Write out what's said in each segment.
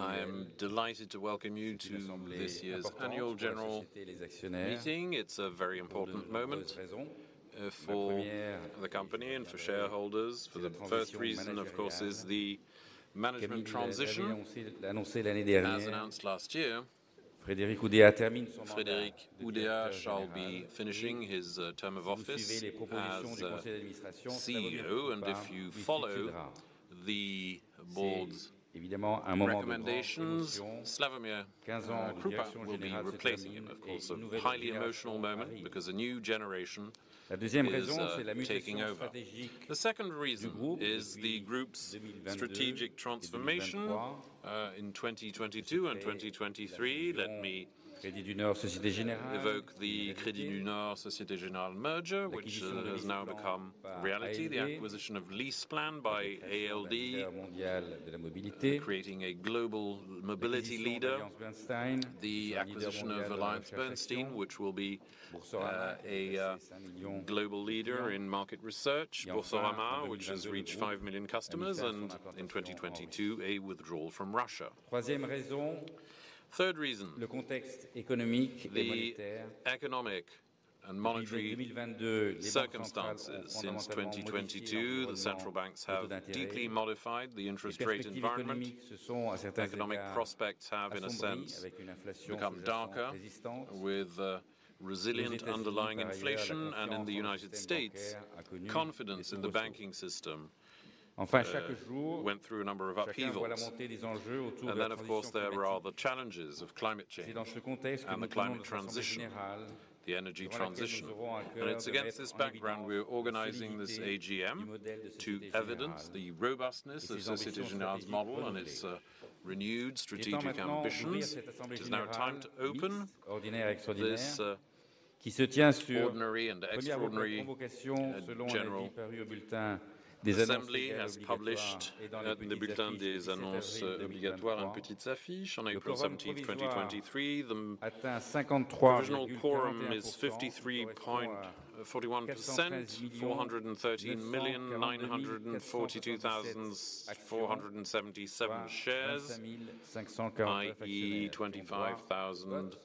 I am delighted to welcome you to this year's annual general meeting. It's a very important moment for the company and for shareholders. For the first reason, of course, is the management transition. As announced last year, Frédéric Oudéa shall be finishing his term of office as CEO. If you follow the board's recommendations, Slawomir Krupa will be replacing him. Of course, a highly emotional moment because a new generation is taking over. The second reason is the group's strategic transformation in 2022 and 2023. Let me evoke the Crédit du Nord Société Générale merger, which has now become reality. The acquisition of LeasePlan by ALD, creating a global mobility leader. The acquisition of AllianceBernstein, which will be a global leader in market research. Boursorama, which has reached 5 million customers, and in 2022, a withdrawal from Russia. Third reason, the economic and monetary circumstances. Since 2022, the central banks have deeply modified the interest rate environment. Economic prospects have, in a sense, become darker with resilient underlying inflation. In the United States, confidencef in the banking system went through a number of upheavals. Then, of course, there are the challenges of climate change and the climate transition, the energy transition. It's against this background, we're organizing this AGM to evidence the robustness of Société Générale's model and its renewed strategic ambitions. It is now time to open this ordinary and extraordinary general assembly, as published in the Bulletin des annonces légales obligatoires et Les Petites Affiches on April 17th, 2023. The original quorum is 53.41%, 413,942,477 shares, i.e., 25,000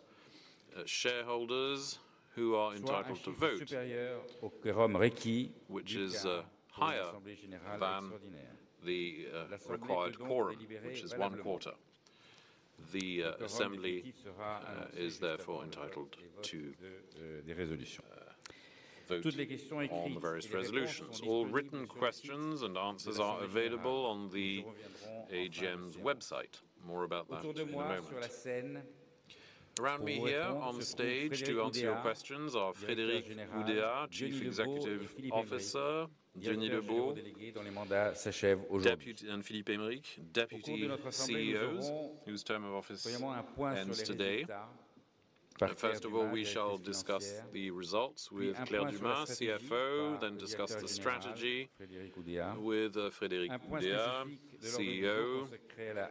shareholders who are entitled to vote, which is higher than the required quorum, which is one quarter. The assembly is therefore entitled to vote on the various resolutions. All written questions and answers are available on the AGM's website. More about that in a moment. Around me here on stage to answer your questions are Frédéric Oudéa, Chief Executive Officer, Diony Lebot, Deputy, and Philippe Aymerich, Deputy CEOs, whose term of office ends today. First of all, we shall discuss the results with Claire Dumas, CFO, then discuss the strategy with Frédéric Oudéa, CEO.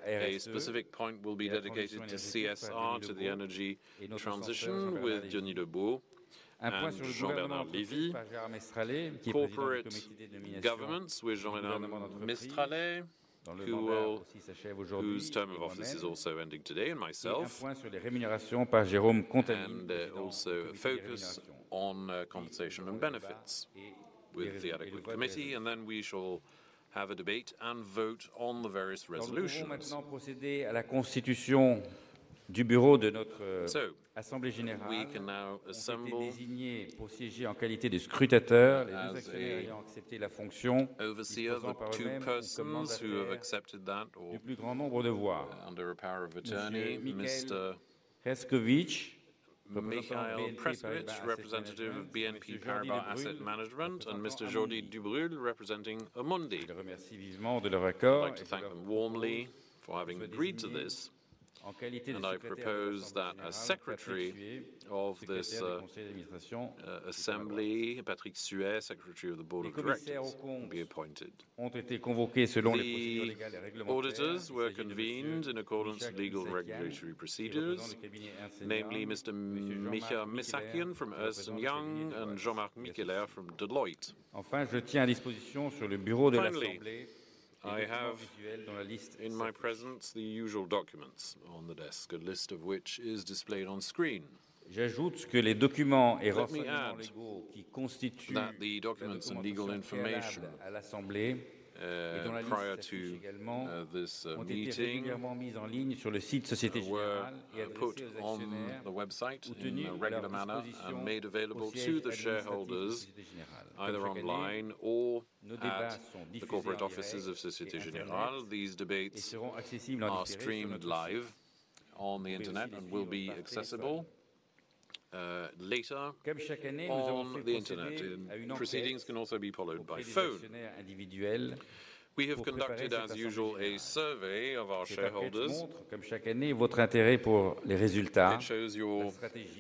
A specific point will be dedicated to CSR, to the energy transition with Diony Lebot and Jean-Bernard Lévy. Corporate governance with Gérard Mestrallet, whose term of office is also ending today, and myself. Also a focus on compensation and benefits with the adequate committee. Then we shall have a debate and vote on the various resolutions. We can now assemble as overseers the two persons who have accepted that, or under a power of attorney, Mr. Mikael Presswitz, representative of BNP Paribas Asset Management, and Mr. Jordi Dubrulle, representing Amundi. I'd like to thank them warmly for having agreed to this. I propose that as Secretary of this assembly, Patrick Suet, Secretary of the Board of Directors, will be appointed. The auditors were convened in accordance with legal and regulatory procedures, namely Mr. Micha Missakian from Ernst & Young and Jean-Marc Mickeler from Deloitte. Finally, I have in my presence the usual documents on the desk, a list of which is displayed on screen. Let me add that the documents and legal information prior to this meeting were put on the website in a regular manner and made available to the shareholders, either online or at the corporate offices of Société Générale. These debates are streamed live on the Internet and will be accessible later on the Internet. Proceedings can also be followed by phone. We have conducted, as usual, a survey of our shareholders. It shows your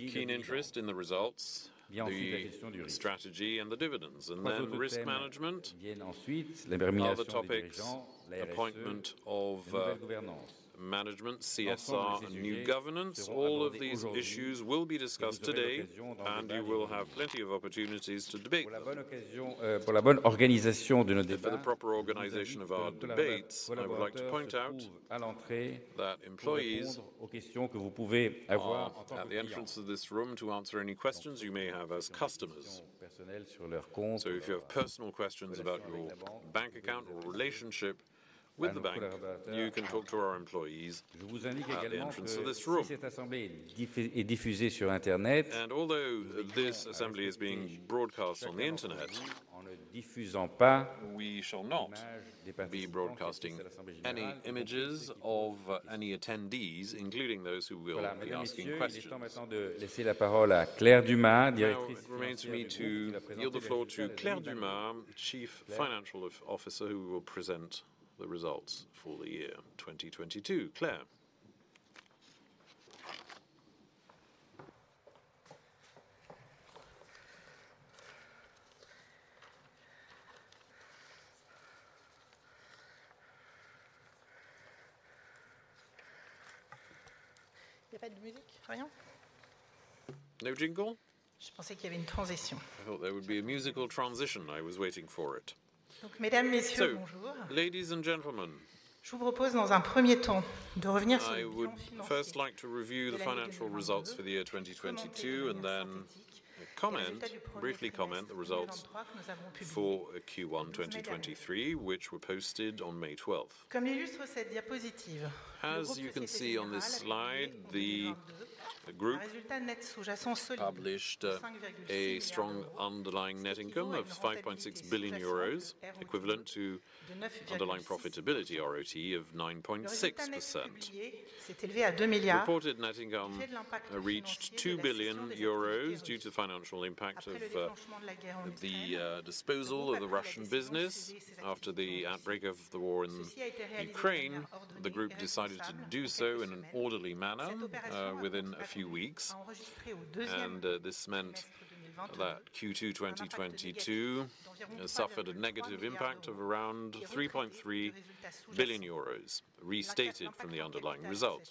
keen interest in the results The strategy and the dividends. Risk management are the topics, appointment of management, CSR, and new governance. All of these issues will be discussed today, and you will have plenty of opportunities to debate. For the proper organization of our debates, I would like to point out that employees are at the entrance of this room to answer any questions you may have as customers. If you have personal questions about your bank account or relationship with the bank, you can talk to our employees at the entrance of this room. Although this assembly is being broadcast on the internet, we shall not be broadcasting any images of any attendees, including those who will be asking questions. It now remains me to yield the floor to Claire Dumas, Chief Financial Officer, who will present the results for the year 2022. Claire. There are no music, nothing? No jingle. I thought there would be a transition. I thought there would be a musical transition. I was waiting for it. ladies and gentlemen, bonjour. Ladies and gentlemen. I would propose, in a first time, to come back to the financial results for the year 2022. I would first like to review the financial results for the year 2022, and then briefly comment the results for Q1 2023, which were posted on May 12. As illustrated by this slide, the Group BNP Paribas had, in 2022, a solid underlying net income of EUR 5.6 billion. As you can see on this slide, the group published, a strong underlying net income of 5.6 billion euros, equivalent to underlying profitability, ROTE of 9.6%. The reported net income was EUR 2 billion. The reported net income reached 2 billion euros due to financial impact of the disposal of the Russian business. After the outbreak of the war in Ukraine, the group decided to do so in an orderly manner within a few weeks. This meant that Q2 2022 suffered a negative impact of around 3.3 billion euros, restated from the underlying result.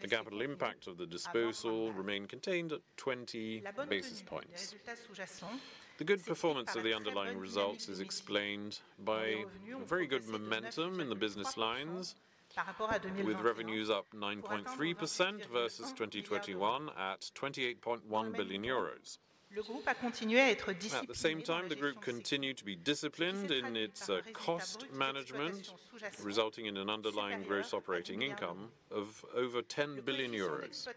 The capital impact of the disposal remained contained at 20 basis points. The good performance of the underlying results is explained by a very good momentum in the business lines, with revenues up 9.3% versus 2021 at EUR 28.1 billion. The group continued to be disciplined in its financial management. At the same time, the group continued to be disciplined in its cost management, resulting in an underlying gross operating income of over 10 billion euros.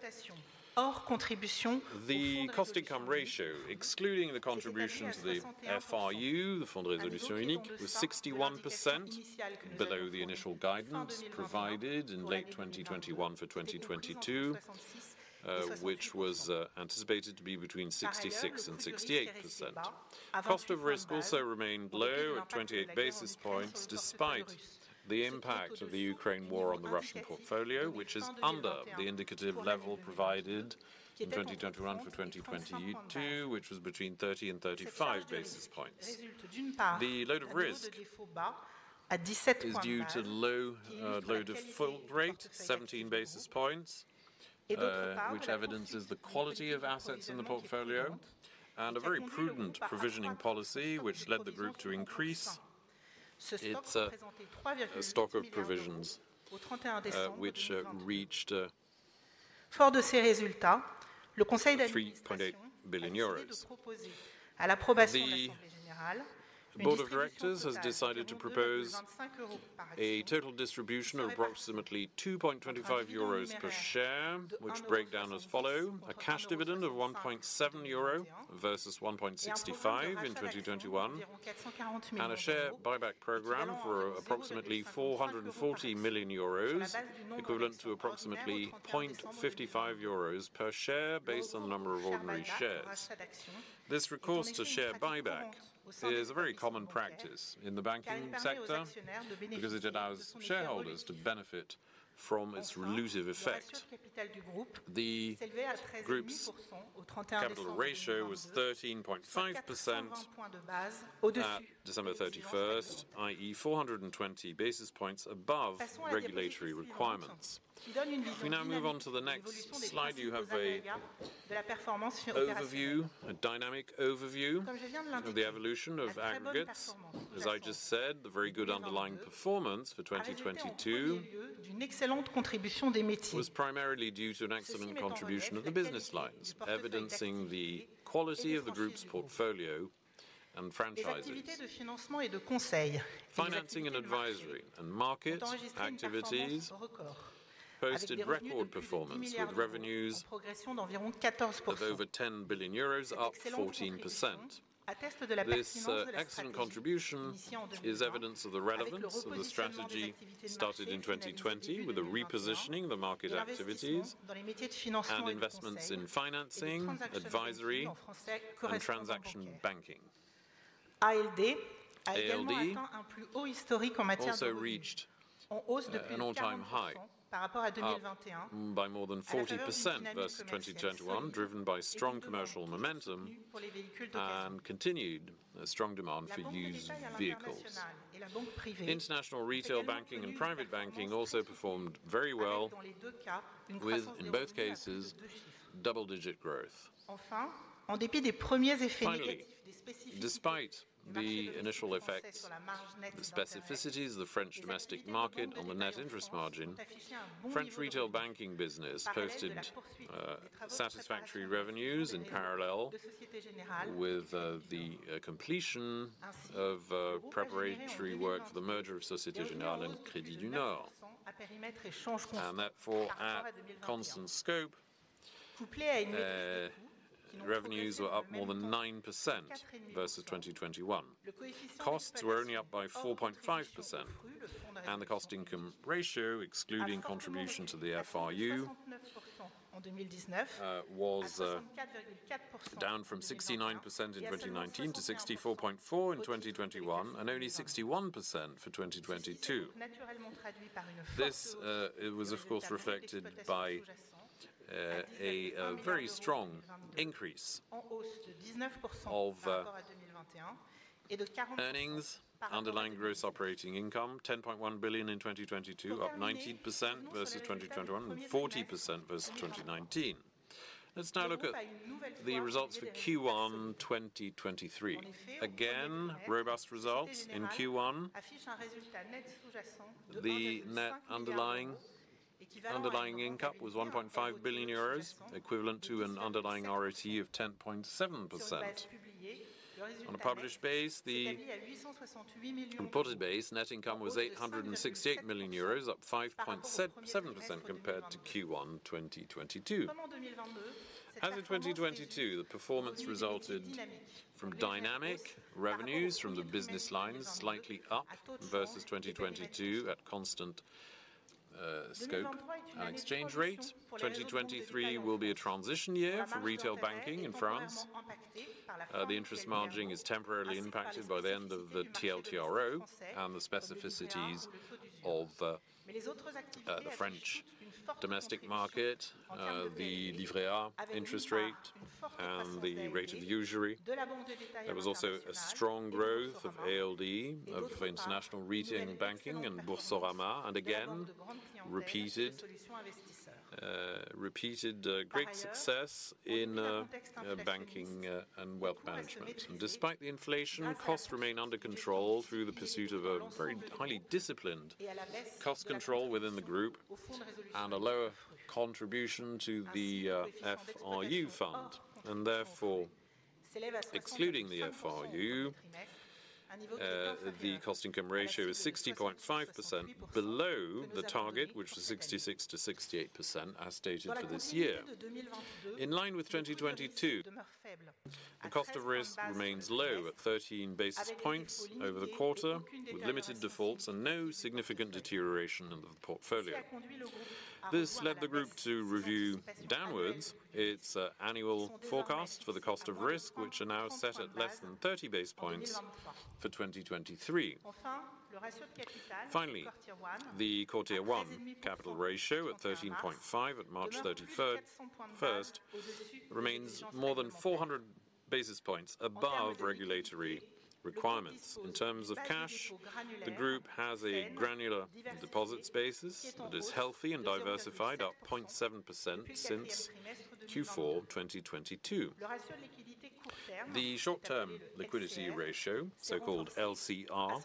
The cost-income ratio, excluding the contribution of the FRU. The cost-income ratio, excluding the contribution to the FRU, the Fonds de Résolution Unique, was 61% below the initial guidance provided in late 2021 for 2022, which was anticipated to be between 66% and 68%. Cost of risk also remained low at 28 basis points despite the impact of the Ukraine war on the Russian portfolio, which is under the indicative level provided in 2021 for 2022, which was between 30 and 35 basis points. The load of risk is due to low load of fault rate, 17 basis points, which evidences the quality of assets in the portfolio, and a very prudent provisioning policy which led the group to increase its stock of provisions, which reached EUR 3.8 billion. Strong from these results, the Board of Directors has decided to propose to the approval of the general meeting a total distribution of approximately EUR 2.25 per share. The Board of Directors has decided to propose a total distribution of approximately 2.25 euros per share, which breakdown as follow. A cash dividend of 1.7 euro versus 1.65 in 2021, and a share buyback program for approximately 440 million euros, equivalent to approximately 0.55 euros per share based on the number of ordinary shares. This recourse to share buyback is a very common practice in the banking sector because it allows shareholders to benefit from its relutive effect. The group's capital ratio was 13.5% at December 31st, i.e., 420 basis points above regulatory requirements. If we now move on to the next slide, you have a overview, a dynamic overview of the evolution of aggregates. As I just said, the very good underlying performance for 2022 was primarily due to an excellent contribution of the business lines, evidencing the quality of the group's portfolio and franchises. Financing and advisory, and market activities posted record performance with revenues of over 10 billion euros, up 14%. This excellent contribution is evidence of the relevance of the strategy started in 2020 with the repositioning of the market activities and investments in financing, advisory, and transaction banking. ALD also reached an all-time high, up by more than 40% versus 2021, driven by strong commercial momentum and continued strong demand for used vehicles. International retail banking and private banking also performed very well with, in both cases, double-digit growth. Finally, despite the initial effects, the specificities of the French domestic market on the net interest margin, French retail banking business posted satisfactory revenues in parallel with the completion of preparatory work for the merger of Société Générale and Crédit du Nord. Therefore, at constant scope, revenues were up more than 9% versus 2021. Costs were only up by 4.5%, and the cost-income ratio, excluding contribution to the FRU, was down from 69% in 2019 to 64.4% in 2021, and only 61% for 2022. This was of course reflected by a very strong increase of earnings. Underlying group's operating income, 10.1 billion in 2022, up 19% versus 2021 and 40% versus 2019. Let's now look at the results for Q1 2023. Again, robust results in Q1. The net underlying income was 1.5 billion euros, equivalent to an underlying ROCE of 10.7%. On a published base, net income was 868 million euros, up 5.7% compared to Q1 2022. As of 2022, the performance resulted from dynamic revenues from the business lines, slightly up versus 2022 at constant scope and exchange rate. 2023 will be a transition year for retail banking in France. The interest margin is temporarily impacted by the end of the TLTRO and the specificities of the French domestic market, the Livret A interest rate, and the rate of usury. There was also a strong growth of ALD, of international retail and banking, and Boursorama, and again, repeated great success in banking and wealth management. Despite the inflation, costs remain under control through the pursuit of a very highly disciplined cost control within the group and a lower contribution to the FRU fund. Excluding the FRU, the cost-income ratio is 60.5% below the target, which was 66%-68% as stated for this year. In line with 2022, the cost of risk remains low at 13 basis points over the quarter, with limited defaults and no significant deterioration of the portfolio. This led the group to review downwards its annual forecast for the cost of risk, which are now set at less than 30 basis points for 2023. Finally, the tier one capital ratio at 13.5% at March 31st remains more than 400 basis points above regulatory requirements. In terms of cash, the group has a granular deposits basis that is healthy and diversified, up 0.7% since Q4 2022. The short-term liquidity ratio, so-called LCR,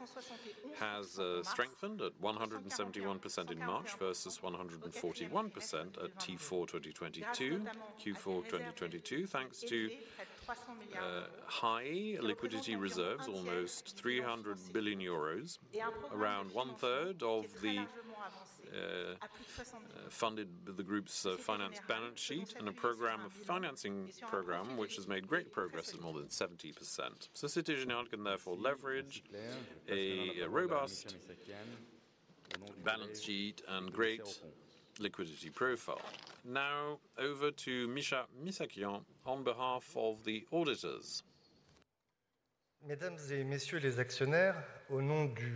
has strengthened at 171% in March versus 141% at Q4 2022, thanks to high liquidity reserves, almost 300 billion euros, around 1/3 of the funded the group's finance balance sheet, and a financing program, which has made great progress of more than 70%. Société Générale can therefore leverage a robust balance sheet and great liquidity profile. Now over to Micha Missakian on behalf of the auditors. Ladies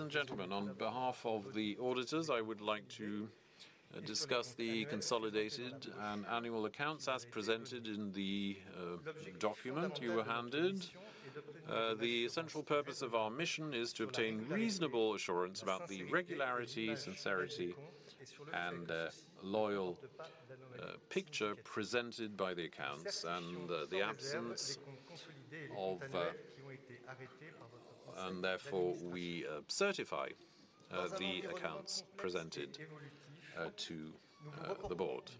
and gentlemen, on behalf of the auditors, I would like to discuss the consolidated and annual accounts as presented in the document you were handed. The essential purpose of our mission is to obtain reasonable assurance about the regularity, sincerity, and loyal picture presented by the accounts and the absence of. Therefore, we certify the accounts presented to the board.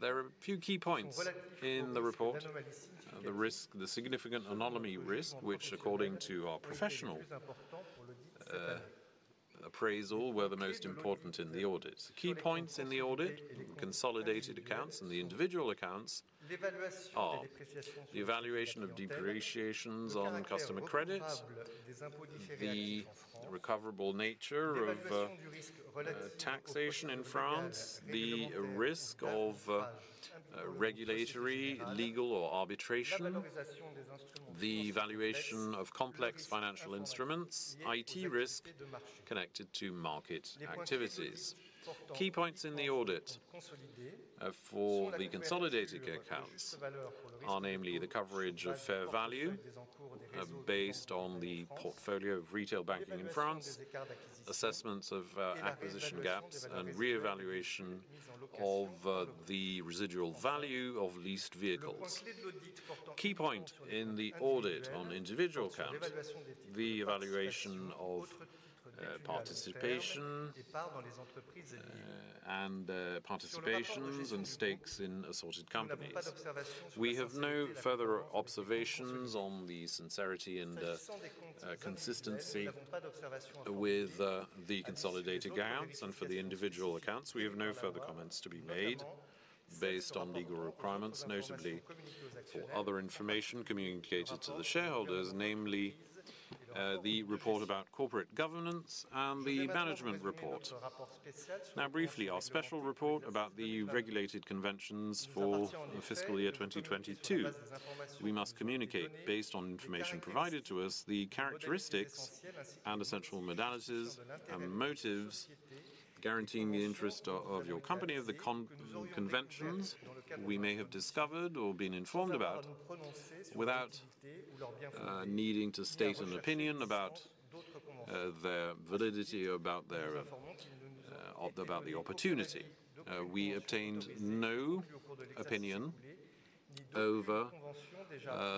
There are a few key points in the report. The risk, the significant anomaly risk, which according to our professional appraisal were the most important in the audit. The key points in the audit, consolidated accounts and the individual accounts are the evaluation of depreciations on customer credits, the recoverable nature of taxation in France, the risk of regulatory, legal, or arbitration, the valuation of complex financial instruments, IT risk connected to market activities. Key points in the audit for the consolidated accounts are namely the coverage of fair value based on the portfolio of retail banking in France, assessments of acquisition gaps and reevaluation of the residual value of leased vehicles. Key point in the audit on individual accounts, the evaluation of participation and participations and stakes in assorted companies. We have no further observations on the sincerity and consistency with the consolidated accounts and for the individual accounts. We have no further comments to be made based on legal requirements, notably for other information communicated to the shareholders, namely the report about corporate governance and the management report. Briefly, our special report about the regulated conventions for the fiscal year 2022. We must communicate based on information provided to us, the characteristics and essential modalities and motives guaranteeing the interest of your company of the conventions we may have discovered or been informed about, without needing to state an opinion about their validity or about their or about the opportunity. We obtained no opinion over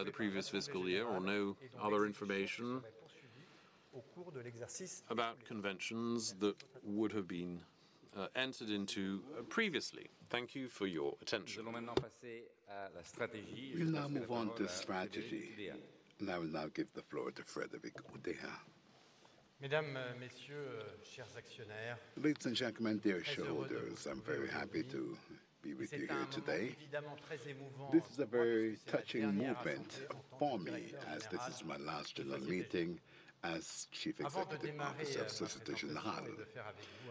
the previous fiscal year or no other information about conventions that would have been entered into previously. Thank you for your attention. We'll now move on to strategy, I will now give the floor to Frédéric Oudéa. Ladies and gentlemen, dear shareholders, I'm very happy to be with you here today. This is a very touching moment for me as this is my last general meeting as Chief Executive Officer of Société Générale.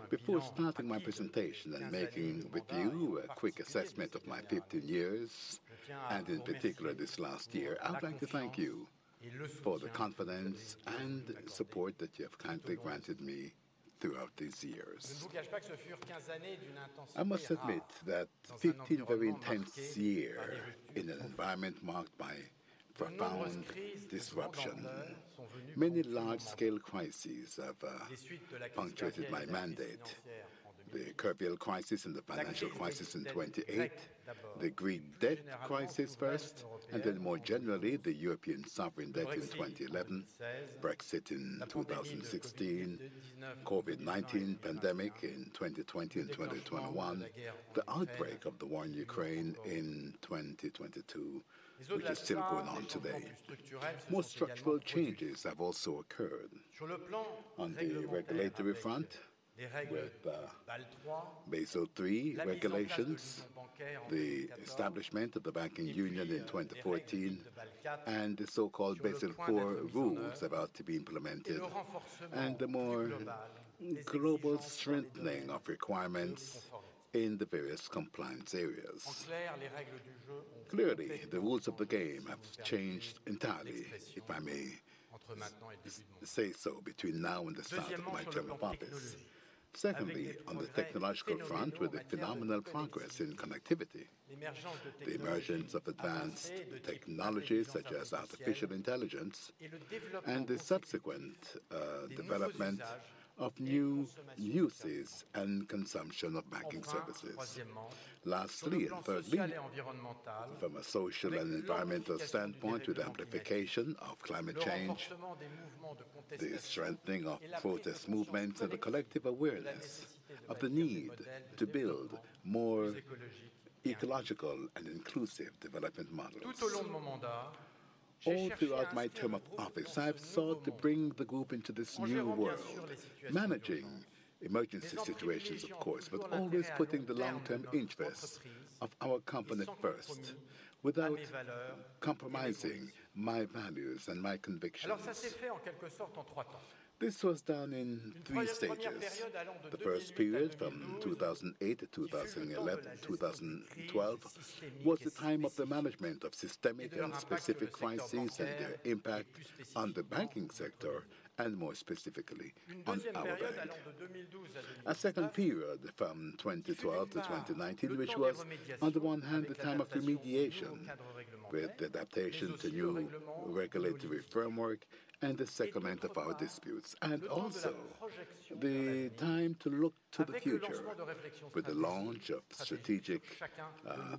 Before starting my presentation and making with you a quick assessment of my 15 years, and in particular this last year, I would like to thank you for the confidence and support that you have kindly granted me throughout these years. I must admit that 15 very intense year in an environment marked by profound disruption, many large-scale crises have punctuated my mandate. The Kerviel crisis and the financial crisis in 2008, the Greek debt crisis first, and then more generally, the European sovereign debt in 2011, Brexit in 2016, COVID-19 pandemic in 2020 and 2021, the outbreak of the war in Ukraine in 2022, which is still going on today. More structural changes have also occurred. On the regulatory front with Basel III regulations, the establishment of the banking union in 2014, and the so-called Basel IV rules about to be implemented, and the more global strengthening of requirements in the various compliance areas. Clearly, the rules of the game have changed entirely, if I may say so, between now and the start of my term of office. Secondly, on the technological front, with the phenomenal progress in connectivity, the emergence of advanced technologies such as artificial intelligence, and the subsequent development of new uses and consumption of banking services. Lastly, thirdly, from a social and environmental standpoint, with the amplification of climate change, the strengthening of protest movements, and the collective awareness of the need to build more ecological and inclusive development models. All throughout my term of office, I have sought to bring the group into this new world, managing emergency situations, of course, but always putting the long-term interest of our company first without compromising my values and my convictions. This was done in three stages. The first period, from 2008 to 2011, 2012, was the time of the management of systemic and specific crises and their impact on the banking sector, and more specifically on our bank. A second period from 2012 to 2019, which was, on the one hand, the time of remediation with adaptation to new regulatory framework and the settlement of our disputes, and also the time to look to the future with the launch of strategic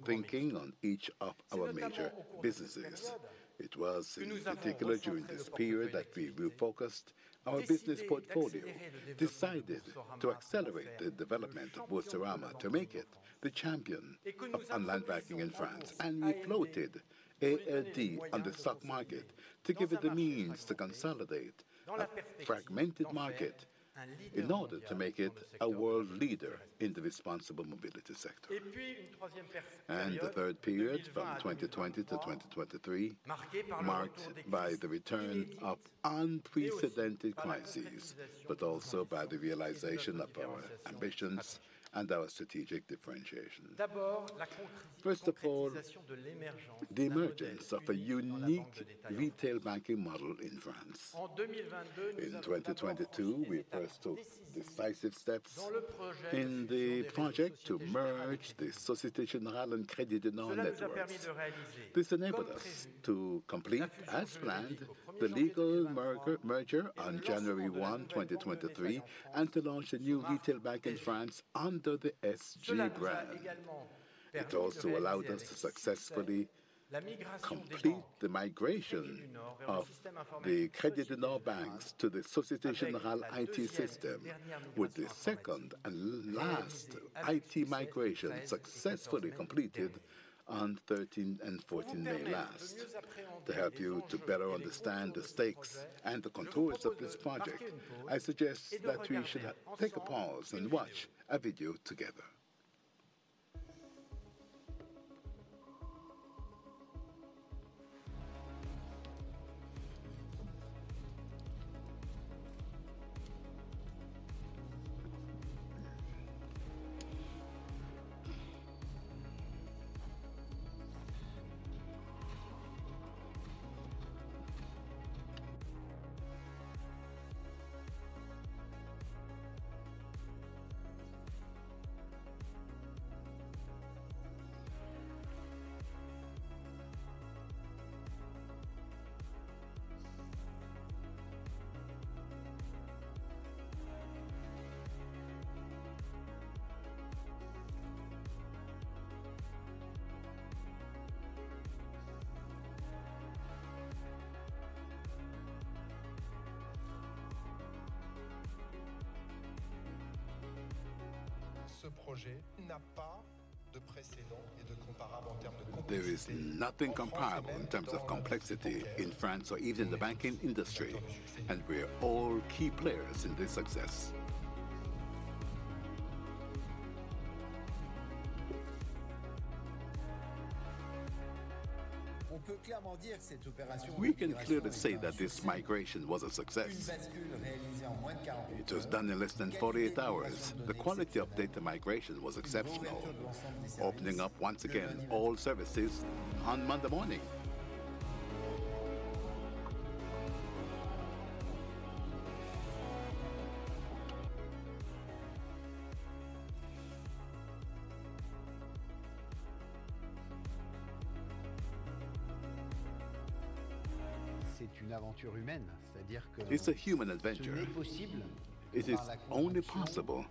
thinking on each of our major businesses. It was in particular during this period that we refocused our business portfolio, decided to accelerate the development of Boursorama to make it the champion of online banking in France. We floated ALD on the stock market to give it the means to consolidate a fragmented market in order to make it a world leader in the responsible mobility sector. The third period, from 2020 to 2023, marked by the return of unprecedented crises, but also by the realization of our ambitions and our strategic differentiation. First of all, the emergence of a unique retail banking model in France. In 2022, we first took decisive steps in the project to merge the Société Générale and Crédit du Nord networks. This enabled us to complete, as planned, the legal merger on January 1, 2023, and to launch a new retail bank in France under the SG brand. It also allowed us to successfully complete the migration of the Crédit du Nord banks to the Société Générale IT system, with the second and last IT migration successfully completed on 13 and 14th May last. To help you to better understand the stakes and the contours of this project, I suggest that we should take a pause and watch a video together. There is nothing comparable in terms of complexity in France or even the banking industry, and we are all key players in this success. We can clearly say that this migration was a success. It was done in less than 48 hours. The quality of data migration was exceptional, opening up once again all services on Monday morning. It's a human adventure. It is only possible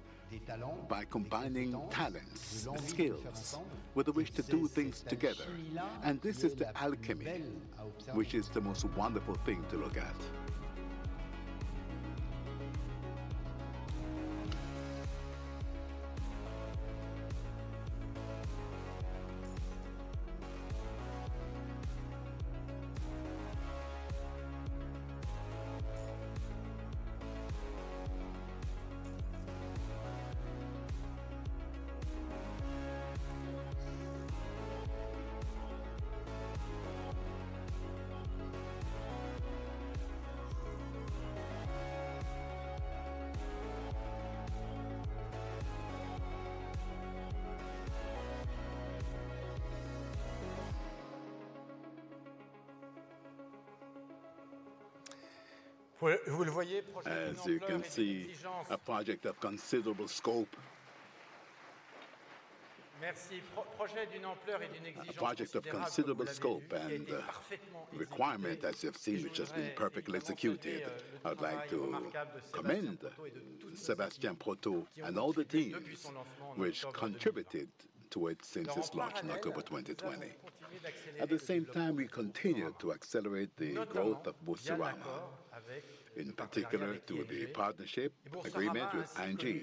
by combining talents, skills, with the wish to do things together. This is the alchemy which is the most wonderful thing to look at. As you can see, a project of considerable scope. A project of considerable scope and requirement, as you've seen, which has been perfectly executed. I would like to commend Sébastien Proto and all the teams which contributed to it since its launch in October 2020. We continue to accelerate the growth of Boursorama, in particular through the partnership agreement with ING.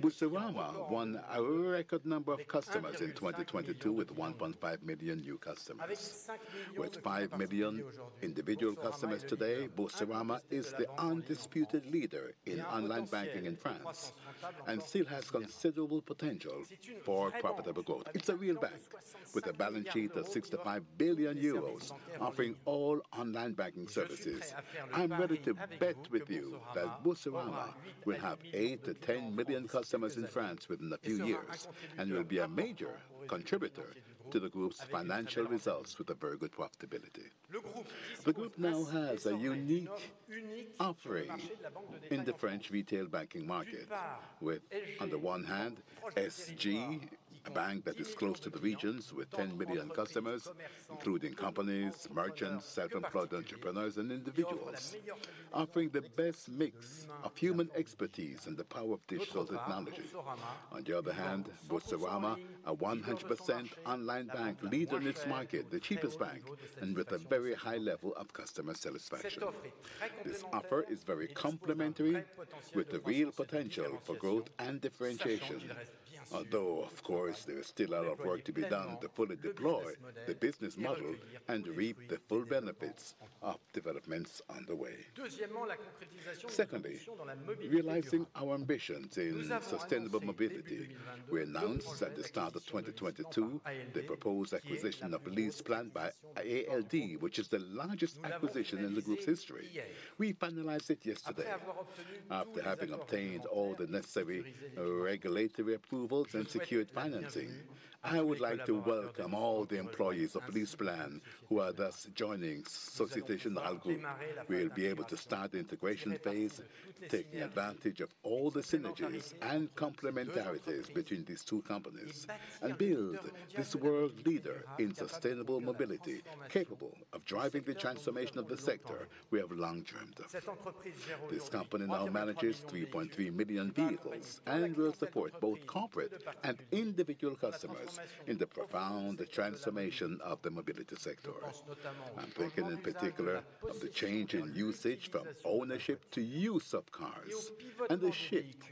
Boursorama won a record number of customers in 2022 with 1.5 million new customers. With 5 million individual customers today, Boursorama is the undisputed leader in online banking in France and still has considerable potential for profitable growth. It's a real bank with a balance sheet of 65 billion euros offering all online banking services. I'm ready to bet with you that Boursorama will have 8-10 million customers in France within a few years, and will be a major contributor to the group's financial results with a very good profitability. The group now has a unique offering in the French retail banking market with, on the one hand, SG, a bank that is close to the regions with 10 million customers, including companies, merchants, self-employed entrepreneurs, and individuals, offering the best mix of human expertise and the power of digital technology. On the other hand, Boursorama, a 100% online bank, leads in its market, the cheapest bank, and with a very high level of customer satisfaction. This offer is very complementary with the real potential for growth and differentiation. Of course, there is still a lot of work to be done to fully deploy the business model and reap the full benefits of developments on the way. Secondly, realizing our ambitions in sustainable mobility, we announced at the start of 2022 the proposed acquisition of LeasePlan by ALD, which is the largest acquisition in the group's history. We finalized it yesterday after having obtained all the necessary regulatory approvals and secured financing. I would like to welcome all the employees of LeasePlan who are thus joining Société Générale group. We'll be able to start the integration phase, taking advantage of all the synergies and complementarities between these two companies, and build this world leader in sustainable mobility, capable of driving the transformation of the sector we have long dreamt of. This company now manages 3.3 million vehicles and will support both corporate and individual customers in the profound transformation of the mobility sector. I'm thinking in particular of the change in usage from ownership to use of cars and the shift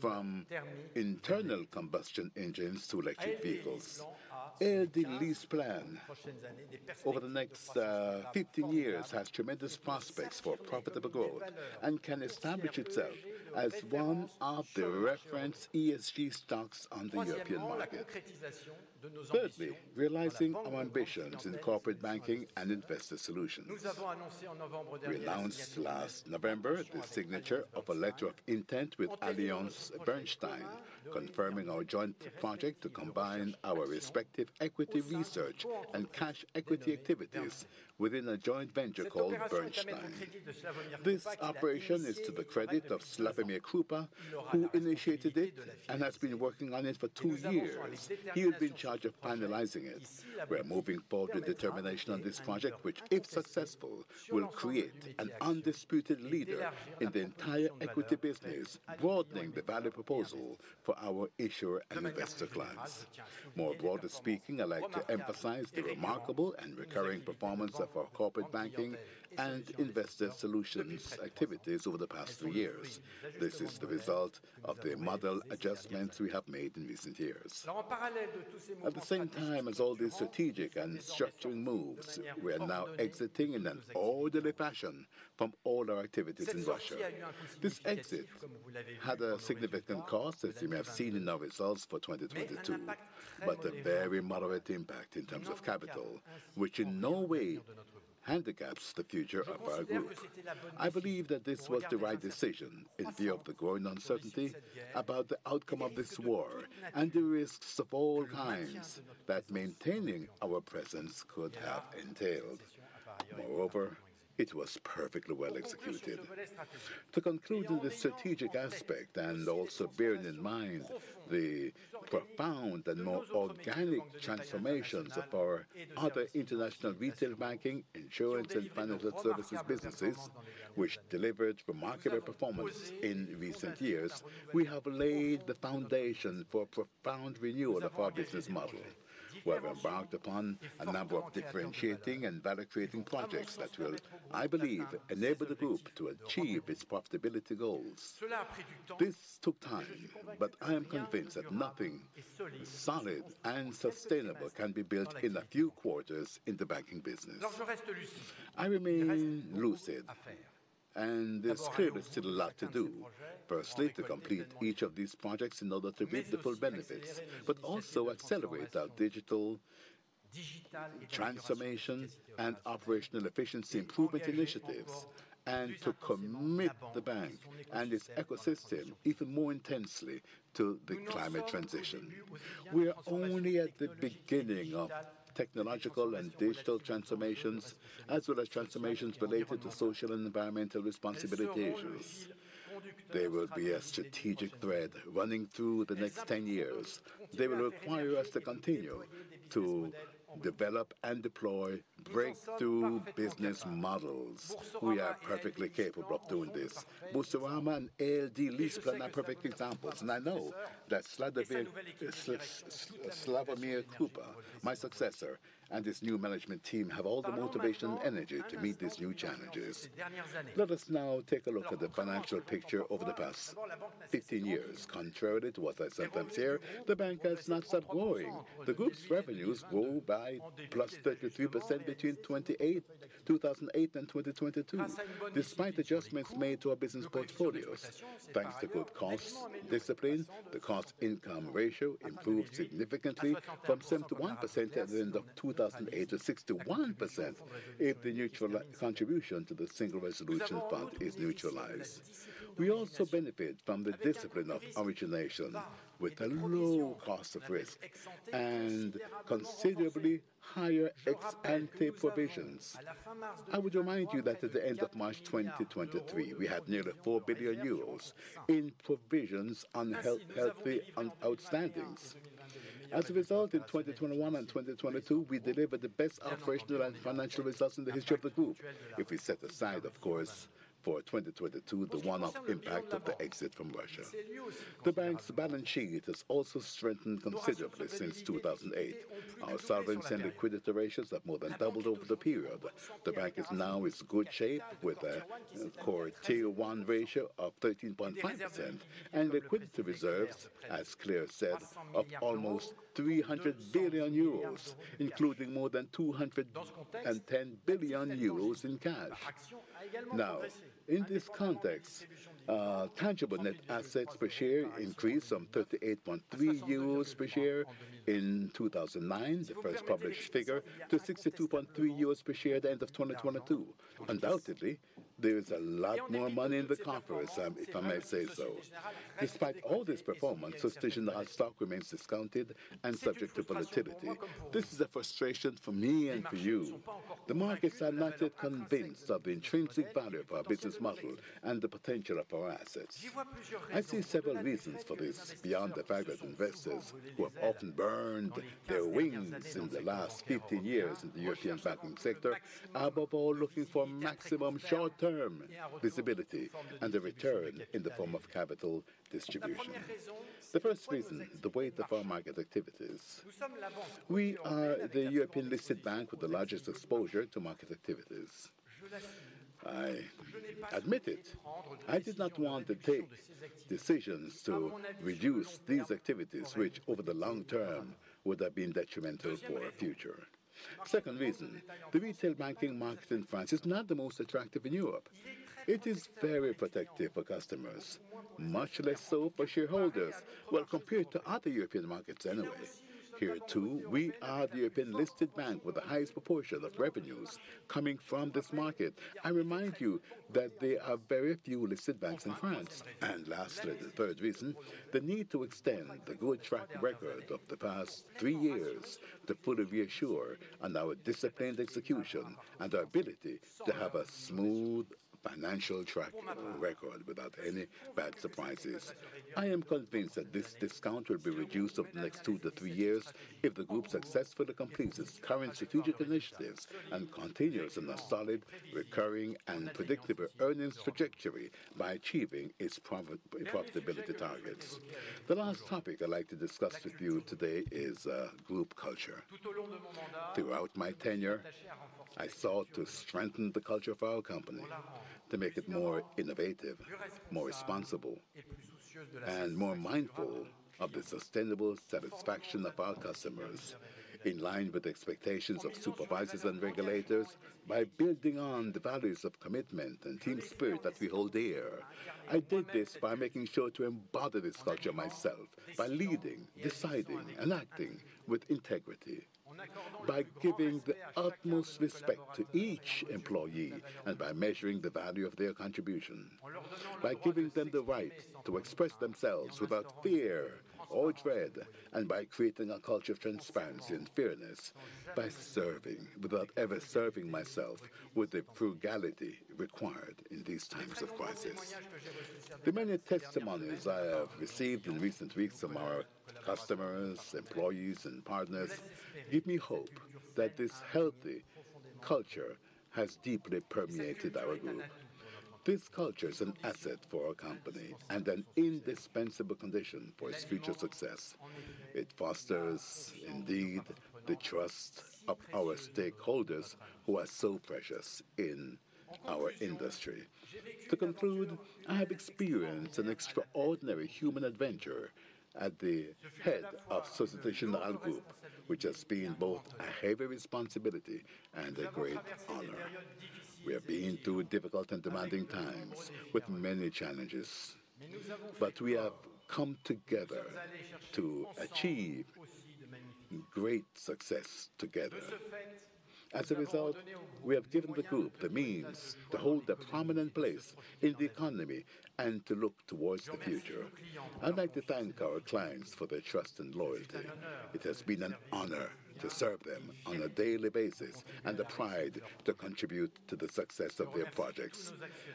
from internal combustion engines to electric vehicles. ALD LeasePlan over the next 15 years has tremendous prospects for profitable growth and can establish itself as one of the reference ESG stocks on the European market. Thirdly, realizing our ambitions in corporate banking and investor solutions. We announced last November the signature of a letter of intent with AllianceBernstein, confirming our joint project to combine our respective equity research and cash equity activities within a joint venture called Bernstein. This operation is to the credit of Slawomir Krupa, who initiated it and has been working on it for two years. He will be in charge of finalizing it. We are moving forward with determination on this project, which, if successful, will create an undisputed leader in the entire equity business, broadening the value proposal for our issuer and investor clients. More broadly speaking, I'd like to emphasize the remarkable and recurring performance of our corporate banking and investor solutions activities over the past three years. This is the result of the model adjustments we have made in recent years. At the same time as all these strategic and structuring moves, we are now exiting in an orderly fashion from all our activities in Russia. This exit had a significant cost, as you may have seen in our results for 2022, but a very moderate impact in terms of capital, which in no way handicaps the future of our group. I believe that this was the right decision in view of the growing uncertainty about the outcome of this war and the risks of all kinds that maintaining our presence could have entailed. Moreover, it was perfectly well-executed. To conclude on the strategic aspect, and also bearing in mind the profound and more organic transformations of our other international retail banking, insurance, and financial services businesses, which delivered remarkable performance in recent years, we have laid the foundation for profound renewal of our business model. We have embarked upon a number of differentiating and value-creating projects that will, I believe, enable the group to achieve its profitability goals. This took time, but I am convinced that nothing solid and sustainable can be built in a few quarters in the banking business. I remain lucid, and there's clearly still a lot to do. Firstly, to complete each of these projects in order to reap the full benefits, but also accelerate our digital transformation and operational efficiency improvement initiatives, and to commit the bank and its ecosystem even more intensely to the climate transition. We are only at the beginning of technological and digital transformations, as well as transformations related to social and environmental responsibilities. They will be a strategic thread running through the next 10 years. They will require us to continue to develop and deploy breakthrough business models. We are perfectly capable of doing this. Boursorama and ALD LeasePlan are perfect examples, and I know that Slawomir Krupa, my successor, and his new management team have all the motivation and energy to meet these new challenges. Let us now take a look at the financial picture over the past 15 years. Contrary to what I sometimes hear, the bank has not stopped growing. The group's revenues grew by +33% between 2008 and 2022, despite adjustments made to our business portfolios. Thanks to good cost discipline, the cost-income ratio improved significantly from 71% at the end of 2008 to 61% if the neutral contribution to the Single Resolution Fund is neutralized. We also benefit from the discipline of origination, with a low cost of risk and considerably higher ex ante provisions. I would remind you that at the end of March 2023, we had nearly 4 billion euros in provisions on outstandings. As a result, in 2021 and 2022, we delivered the best operational and financial results in the history of the group. If we set aside, of course, for 2022, the one-off impact of the exit from Russia. The bank's balance sheet has also strengthened considerably since 2008. Our solvency and liquidity ratios have more than doubled over the period. The bank is now in good shape with a core tier one ratio of 13.5% and liquidity reserves, as Claire said, of almost 300 billion euros, including more than 210 billion euros in cash. Now, in this context, tangible net assets per share increased from 38.3 euros per share in 2009, the first published figure, to 62.3 euros per share at the end of 2022. Undoubtedly, there is a lot more money in the coffers, if I may say so. Despite all this performance, Société Générale stock remains discounted and subject to volatility. This is a frustration for me and for you. The markets are not yet convinced of the intrinsic value of our business model and the potential of our assets. I see several reasons for this, beyond the fact that investors, who have often burned their wings in the last 50 years in the European banking sector, are above all looking for maximum short-term visibility and a return in the form of capital distribution. The first reason, the weight of our market activities. We are the European-listed bank with the largest exposure to market activities. I admit it, I did not want to take decisions to reduce these activities which over the long term would have been detrimental for our future. Second reason, the retail banking market in France is not the most attractive in Europe. It is very protective for customers, much less so for shareholders, well, compared to other European markets anyway. Here, too, we are the European-listed bank with the highest proportion of revenues coming from this market. I remind you that there are very few listed banks in France. Lastly, the third reason, the need to extend the good track record of the past three years to fully reassure on our disciplined execution and our ability to have a smooth financial track record without any bad surprises. I am convinced that this discount will be reduced over the next two to three years if the group successfully completes its current strategic initiatives and continues on a solid, recurring, and predictable earnings trajectory by achieving its profit, profitability targets. The last topic I'd like to discuss with you today is group culture. Throughout my tenure, I sought to strengthen the culture of our company to make it more innovative, more responsible, and more mindful of the sustainable satisfaction of our customers in line with expectations of supervisors and regulators by building on the values of commitment and team spirit that we hold dear. I did this by making sure to embody this culture myself by leading, deciding, and acting with integrity, by giving the utmost respect to each employee, and by measuring the value of their contribution, by giving them the right to express themselves without fear or dread, and by creating a culture of transparency and fairness, by serving without ever serving myself with the frugality required in these times of crisis. The many testimonies I have received in recent weeks from our customers, employees, and partners give me hope that this healthy culture has deeply permeated our group. This culture is an asset for our company and an indispensable condition for its future success. It fosters indeed the trust of our stakeholders who are so precious in our industry. To conclude, I have experienced an extraordinary human adventure at the head of Société Générale Group, which has been both a heavy responsibility and a great honor. We have been through difficult and demanding times with many challenges, we have come together to achieve great success together. As a result, we have given the group the means to hold a prominent place in the economy and to look towards the future. I'd like to thank our clients for their trust and loyalty. It has been an honor to serve them on a daily basis, a pride to contribute to the success of their projects.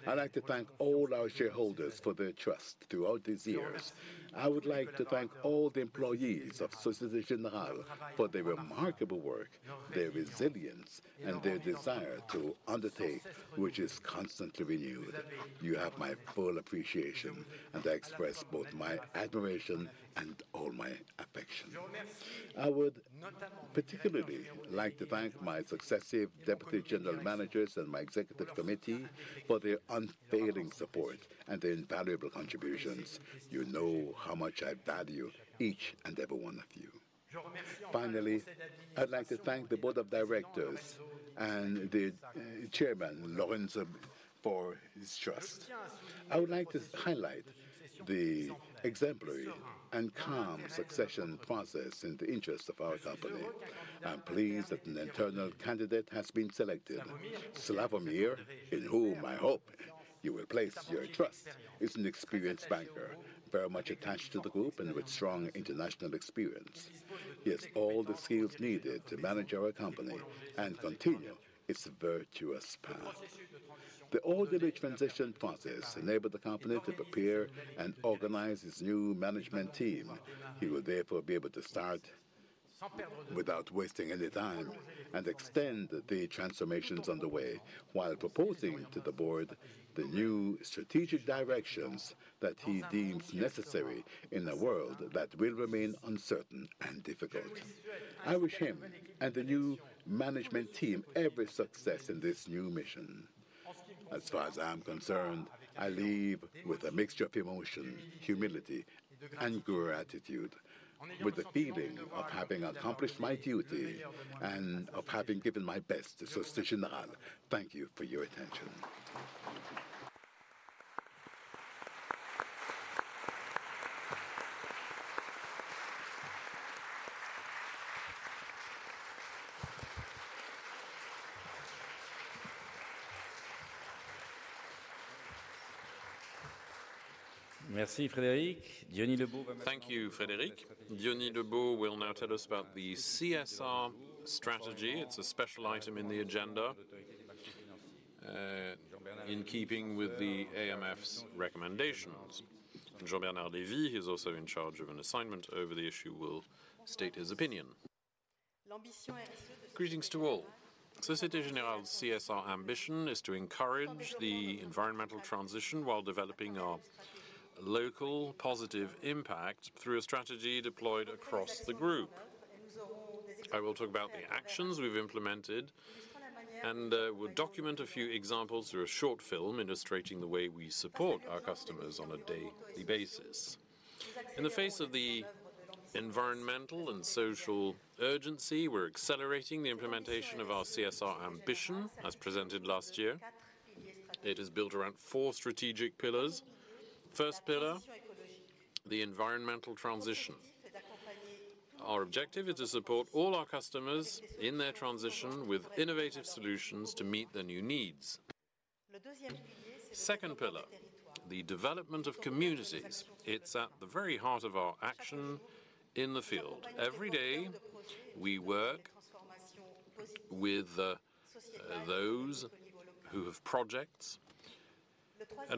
I'd like to thank all our shareholders for their trust throughout these years. I would like to thank all the employees of Société Générale for their remarkable work, their resilience, and their desire to undertake, which is constantly renewed. You have my full appreciation, and I express both my admiration and all my affection. I would particularly like to thank my successive deputy general managers and my executive committee for their unfailing support and their invaluable contributions. You know how much I value each and every one of you. Finally, I'd like to thank the Board of Directors and the chairman, Lorenzo, for his trust. I would like to highlight the exemplary and calm succession process in the interest of our company. I'm pleased that an internal candidate has been selected. Slawomir, in whom I hope you will place your trust, is an experienced banker, very much attached to the group and with strong international experience. He has all the skills needed to manage our company and continue its virtuous path. The orderly transition process enabled the company to prepare and organize his new management team. He will therefore be able to start without wasting any time and extend the transformations underway while proposing to the board the new strategic directions that he deems necessary in a world that will remain uncertain and difficult. I wish him and the new management team every success in this new mission. As far as I'm concerned, I leave with a mixture of emotion, humility, and gratitude, with a feeling of having accomplished my duty and of having given my best to Société Générale. Thank you for your attention. Merci, Frédéric. Diony Lebot. Thank you, Frédéric. Diony Lebot will now tell us about the CSR strategy. It's a special item in the agenda, in keeping with the AMF's recommendations. Jean-Bernard Lévy, who's also in charge of an assignment over the issue, will state his opinion. Greetings to all. Société Générale's CSR ambition is to encourage the environmental transition while developing our local positive impact through a strategy deployed across the group. I will talk about the actions we've implemented, we'll document a few examples through a short film illustrating the way we support our customers on a daily basis. In the face of the environmental and social urgency, we're accelerating the implementation of our CSR ambition, as presented last year. It is built around four strategic pillars. First pillar, the environmental transition. Our objective is to support all our customers in their transition with innovative solutions to meet their new needs. Second pillar, the development of communities. It's at the very heart of our action in the field. Every day, we work with those who have projects,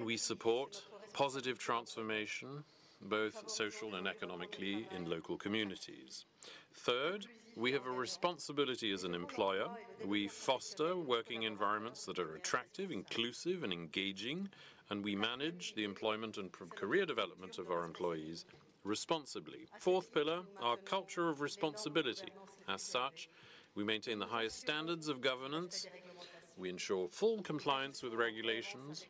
we support positive transformation, both social and economically, in local communities. Third, we have a responsibility as an employer. We foster working environments that are attractive, inclusive and engaging, we manage the employment and career development of our employees responsibly. Fourth pillar, our culture of responsibility. As such, we maintain the highest standards of governance, we ensure full compliance with regulations,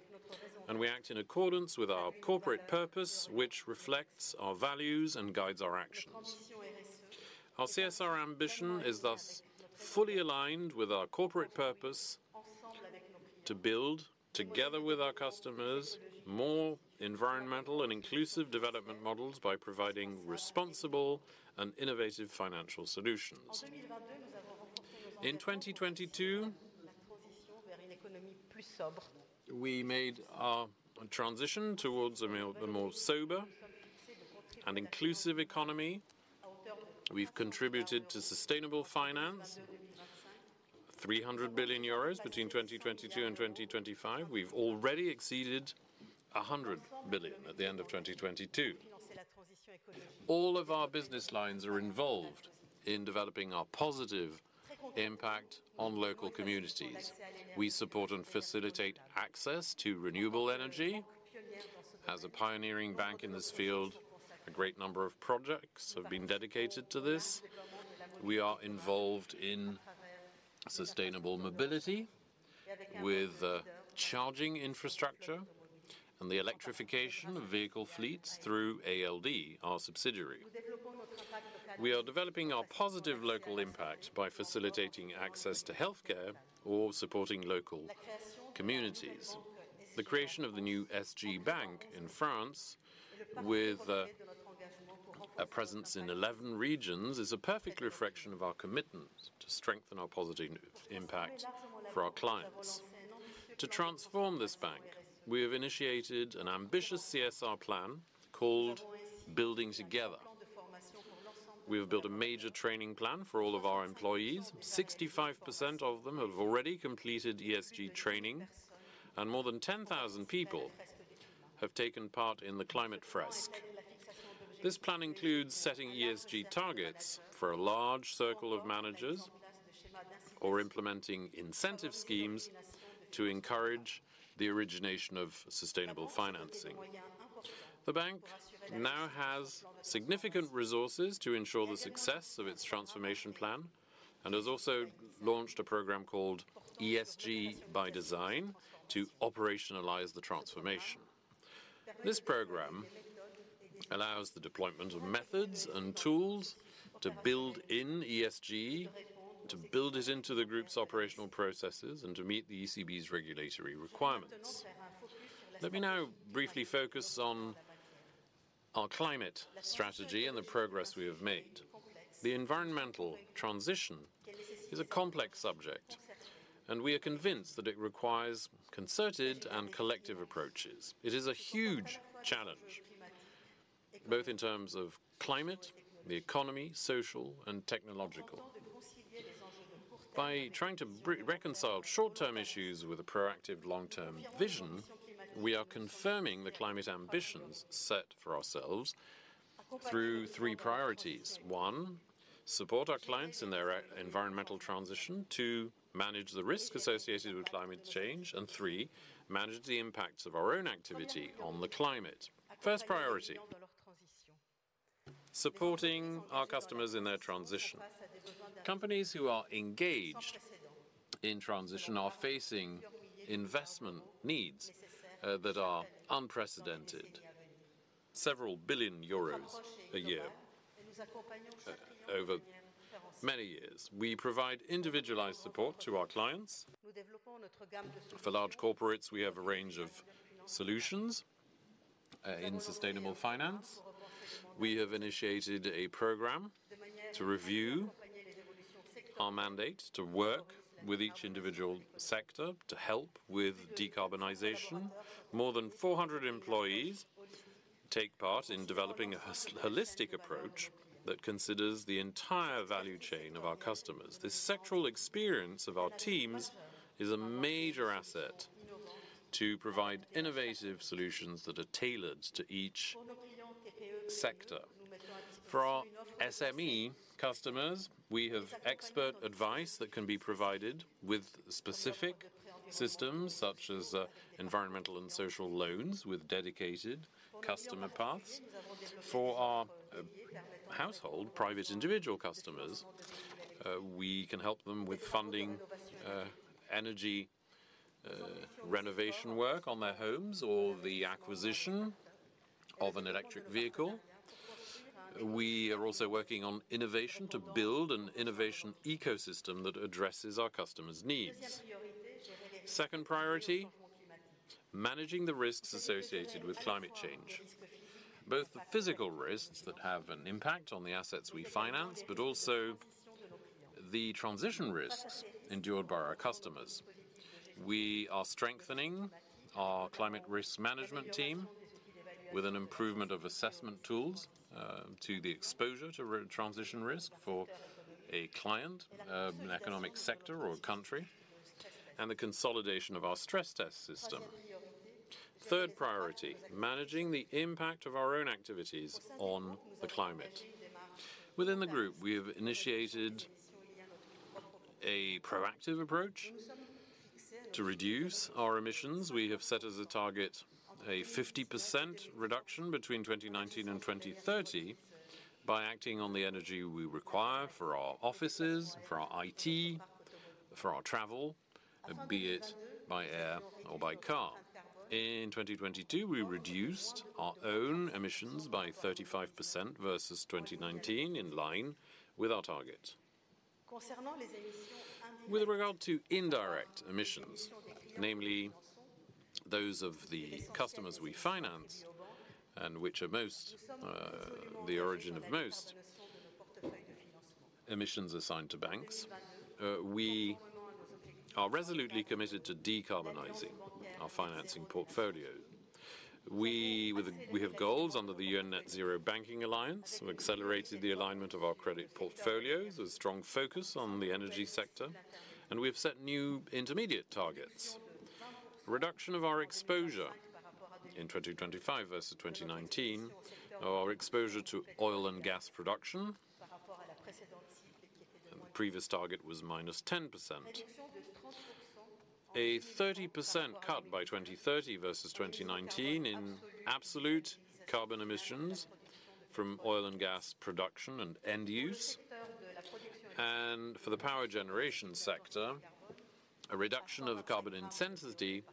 we act in accordance with our corporate purpose, which reflects our values and guides our actions. Our CSR ambition is thus fully aligned with our corporate purpose to build, together with our customers, more environmental and inclusive development models by providing responsible and innovative financial solutions. In 2022, we made our transition towards a more sober and inclusive economy. We've contributed to sustainable finance, 300 billion euros between 2022 and 2025. We've already exceeded 100 billion at the end of 2022. All of our business lines are involved in developing our positive impact on local communities. We support and facilitate access to renewable energy. As a pioneering bank in this field, a great number of projects have been dedicated to this. We are involved in sustainable mobility with charging infrastructure and the electrification of vehicle fleets through ALD, our subsidiary. We are developing our positive local impact by facilitating access to healthcare or supporting local communities. The creation of the new SG bank in France, with a presence in 11 regions, is a perfect reflection of our commitment to strengthen our positive impact for our clients. To transform this bank, we have initiated an ambitious CSR plan called Building together. We have built a major training plan for all of our employees. 65% of them have already completed ESG training. More than 10,000 people have taken part in the Climate Fresk. This plan includes setting ESG targets for a large circle of managers or implementing incentive schemes to encourage the origination of sustainable financing. The bank now has significant resources to ensure the success of its transformation plan and has also launched a program called ESG by Design to operationalize the transformation. This program allows the deployment of methods and tools to build in ESG, to build it into the group's operational processes, and to meet the ECB's regulatory requirements. Let me now briefly focus on our climate strategy and the progress we have made. The environmental transition is a complex subject. We are convinced that it requires concerted and collective approaches. It is a huge challenge, both in terms of climate, the economy, social and technological. By trying to reconcile short-term issues with a proactive long-term vision, we are confirming the climate ambitions set for ourselves through three priorities. 1. Support our clients in their environmental transition. 2. Manage the risk associated with climate change. 3. Manage the impacts of our own activity on the climate. First priority, supporting our customers in their transition. Companies who are engaged in transition are facing investment needs that are unprecedented. Several billion euros a year over many years. We provide individualized support to our clients. For large corporates, we have a range of solutions in sustainable finance. We have initiated a program to review our mandate, to work with each individual sector, to help with decarbonization. More than 400 employees take part in developing a holistic approach that considers the entire value chain of our customers. This sectoral experience of our teams is a major asset to provide innovative solutions that are tailored to each sector. For our SME customers, we have expert advice that can be provided with specific systems such as environmental and social loans with dedicated customer paths. For our household private individual customers, we can help them with funding, energy renovation work on their homes or the acquisition of an electric vehicle. We are also working on innovation to build an innovation ecosystem that addresses our customers' needs. Second priority, managing the risks associated with climate change. Both the physical risks that have an impact on the assets we finance, but also the transition risks endured by our customers. We are strengthening our climate risk management team with an improvement of assessment tools, to the exposure to transition risk for a client, an economic sector or a country, and the consolidation of our stress test system. Third priority, managing the impact of our own activities on the climate. Within the group, we have initiated a proactive approach to reduce our emissions. We have set as a target a 50% reduction between 2019 and 2030 by acting on the energy we require for our offices, for our IT, for our travel, be it by air or by car. In 2022, we reduced our own emissions by 35% versus 2019, in line with our target. With regard to indirect emissions, namely those of the customers we finance and which are most, the origin of most emissions assigned to banks, we are resolutely committed to decarbonizing our financing portfolio. We have goals under the U.N. Net-Zero Banking Alliance. We've accelerated the alignment of our credit portfolios with strong focus on the energy sector, we have set new intermediate targets. Reduction of our exposure in 2025 versus 2019, our exposure to oil and gas production. Previous target was -10%. A 30% cut by 2030 versus 2019 in absolute carbon emissions from oil and gas production and end use. For the power generation sector, a reduction of carbon intensity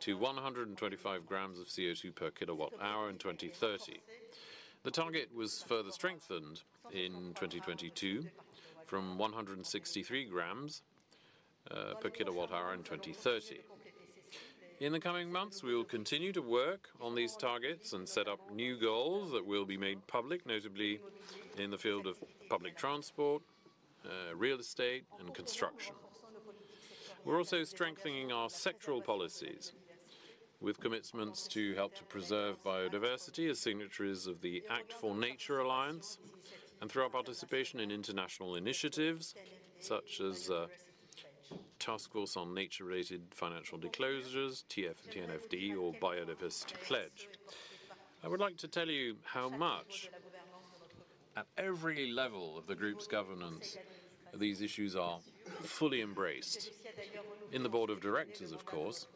to 125 g of CO2 per kilowatt hour in 2030. The target was further strengthened in 2022 from 163 g per kilowatt hour in 2030. In the coming months, we will continue to work on these targets and set up new goals that will be made public, notably in the field of public transport, real estate and construction. We're also strengthening our sectoral policies with commitments to help to preserve biodiversity as signatories of the act4nature alliance and through our participation in international initiatives such as Taskforce on Nature-related Financial Disclosures, TNFD or Biodiversity Pledge. I would like to tell you how much at every level of the group's governance these issues are fully embraced. In the Board of Directors, of course,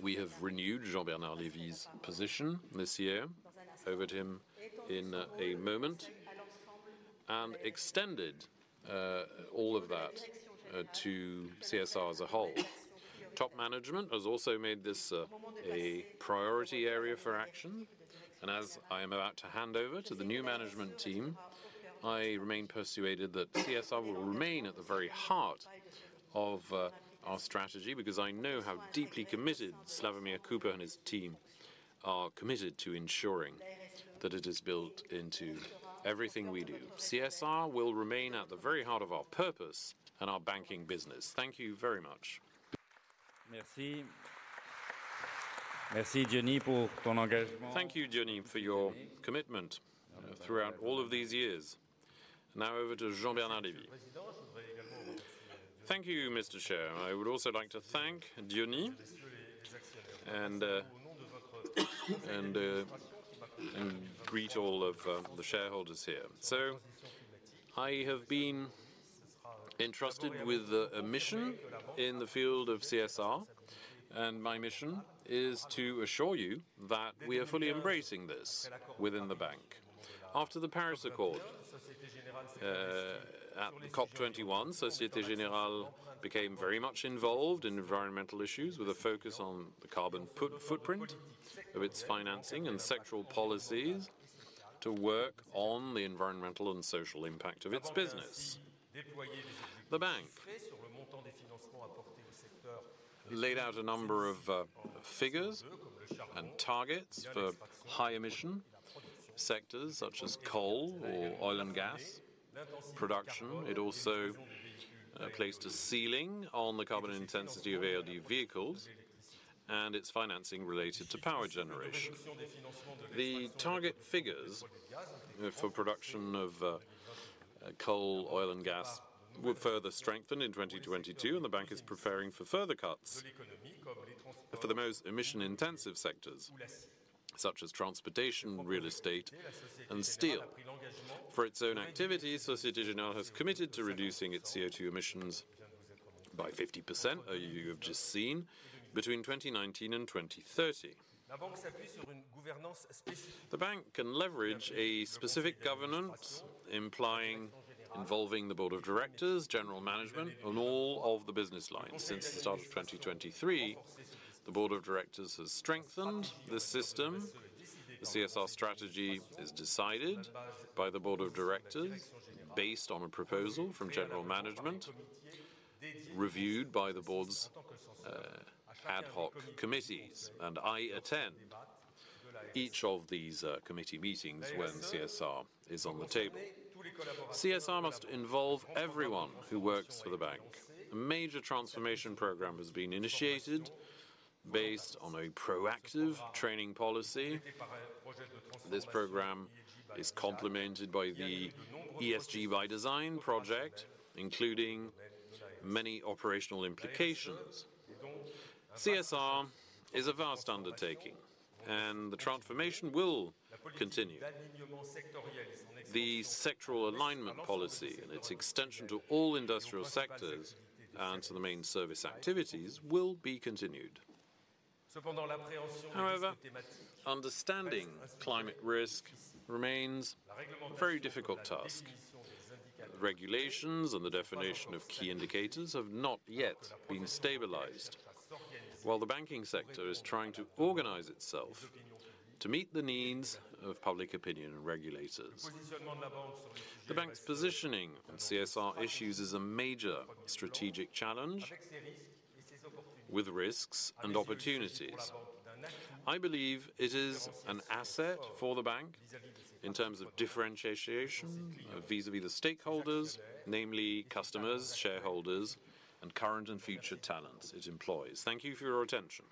we have renewed Jean-Bernard Lévy's position this year, over to him in a moment, and extended all of that to CSR as a whole. Top management has also made this a priority area for action, and as I am about to hand over to the new management team, I remain persuaded that CSR will remain at the very heart of our strategy because I know how deeply committed Slawomir Krupa and his team are committed to ensuring that it is built into everything we do. CSR will remain at the very heart of our purpose and our banking business. Thank you very much. Thank you, Diony, for your commitment throughout all of these years. Now over to Jean-Bernard Lévy. Thank you, Mr. Chair. I would also like to thank Diony and greet all of the shareholders here. I have been entrusted with a mission in the field of CSR, and my mission is to assure you that we are fully embracing this within the bank. After the Paris Accord, at the COP21, Société Générale became very much involved in environmental issues with a focus on the carbon footprint of its financing and sectoral policies to work on the environmental and social impact of its business. The bank laid out a number of figures and targets for high-emission sectors such as coal or oil and gas production. It also placed a ceiling on the carbon intensity of ALD vehicles and its financing related to power generation. The target figures for production of coal, oil and gas were further strengthened in 2022, and the bank is preparing for further cuts for the most emission-intensive sectors such as transportation, real estate, and steel. For its own activity, Société Générale has committed to reducing its CO2 emissions by 50%, you have just seen, between 2019 and 2030. The bank can leverage a specific governance implying involving the Board of Directors, general management, and all of the business lines. Since the start of 2023, the Board of Directors has strengthened the system. The CSR strategy is decided by the Board of Directors based on a proposal from general management, reviewed by the Board's ad hoc committees, and I attend each of these committee meetings when CSR is on the table. CSR must involve everyone who works for the bank. A major transformation program has been initiated based on a proactive training policy. This program is complemented by the ESG by Design project, including many operational implications. CSR is a vast undertaking, and the transformation will continue. The sectoral alignment policy and its extension to all industrial sectors and to the main service activities will be continued. However, understanding climate risk remains a very difficult task. Regulations and the definition of key indicators have not yet been stabilized, while the banking sector is trying to organize itself to meet the needs of public opinion and regulators. The bank's positioning on CSR issues is a major strategic challenge with risks and opportunities. I believe it is an asset for the bank in terms of differentiation vis-à-vis the stakeholders, namely customers, shareholders, and current and future talents it employs. Thank you for your attention.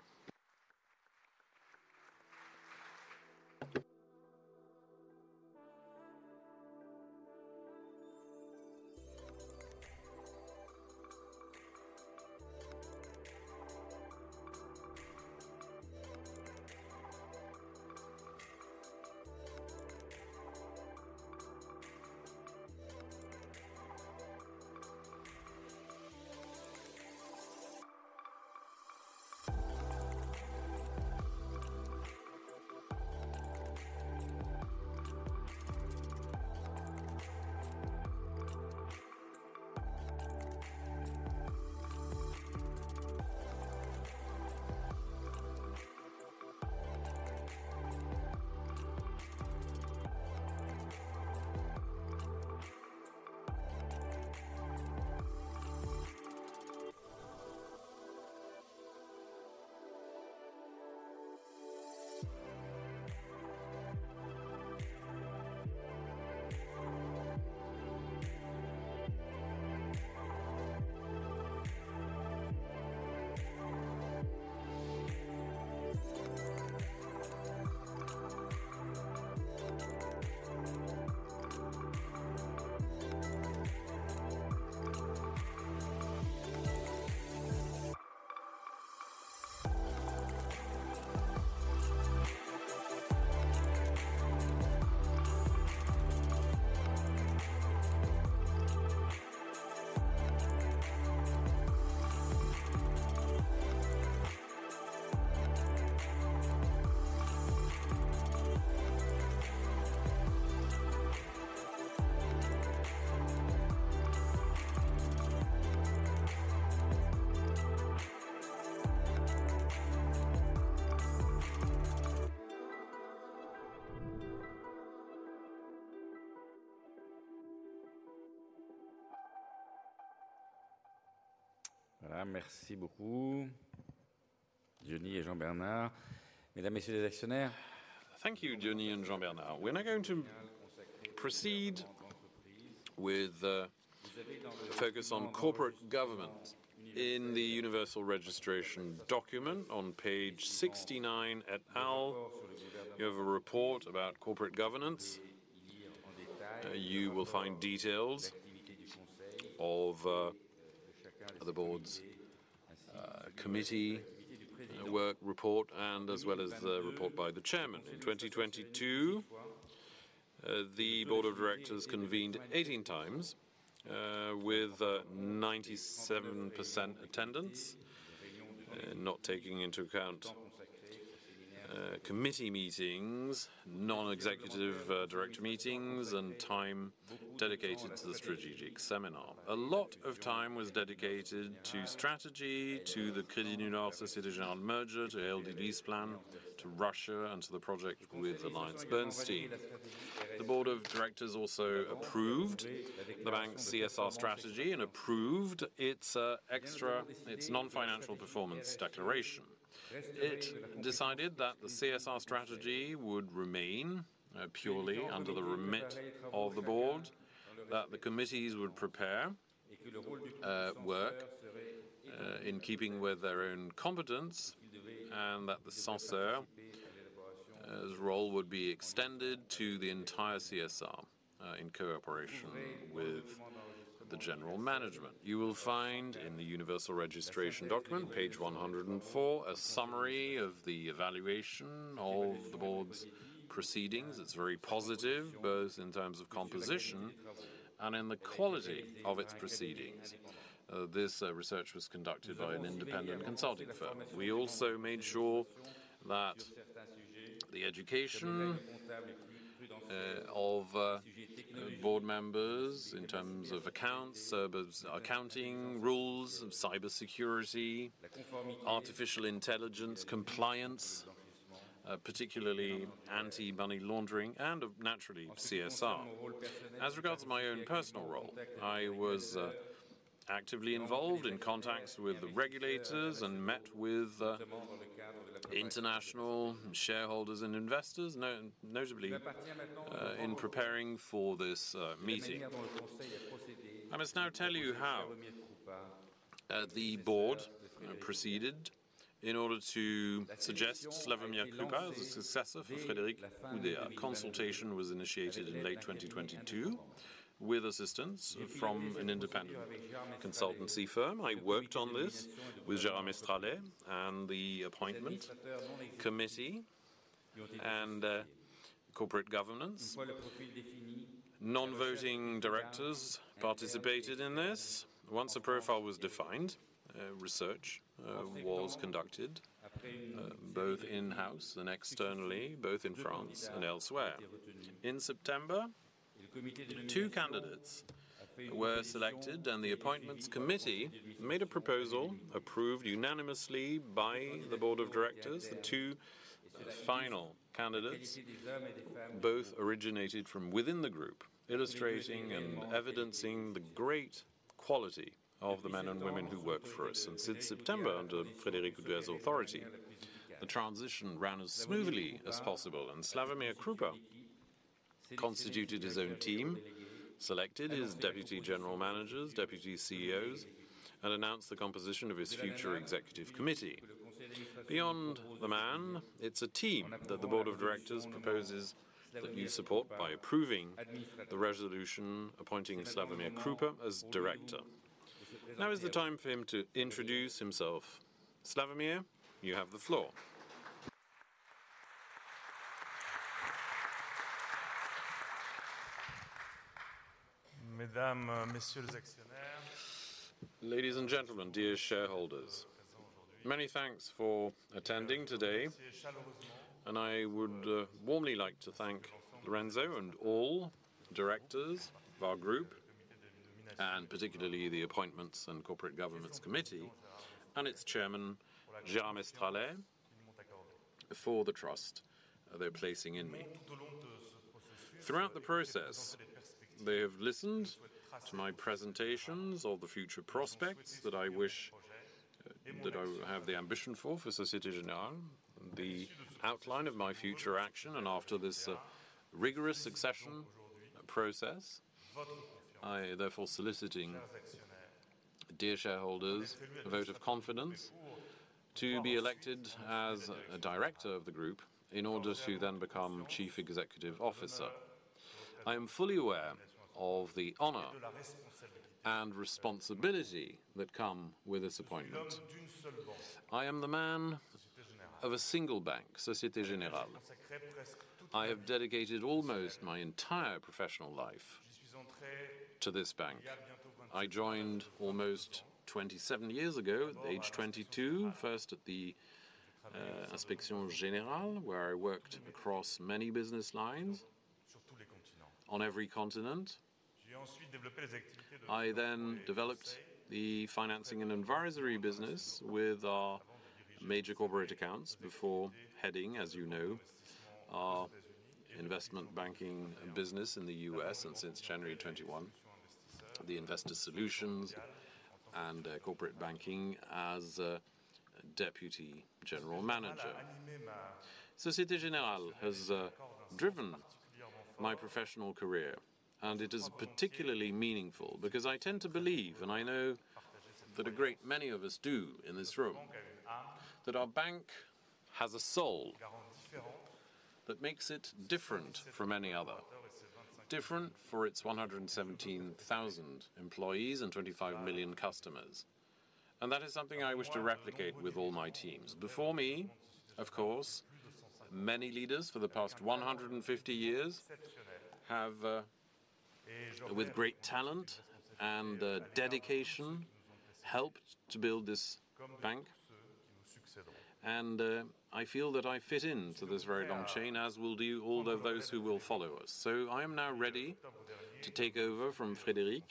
Thank you, Jean-Bernard. We're now going to proceed with a focus on corporate governance. In the universal registration document on page 69 et al, you have a report about corporate governance. You will find details of the board's committee work report as well as the report by the Chairman. In 2022, the Board of Directors convened 18 times with 97% attendance, not taking into account committee meetings, non-executive director meetings, and time dedicated to the strategic seminar. A lot of time was dedicated to strategy to the Crédit du Nord Société Générale merger, to ALD's plan, to Russia, and to the project with AllianceBernstein. The Board of Directors also approved the bank's CSR strategy and approved its non-financial performance declaration. It decided that the CSR strategy would remain purely under the remit of the board, that the committees would prepare work in keeping with their own competence, and that the Censeur, his role would be extended to the entire CSR in cooperation with the general management. You will find in the universal registration document, page 104, a summary of the evaluation of the board's proceedings. It's very positive, both in terms of composition and in the quality of its proceedings. This research was conducted by an independent consulting firm. We also made sure that the education of board members in terms of accounts, accounting rules, of cybersecurity, artificial intelligence, compliance, particularly anti-money laundering, and of naturally CSR. As regards to my own personal role, I was actively involved in contacts with the regulators and met with international shareholders and investors, notably in preparing for this meeting. I must now tell you how the board proceeded in order to suggest Slawomir Krupa as the successor for Frédéric Oudéa. Consultation was initiated in late 2022 with assistance from an independent consultancy firm. I worked on this with Gérard Mestrallet and the appointment committee and corporate governance. Non-voting directors participated in this. Once a profile was defined, research was conducted both in-house and externally, both in France and elsewhere. In September, 2 candidates were selected, the appointments committee made a proposal approved unanimously by the Board of Directors. The two final candidates both originated from within the group, illustrating and evidencing the great quality of the men and women who work for us. Since September, under Frédéric Oudéa's authority, the transition ran as smoothly as possible, and Slawomir Krupa constituted his own team, selected his deputy general managers, deputy CEOs, and announced the composition of his future executive committee. Beyond the man, it's a team that the Board of Directors proposes that you support by approving the resolution appointing Slawomir Krupa as director. Now is the time for him to introduce himself. Slawomir, you have the floor. Ladies and gentlemen, dear shareholders, many thanks for attending today, and I would warmly like to thank Lorenzo and all directors of our group, and particularly the Appointments and Corporate Governance Committee and its chairman, Gérard Mestrallet, for the trust they're placing in me. Throughout the process, they have listened to my presentations of the future prospects that I wish, that I have the ambition for Société Générale, the outline of my future action. After this rigorous succession process, I therefore soliciting, dear shareholders, a vote of confidence to be elected as a director of the group in order to then become chief executive officer. I am fully aware of the honor and responsibility that come with this appointment. I am the man of a single bank, Société Générale. I have dedicated almost my entire professional life to this bank. I joined almost 27 years ago, at age 22, first at the Inspection Générale, where I worked across many business lines on every continent. I developed the financing and advisory business with our major corporate accounts before heading, as you know, our investment banking business in the U.S., and since January 21, the investor solutions and corporate banking as deputy general manager. Société Générale has driven my professional career, and it is particularly meaningful because I tend to believe, and I know that a great many of us do in this room, that our bank has a soul that makes it different from any other. Different for its 117,000 employees and 25 million customers, and that is something I wish to replicate with all my teams. Before me, of course, many leaders for the past 150 years have with great talent and dedication, helped to build this bank. I feel that I fit into this very long chain, as will do all of those who will follow us. I am now ready to take over from Frédéric.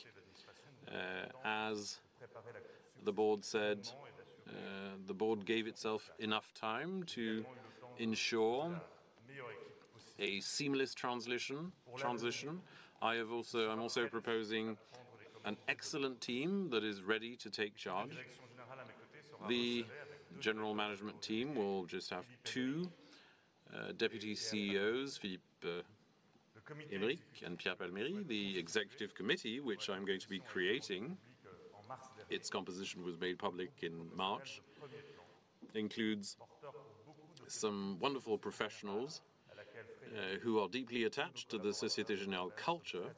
As the board said, the board gave itself enough time to ensure a seamless transition. I'm also proposing an excellent team that is ready to take charge. The general management team will just have two deputy CEOs, Philippe Heim and Pierre Palmieri. The executive committee, which I'm going to be creating, its composition was made public in March, includes some wonderful professionals who are deeply attached to the Société Générale culture,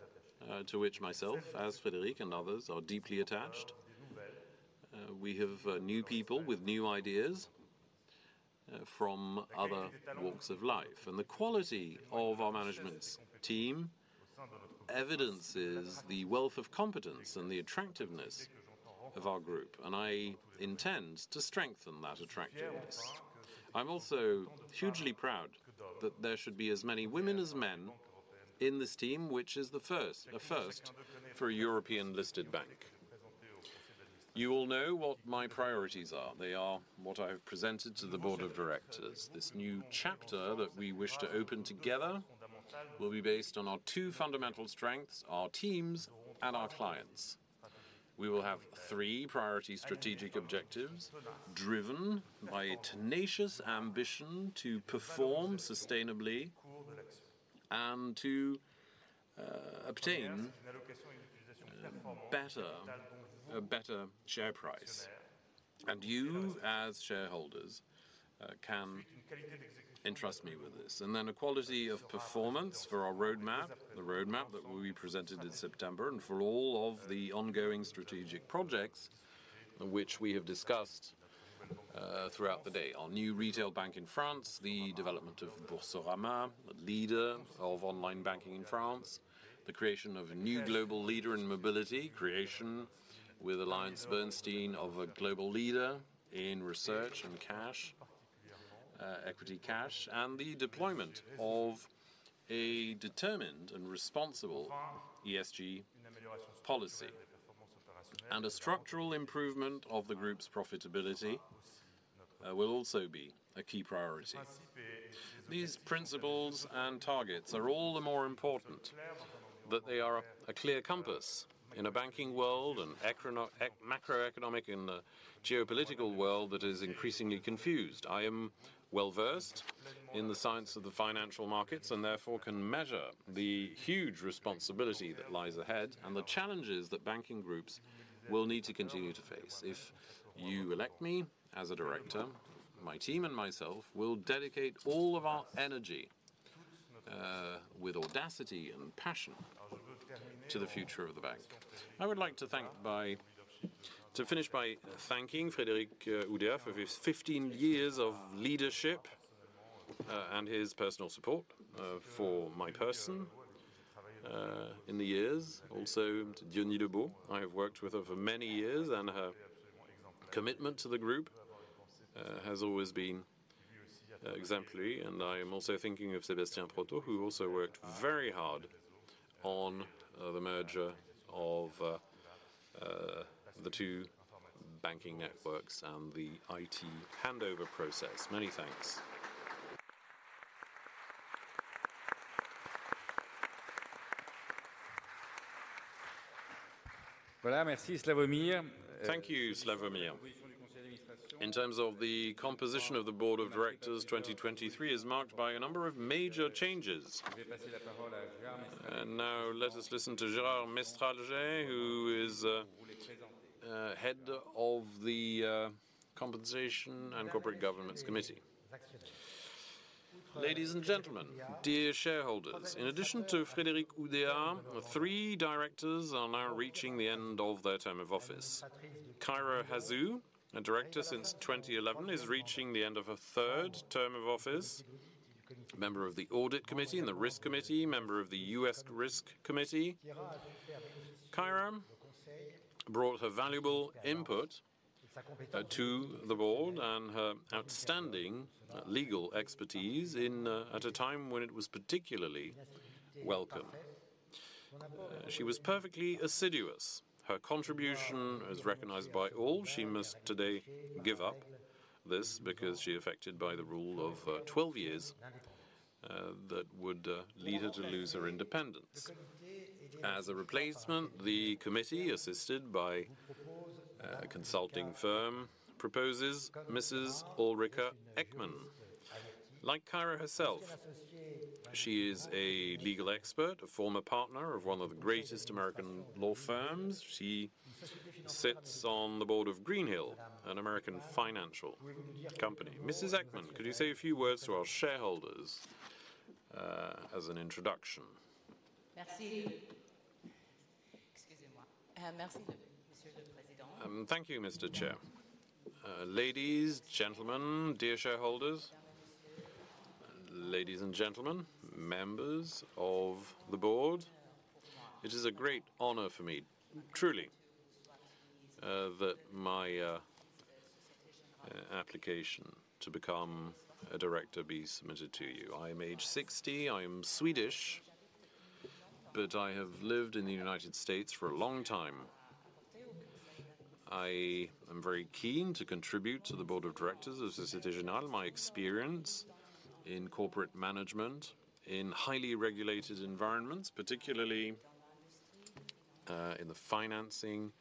to which myself, as Frédéric and others, are deeply attached. We have new people with new ideas from other walks of life. The quality of our management's team evidences the wealth of competence and the attractiveness of our group, and I intend to strengthen that attractiveness. I'm also hugely proud that there should be as many women as men in this team, which is a first for a European-listed bank. You all know what my priorities are. They are what I have presented to the Board of Directors. This new chapter that we wish to open together will be based on our two fundamental strengths, our teams and our clients. We will have three priority strategic objectives driven by a tenacious ambition to perform sustainably and to obtain better, a better share price. You, as shareholders, can entrust me with this. A quality of performance for our roadmap, the roadmap that will be presented in September, and for all of the ongoing strategic projects which we have discussed throughout the day. Our new retail bank in France, the development of Boursorama, the leader of online banking in France, the creation of a new global leader in mobility, creation with AllianceBernstein of a global leader in research and cash, equity cash, and the deployment of a determined and responsible ESG policy. A structural improvement of the group's profitability will also be a key priority. These principles and targets are all the more important that they are a clear compass in a banking world and macroeconomic and a geopolitical world that is increasingly confused. I am well-versed in the science of the financial markets, therefore can measure the huge responsibility that lies ahead and the challenges that banking groups will need to continue to face. If you elect me as a director, my team and myself will dedicate all of our energy with audacity and passion to the future of the bank. I would like to finish by thanking Frédéric Oudéa for his 15 years of leadership and his personal support for my person in the years. Also to Diony Lebot, I have worked with over many years, and her commitment to the group has always been exemplary. I am also thinking of Sébastien Proto, who also worked very hard on the merger of the two banking networks and the IT handover process. Many thanks. Thank you, Slawomir. In terms of the composition of the Board of Directors, 2023 is marked by a number of major changes. Now let us listen to Gérard Mestrallet, who is head of the Compensation and Corporate Governance Committee. Ladies and gentlemen, dear shareholders, in addition to Frédéric Oudéa, three directors are now reaching the end of their term of office. Kyra Hazou, a director since 2011, is reaching the end of her third term of office. Member of the Audit Committee and the Risk Committee, member of the U.S. Risk Committee. Kyra brought her valuable input to the board and her outstanding legal expertise in at a time when it was particularly welcome. She was perfectly assiduous. Her contribution is recognized by all. She must today give up this because she affected by the rule of 12 years that would lead her to lose her independence. As a replacement, the committee, assisted by a consulting firm, proposes Mrs. Ulrika Ekman. Like Kyra, she is a legal expert, a former partner of one of the greatest American law firms. She sits on the board of Greenhill, an American financial company. Mrs. Ekman, could you say a few words to our shareholders as an introduction? Thank you, Mr. Chair. Ladies, gentlemen, dear shareholders, ladies and gentlemen, members of the board, it is a great honor for me, truly, that my application to become a director be submitted to you. I am age 60. I am Swedish, but I have lived in the United States for a long time. I am very keen to contribute to the Board of Directors of Société Générale. My experience in corporate management, in highly regulated environments, particularly in the financing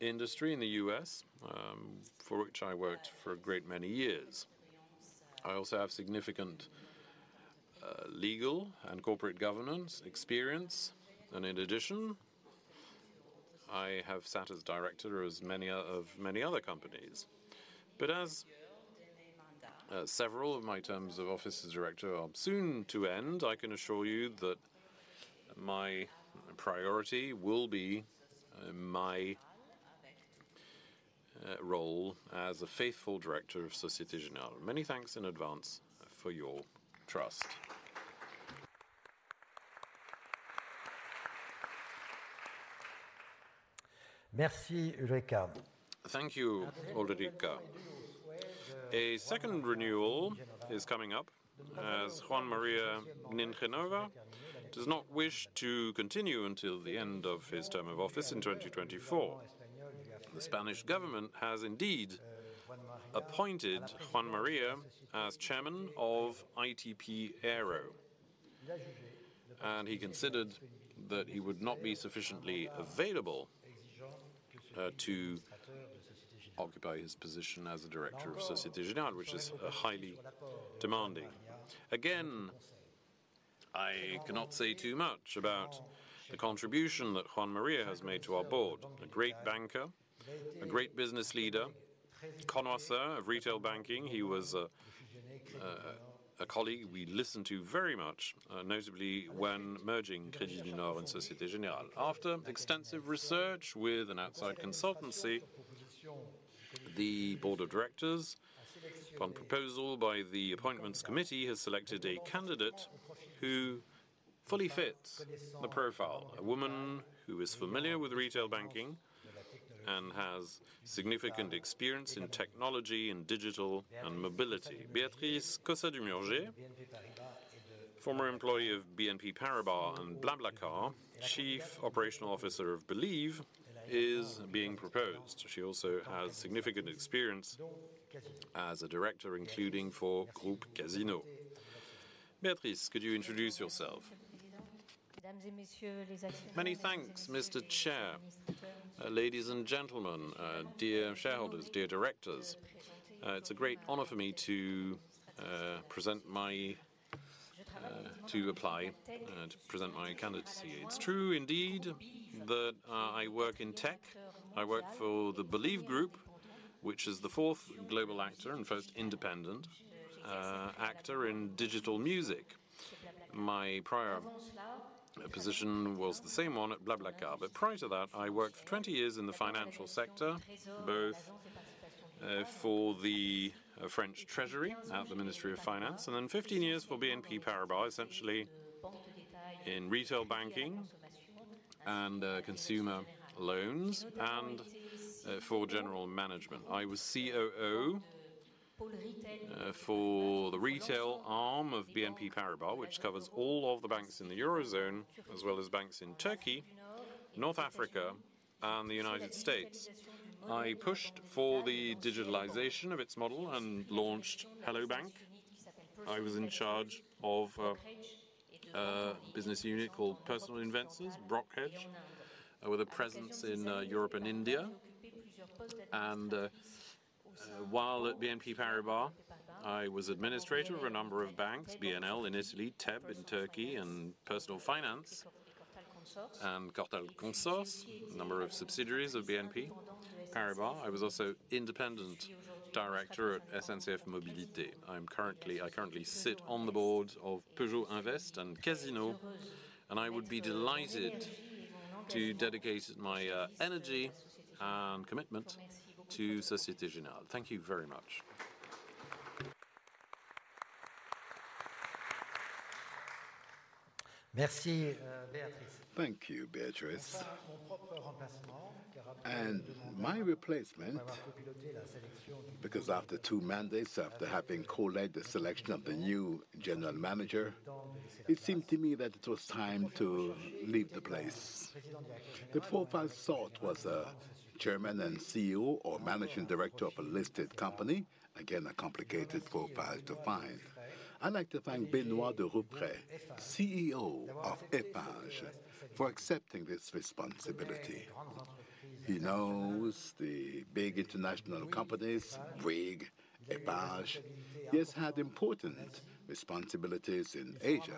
industry in the U.S., for which I worked for a great many years. I also have significant legal and corporate governance experience, and in addition, I have sat as director as many of many other companies. As several of my terms of office as director are soon to end, I can assure you that my priority will be my role as a faithful director of Société Générale. Many thanks in advance for your trust. Merci, Ulrika. Thank you, Ulrika. A second renewal is coming up, as Juan María Nin Génova does not wish to continue until the end of his term of office in 2024. The Spanish government has indeed appointed Juan María as chairman of ITP Aero. He considered that he would not be sufficiently available to occupy his position as a director of Société Générale, which is highly demanding. Again, I cannot say too much about the contribution that Juan María has made to our board. A great banker, a great business leader, connoisseur of retail banking. He was a colleague we listened to very much, notably when merging Crédit du Nord and Société Générale. After extensive research with an outside consultancy, the Board of Directors, upon proposal by the appointments committee, has selected a candidate who fully fits the profile. A woman who is familiar with retail banking and has significant experience in technology and digital and mobility. Béatrice Cossa-Dumurgier, former employee of BNP Paribas and BlaBlaCar, Chief Operational Officer of Believe, is being proposed. She also has significant experience as a Director, including for Groupe Casino. Béatrice, could you introduce yourself? Many thanks, Mr. Chair. Ladies and gentlemen, Dear shareholders, Dear Directors, it's a great honor for me to apply and present my candidacy. It's true indeed that I work in tech. I work for the Believe group, which is the fourth global actor and first independent actor in digital music. My prior position was the same one at BlaBlaCar. Prior to that, I worked for 20 years in the financial sector, both for the French Treasury at the Ministry of Finance and then 15 years for BNP Paribas, essentially in retail banking and consumer loans and for general management. I was COO for the retail arm of BNP Paribas, which covers all of the banks in the Eurozone, as well as banks in Turkey, North Africa, and the United States. I pushed for the digitalization of its model and launched Hello bank! I was in charge of a business unit called Personal Investors, Brokerage, with a presence in Europe and India. While at BNP Paribas, I was administrator of a number of banks, BNL in Italy, TEB in Turkey, and Personal Finance and Cortal Consors, a number of subsidiaries of BNP Paribas. I was also independent director at SNCF Mobilités. I currently sit on the Board of Peugeot Invest and Casino. I would be delighted to dedicate my energy and commitment to Société Générale. Thank you very much. Merci, Béatrice. Thank you, Béatrice. My replacement, because after two mandates, after having co-led the selection of the new general manager, it seemed to me that it was time to leave the place. The profile sought was a chairman and CEO or managing director of a listed company. Again, a complicated profile to find. I'd like to thank Benoît de Ruffray, CEO of Eiffage, for accepting this responsibility. He knows the big international companies, Bouygues, Eiffage. He has had important responsibilities in Asia.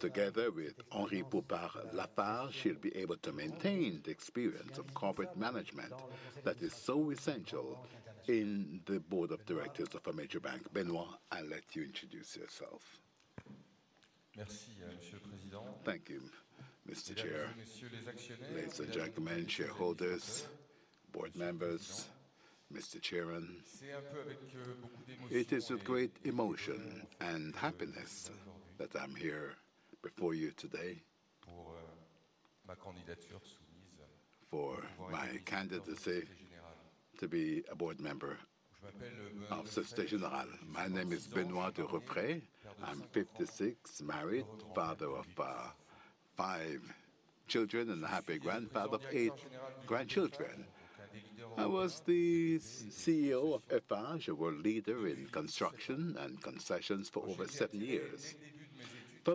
Together with Henri Poupart-Lafarge, he'll be able to maintain the experience of corporate management that is so essential in the Board of Directors of a major bank. Benoît, I'll let you introduce yourself. Thank you, Mr. Chair. Ladies and gentlemen, shareholders, board members, Mr. Chairman. It is with great emotion and happiness that I'm here before you today for my candidacy to be a board member of Société Générale. My name is Benoit de Ruffray. I'm 56, married, father of five children, and a happy grandfather of eight grandchildren. I was the CEO of Eiffage, a world leader in construction and concessions, for over seven years.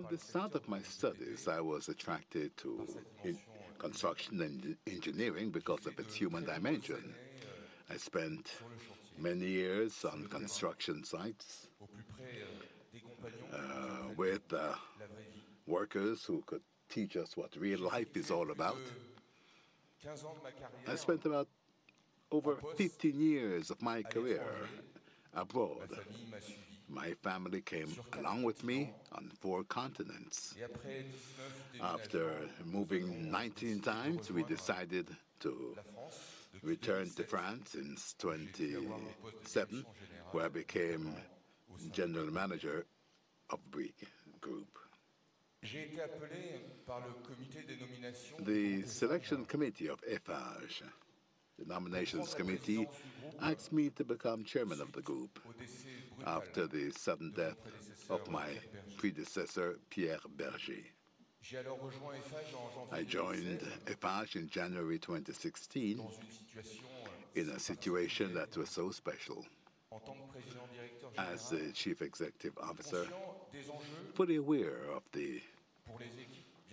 From the start of my studies, I was attracted to construction and engineering because of its human dimension. I spent many years on construction sites, with workers who could teach us what real life is all about. Over 15 years of my career abroad, my family came along with me on four continents. After moving 19 times, we decided to return to France in 2007, where I became general manager of BRIC Group. The selection committee of Eiffage, the nominations committee, asked me to become chairman of the group after the sudden death of my predecessor, Pierre Berger. I joined Eiffage in January 2016 in a situation that was so special as the Chief Executive Officer, fully aware of the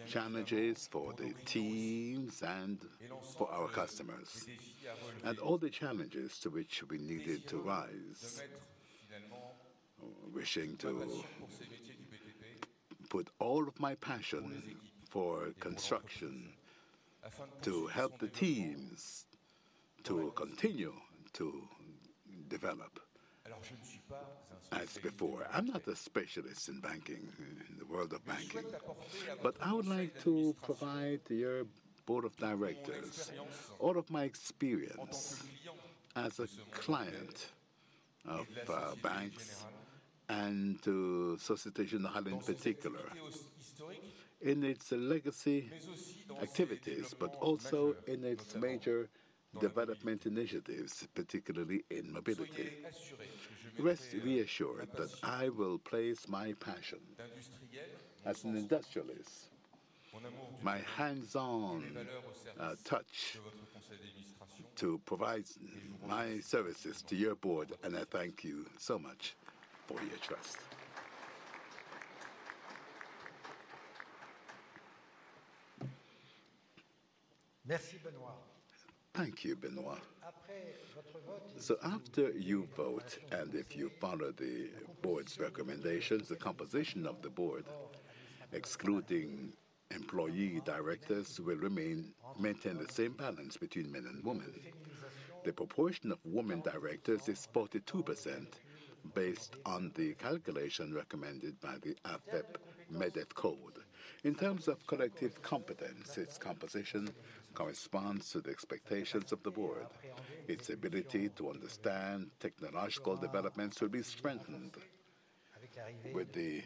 challenges for the teams and for our customers, and all the challenges to which we needed to rise. Wishing to put all of my passion for construction to help the teams to continue to develop as before. I'm not a specialist in banking, in the world of banking, but I would like to provide your Board of Directors all of my experience as a client of banks and to Société Générale in particular, in its legacy activities, but also in its major development initiatives, particularly in mobility. Rest reassured that I will place my passion as an industrialist, my hands-on touch to provide my services to your board, and I thank you so much for your trust. Thank you, Benoit. After you vote, and if you follow the board's recommendations, the composition of the board, excluding employee directors, will maintain the same balance between men and women. The proportion of women directors is 42% based on the calculation recommended by the Afep-Medef Code. In terms of collective competence, its composition corresponds to the expectations of the board. Its ability to understand technological developments will be strengthened with the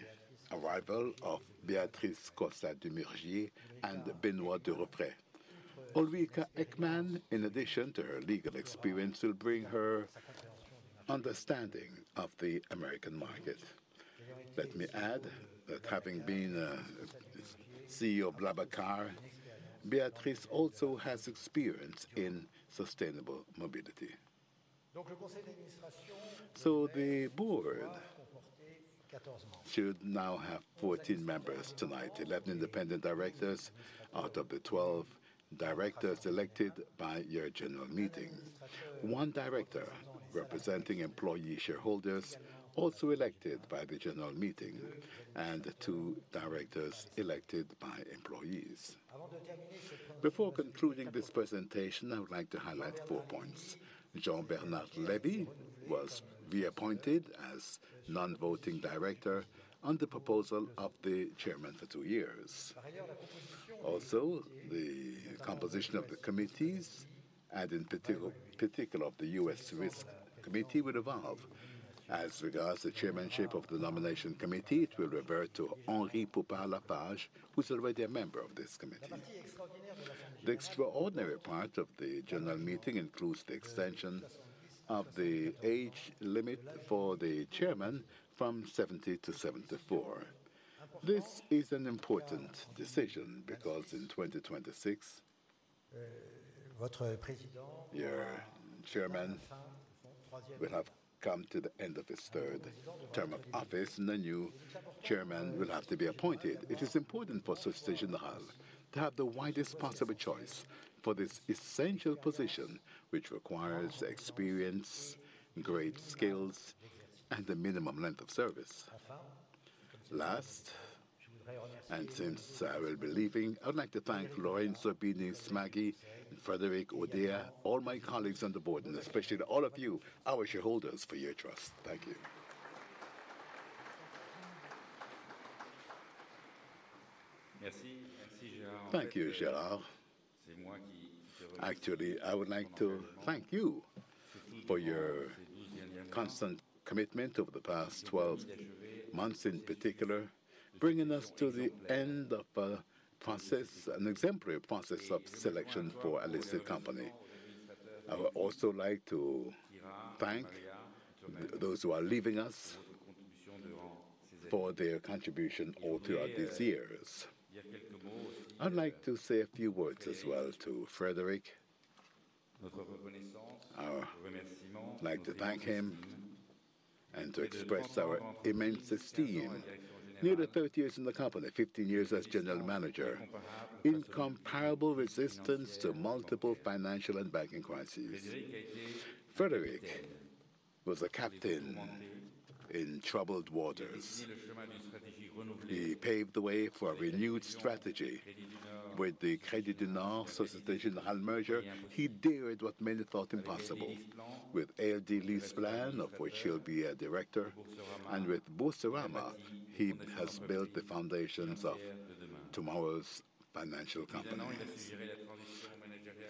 arrival of Béatrice Cossa-Dumurgier and Benoit de Ruffray. Ulrika Ekman, in addition to her legal experience, will bring her understanding of the American market. Let me add that having been CEO of BlaBlaCar, Béatrice also has experience in sustainable mobility. The board should now have 14 members tonight, 11 independent directors out of the 12 directors elected by your general meeting. 1 director representing employee shareholders, also elected by the general meeting, and 2 directors elected by employees. Before concluding this presentation, I would like to highlight 4 points. Jean-Bernard Lévy was reappointed as non-voting director on the proposal of the chairman for two years. Also, the composition of the committees, and in particular of the U.S. Risk Committee, will evolve. As regards the chairmanship of the Nomination Committee, it will revert to Henri Poupart-Lafarge, who's already a member of this committee. The extraordinary part of the general meeting includes the extension of the age limit for the chairman from 70 to 74. This is an important decision because in 2026, your chairman will have come to the end of his third term of office, and a new chairman will have to be appointed. It is important for Société Générale to have the widest possible choice for this essential position, which requires experience, great skills and a minimum length of service. Last, and since I will be leaving, I would like to thank Lorenzo Bini Smaghi, Frédéric Oudéa, all my colleagues on the board, and especially to all of you, our shareholders, for your trust. Thank you. Thank you, Gérard. Actually, I would like to thank you for your constant commitment over the past 12 months, in particular, bringing us to the end of a process, an exemplary process of selection for a listed company. I would also like to thank those who are leaving us for their contribution all throughout these years. I'd like to say a few words as well to Frédéric. I would like to thank him and to express our immense esteem. Nearly 30 years in the company, 15 years as General Manager, incomparable resistance to multiple financial and banking crises. Frédéric was a captain in troubled waters. He paved the way for a renewed strategy with the Crédit du Nord Société Générale merger. He dared what many thought impossible. With ALD LeasePlan, of which he'll be a director, and with Boursorama, he has built the foundations of tomorrow's financial company.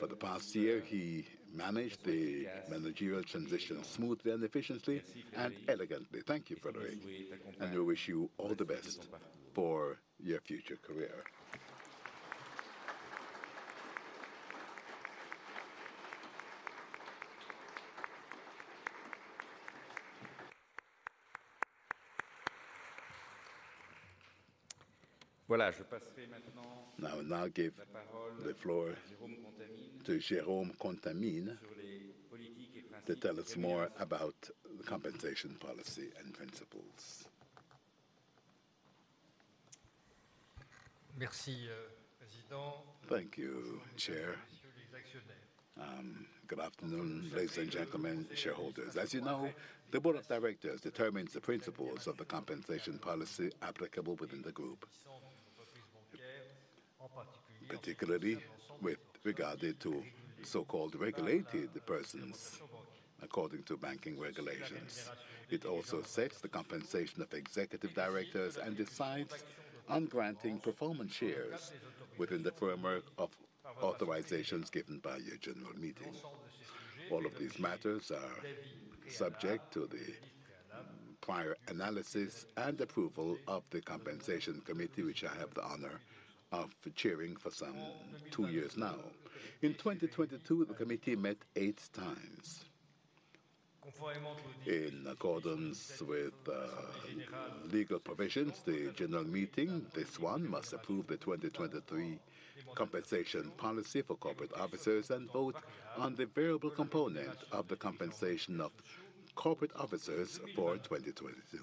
For the past year, he managed the managerial transition smoothly and efficiently and elegantly. Thank you, Frédéric, and we wish you all the best for your future career. I'll now give the floor to Jérôme Contamine to tell us more about the compensation policy and principles. Merci, President. Thank you, Chair. Good afternoon, ladies and gentlemen, shareholders. As you know, the Board of Directors determines the principles of the compensation policy applicable within the group. Particularly with regard to so-called regulated persons, according to banking regulations. It also sets the compensation of executive directors and decides on granting performance shares within the framework of authorizations given by your general meeting. All of these matters are subject to the prior analysis and approval of the Compensation Committee, which I have the honor of chairing for some two years now. In 2022, the committee met eight times. In accordance with legal provisions, the general meeting, this one, must approve the 2023 compensation policy for corporate officers and vote on the variable component of the compensation of corporate officers for 2022.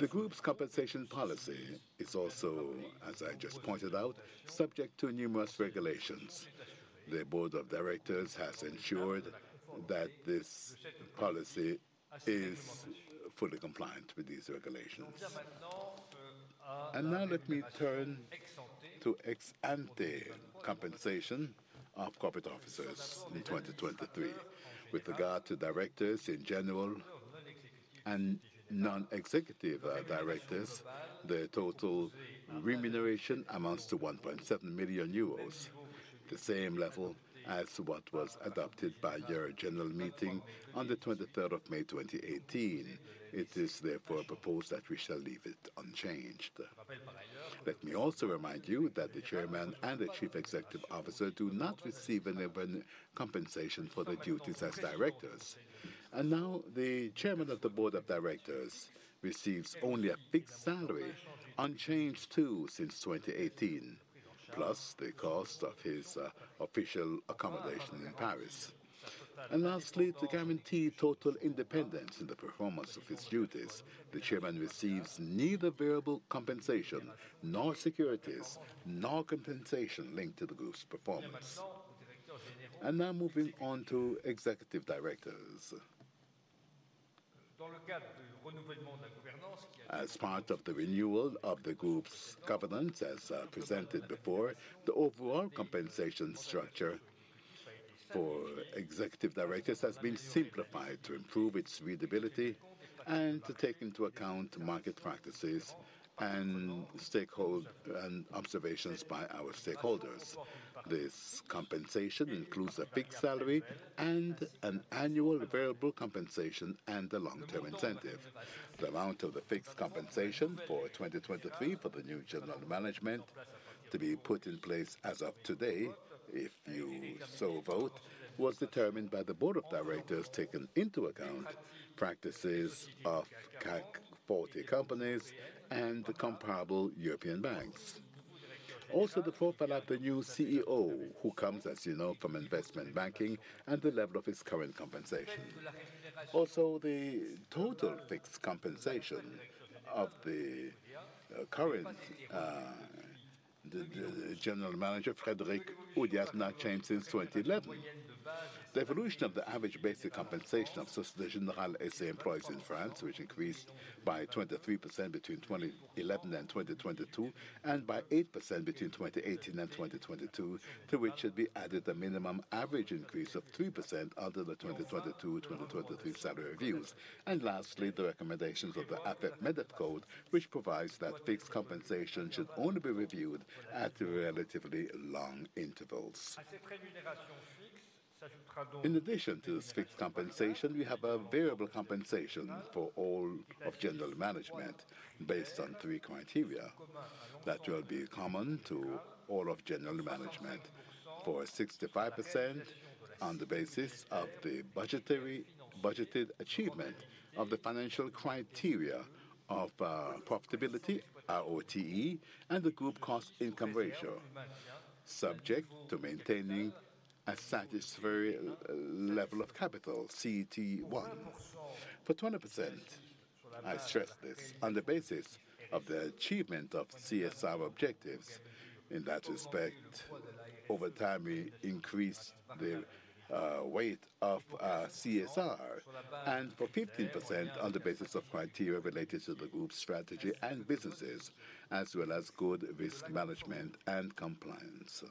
The group's compensation policy is also, as I just pointed out, subject to numerous regulations. The Board of Directors has ensured that this policy is fully compliant with these regulations. Now let me turn to ex ante compensation of corporate officers in 2023. With regard to directors in general and non-executive directors, the total remuneration amounts to 1.7 million euros, the same level as what was adopted by your general meeting on the 23rd of May, 2018. It is therefore proposed that we shall leave it unchanged. Let me also remind you that the Chairman and the Chief Executive Officer do not receive any compensation for their duties as directors. Now, the Chairman of the Board of Directors receives only a fixed salary, unchanged too since 2018, plus the cost of his official accommodation in Paris. Lastly, to guarantee total independence in the performance of his duties, the chairman receives neither variable compensation, nor securities, nor compensation linked to the group's performance. Now moving on to executive directors. As part of the renewal of the group's governance, as presented before, the overall compensation structure for executive directors has been simplified to improve its readability and to take into account market practices and observations by our stakeholders. This compensation includes a fixed salary and an annual variable compensation and a long-term incentive. The amount of the fixed compensation for 2023 for the new general management to be put in place as of today, if you so vote, was determined by the Board of Directors, taking into account practices of CAC 40 companies and comparable European banks. Also, the profile of the new CEO who comes, as you know, from investment banking and the level of his current compensation. Also, the total fixed compensation of the current the general manager, Frédéric Oudéa, has not changed since 2011. The evolution of the average basic compensation of Société Générale SA employees in France, which increased by 23% between 2011 and 2022, and by 8% between 2018 and 2022, to which should be added a minimum average increase of 3% under the 2022 to 2023 salary reviews. Lastly, the recommendations of the Afep-Medef Code, which provides that fixed compensation should only be reviewed at relatively long intervals. In addition to this fixed compensation, we have a variable compensation for all of general management based on three criteria that will be common to all of general management. For 65% on the basis of the budgeted achievement of the financial criteria of profitability, ROTE, and the group cost-income ratio, subject to maintaining a satisfactory level of capital, CET1. For 20%, I stress this, on the basis of the achievement of CSR objectives. In that respect, over time, we increase the weight of CSR. For 15% on the basis of criteria related to the group's strategy and businesses, as well as good risk management and compliance.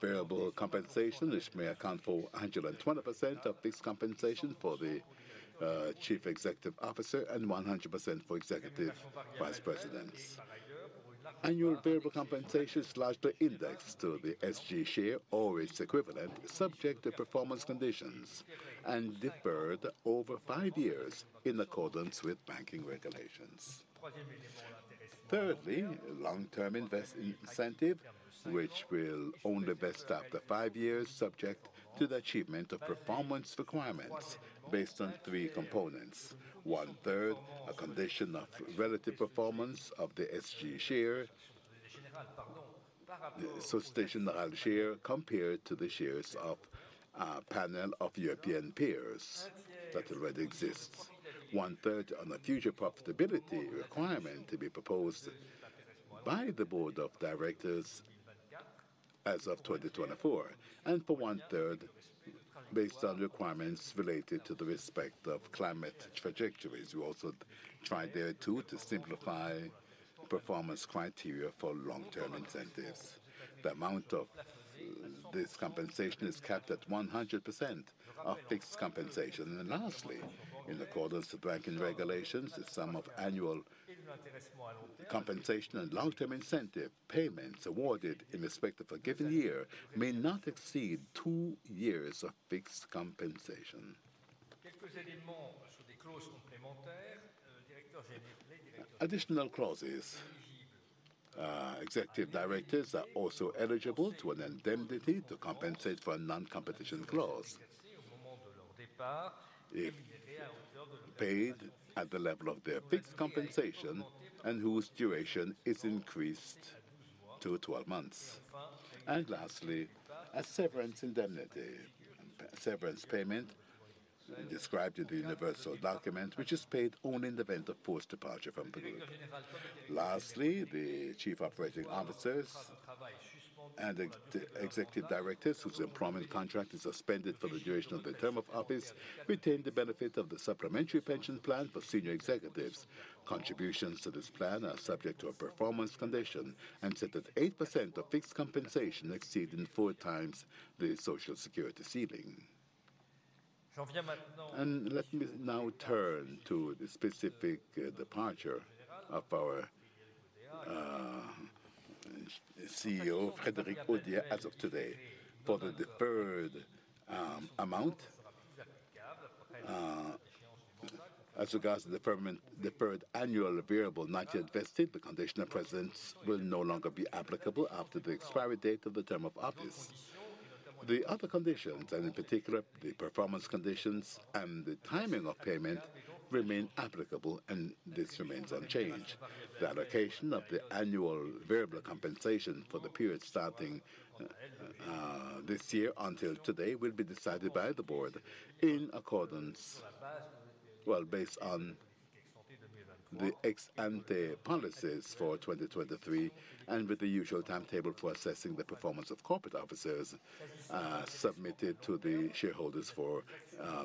Variable compensation, which may account for 120% of fixed compensation for the Chief Executive Officer and 100% for executive vice presidents. Annual variable compensation is largely indexed to the SG share or its equivalent, subject to performance conditions and deferred over five years in accordance with banking regulations. Thirdly, long-term incentive, which will only vest after five years, subject to the achievement of performance requirements based on three components. One-third, a condition of relative performance of the SG share, the Société Générale share, compared to the shares of a panel of European peers that already exists. One-third on a future profitability requirement to be proposed by the Board of Directors as of 2024, and for 1/3 based on requirements related to the respect of climate trajectories. We also try there, too, to simplify performance criteria for long-term incentives. The amount of this compensation is capped at 100% of fixed compensation. Lastly, in accordance to banking regulations, the sum of annual compensation and long-term incentive payments awarded in respect of a given year may not exceed two years of fixed compensation. Additional clauses. Executive directors are also eligible to an indemnity to compensate for a non-competition clause. If paid at the level of their fixed compensation and whose duration is increased to 12 months. Lastly, a severance indemnity. A severance payment described in the universal document, which is paid only in the event of forced departure from the group. Lastly, the chief operating officers and ex-executive directors whose employment contract is suspended for the duration of their term of office, retain the benefit of the supplementary pension plan for senior executives. Contributions to this plan are subject to a performance condition and set at 8% of fixed compensation exceeding four times the Social Security ceiling. Let me now turn to the specific departure of our CEO, Frédéric Oudéa, as of today. For the deferred amount, as regards the deferment, deferred annual variable not yet vested, the condition of presence will no longer be applicable after the expiry date of the term of office. The other conditions, and in particular the performance conditions and the timing of payment, remain applicable, and this remains unchanged. The allocation of the annual variable compensation for the period starting this year until today will be decided by the board Well, based on the ex-ante policies for 2023, and with the usual timetable for assessing the performance of corporate officers, submitted to the shareholders for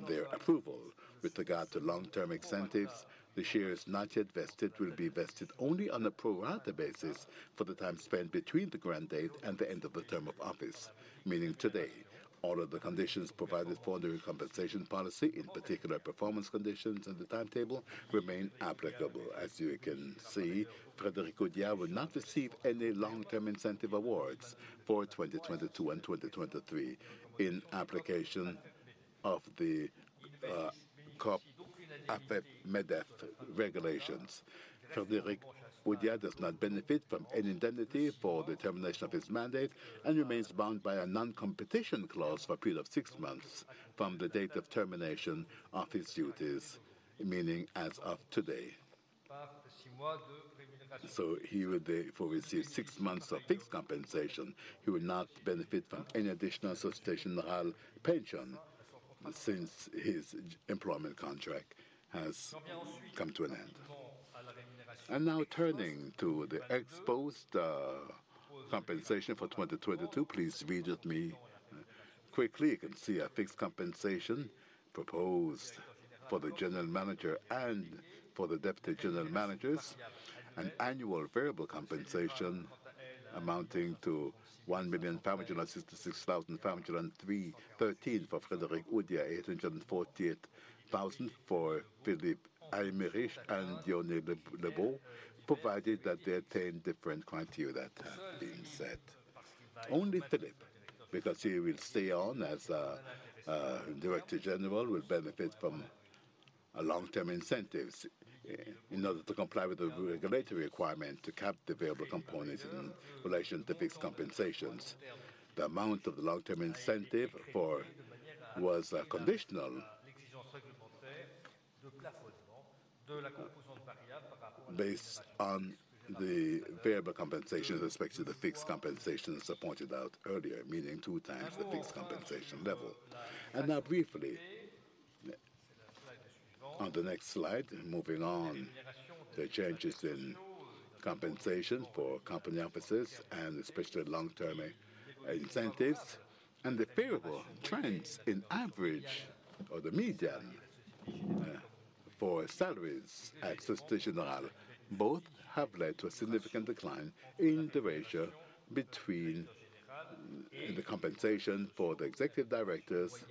their approval. With regard to long-term incentives, the shares not yet vested will be vested only on a pro-rata basis for the time spent between the grant date and the end of the term of office, meaning today. All of the conditions provided for under the compensation policy, in particular performance conditions and the timetable, remain applicable. As you can see, Frédéric Oudéa will not receive any long-term incentive awards for 2022 and 2023 in application of the Code Afep-Medef regulations. Frédéric Oudéa does not benefit from any indemnity for the termination of his mandate, and remains bound by a non-competition clause for a period of six months from the date of termination of his duties, meaning as of today. He will therefore receive six months of fixed compensation. He will not benefit from any additional Société Générale pension since his employment contract has come to an end. Now turning to the ex-post compensation for 2022. Please read with me. Quickly, you can see a fixed compensation proposed for the general manager and for the deputy general managers. An annual variable compensation amounting to 1,566,503.13 for Frédéric Oudéa, 848,000 for Philippe Aymerich and Diony Lebot, provided that they attain different criteria that have been set. Only Philippe, because he will stay on as director general, will benefit from long-term incentives in order to comply with the regulatory requirement to cap the variable components in relation to fixed compensations. The amount of the long-term incentive was conditional based on the variable compensation with respect to the fixed compensation, as I pointed out earlier, meaning two times the fixed compensation level. Now briefly, on the next slide, moving on, the changes in compensation for company offices and especially long-term incentives and the favorable trends in average or the median for salaries at Société Générale both have led to a significant decline in the ratio between the compensation for the executive directors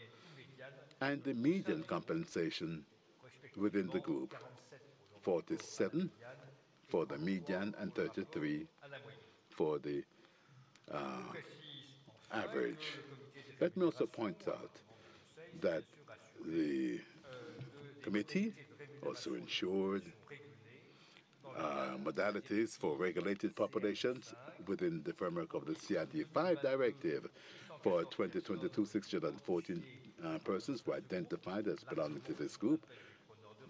and the median compensation within the group. 47 for the median and 33 for the average. Let me also point out that the committee also ensured modalities for regulated populations within the framework of the CRD V Directive for 2022, 614 persons were identified as belonging to this group,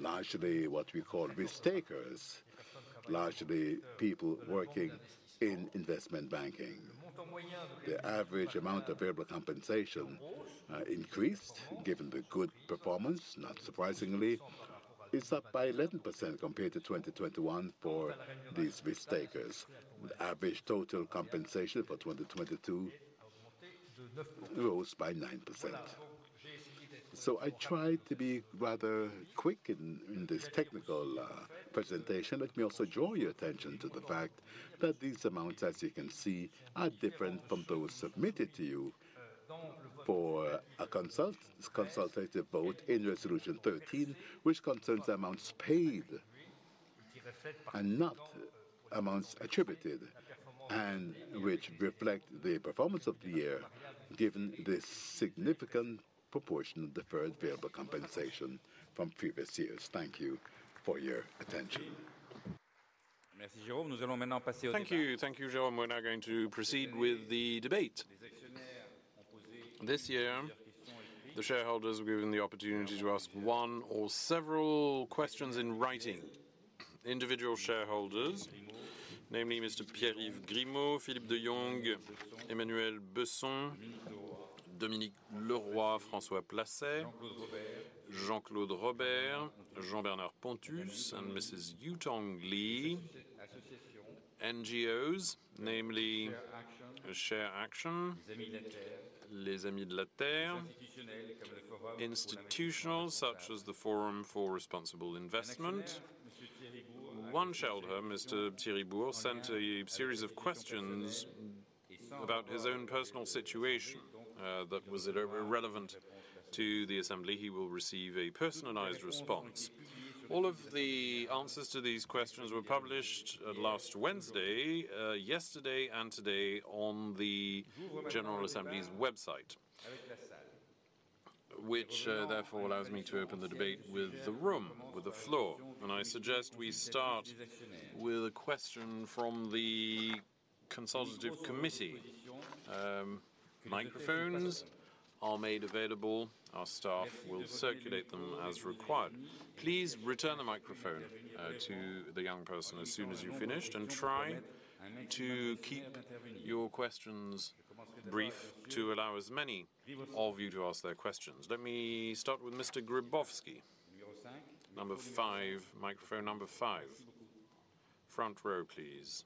largely what we call risk-takers, largely people working in investment banking. The average amount of variable compensation increased, given the good performance, not surprisingly. It's up by 11% compared to 2021 for these risk-takers. The average total compensation for 2022 rose by 9%. I tried to be rather quick in this technical presentation. Let me also draw your attention to the fact that these amounts, as you can see, are different from those submitted to you for a consultative vote in resolution 13, which concerns amounts paid and not amounts attributed, and which reflect the performance of the year given the significant proportion of deferred variable compensation from previous years. Thank you for your attention. Thank you. Thank you, Jérôme. We're now going to proceed with the debate. This year, the shareholders were given the opportunity to ask one or several questions in writing. Individual shareholders, namely Mr. Pierre-Yves Grimont, Philippe De Young, Emmanuel Besson, Dominique Leroy, François Plassat, Jean-Claude Robert, Jean-Bernard Ponthus, and Mrs. Yutong Li. NGOs, namely ShareAction, Les Amis de la Terre. Institutional, such as the Forum for Responsible Investment. One shareholder, Mr. Thierry Bour, sent a series of questions about his own personal situation that was irrelevant to the assembly. He will receive a personalized response. All of the answers to these questions were published last Wednesday, yesterday and today on the general assembly's website, which therefore allows me to open the debate with the room, with the floor. I suggest we start with a question from the consultative committee. Microphones are made available. Our staff will circulate them as required. Please return the microphone to the young person as soon as you've finished, and try to keep your questions brief to allow as many of you to ask their questions. Let me start with Mr. Grabowski. Number 5. Microphone number 5. Front row, please.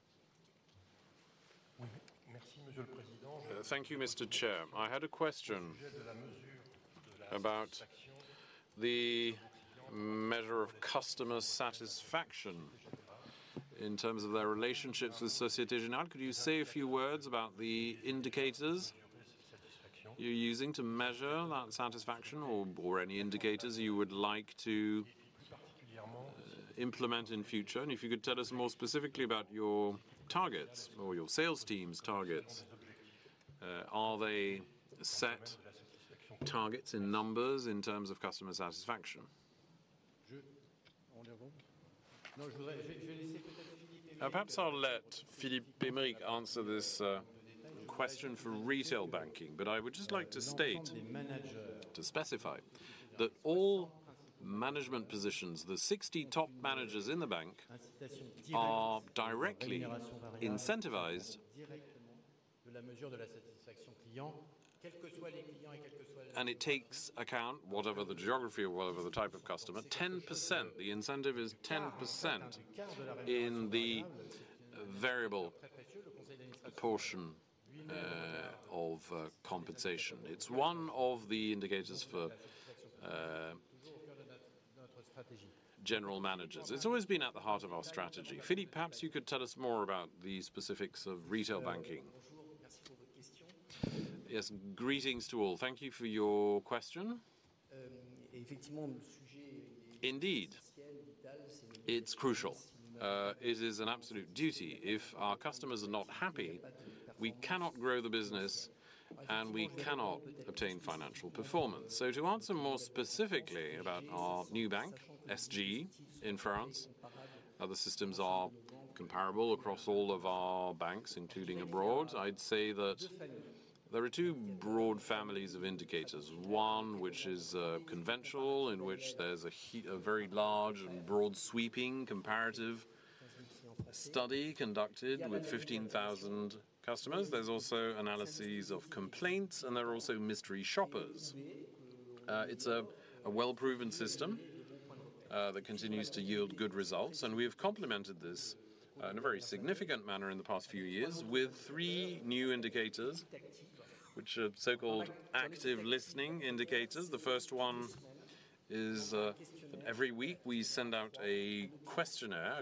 Thank you, Mr. Chair. I had a question about the measure of customer satisfaction in terms of their relationships with Société Générale. Could you say a few words about the indicators you're using to measure that satisfaction or any indicators you would like to implement in future? If you could tell us more specifically about your targets or your sales team's targets. Are they set targets in numbers in terms of customer satisfaction? Perhaps I'll let Philippe Aymerich answer this, question for retail banking. I would just like to state, to specify, that all management positions, the 60 top managers in the bank, are directly incentivized. It takes account, whatever the geography or whatever the type of customer, 10%, the incentive is 10% in the variable portion of compensation. It's one of the indicators for general managers. It's always been at the heart of our strategy. Philippe, perhaps you could tell us more about the specifics of retail banking. Yes. Greetings to all. Thank you for your question. Indeed, it's crucial. It is an absolute duty. If our customers are not happy, we cannot grow the business, and we cannot obtain financial performance. To answer more specifically about our new bank, SG, in France. The systems are comparable across all of our banks, including abroad. I'd say that there are two broad families of indicators. One which is conventional, in which there's a very large and broad sweeping comparative study conducted with 15,000 customers. There's also analyses of complaints, and there are also mystery shoppers. It's a well-proven system that continues to yield good results, and we have complemented this in a very significant manner in the past few years with three new indicators, which are so-called active listening indicators. The first one is, every week we send out a questionnaire,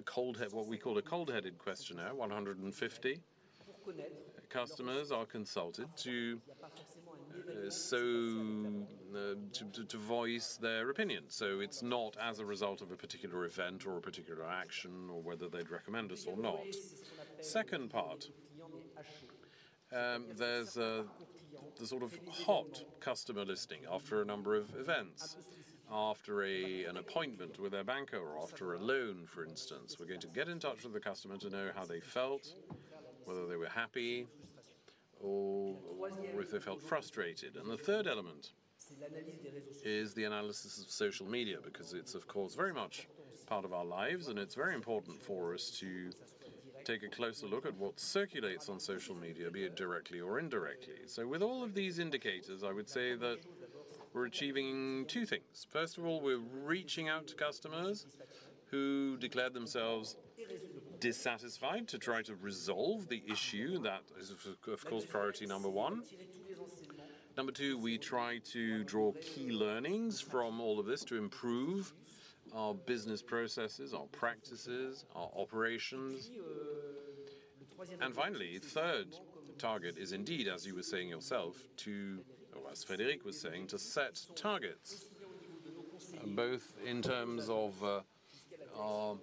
what we call a cold-headed questionnaire. 150 customers are consulted to, so, to voice their opinion. It's not as a result of a particular event or a particular action or whether they'd recommend us or not. Second part, there's a, the sort of hot customer listing after a number of events. After a, an appointment with their banker or after a loan, for instance, we're going to get in touch with the customer to know how they felt, whether they were happy or if they felt frustrated. The third element is the analysis of social media, because it's of course very much part of our lives, and it's very important for us to take a closer look at what circulates on social media, be it directly or indirectly. With all of these indicators, I would say that we're achieving two things. First of all, we're reaching out to customers who declared themselves dissatisfied to try to resolve the issue. That is of course priority number one. Number two, we try to draw key learnings from all of this to improve our business processes, our practices, our operations. Finally, third target is indeed, as you were saying yourself, or as Frédéric was saying, to set targets both in terms of our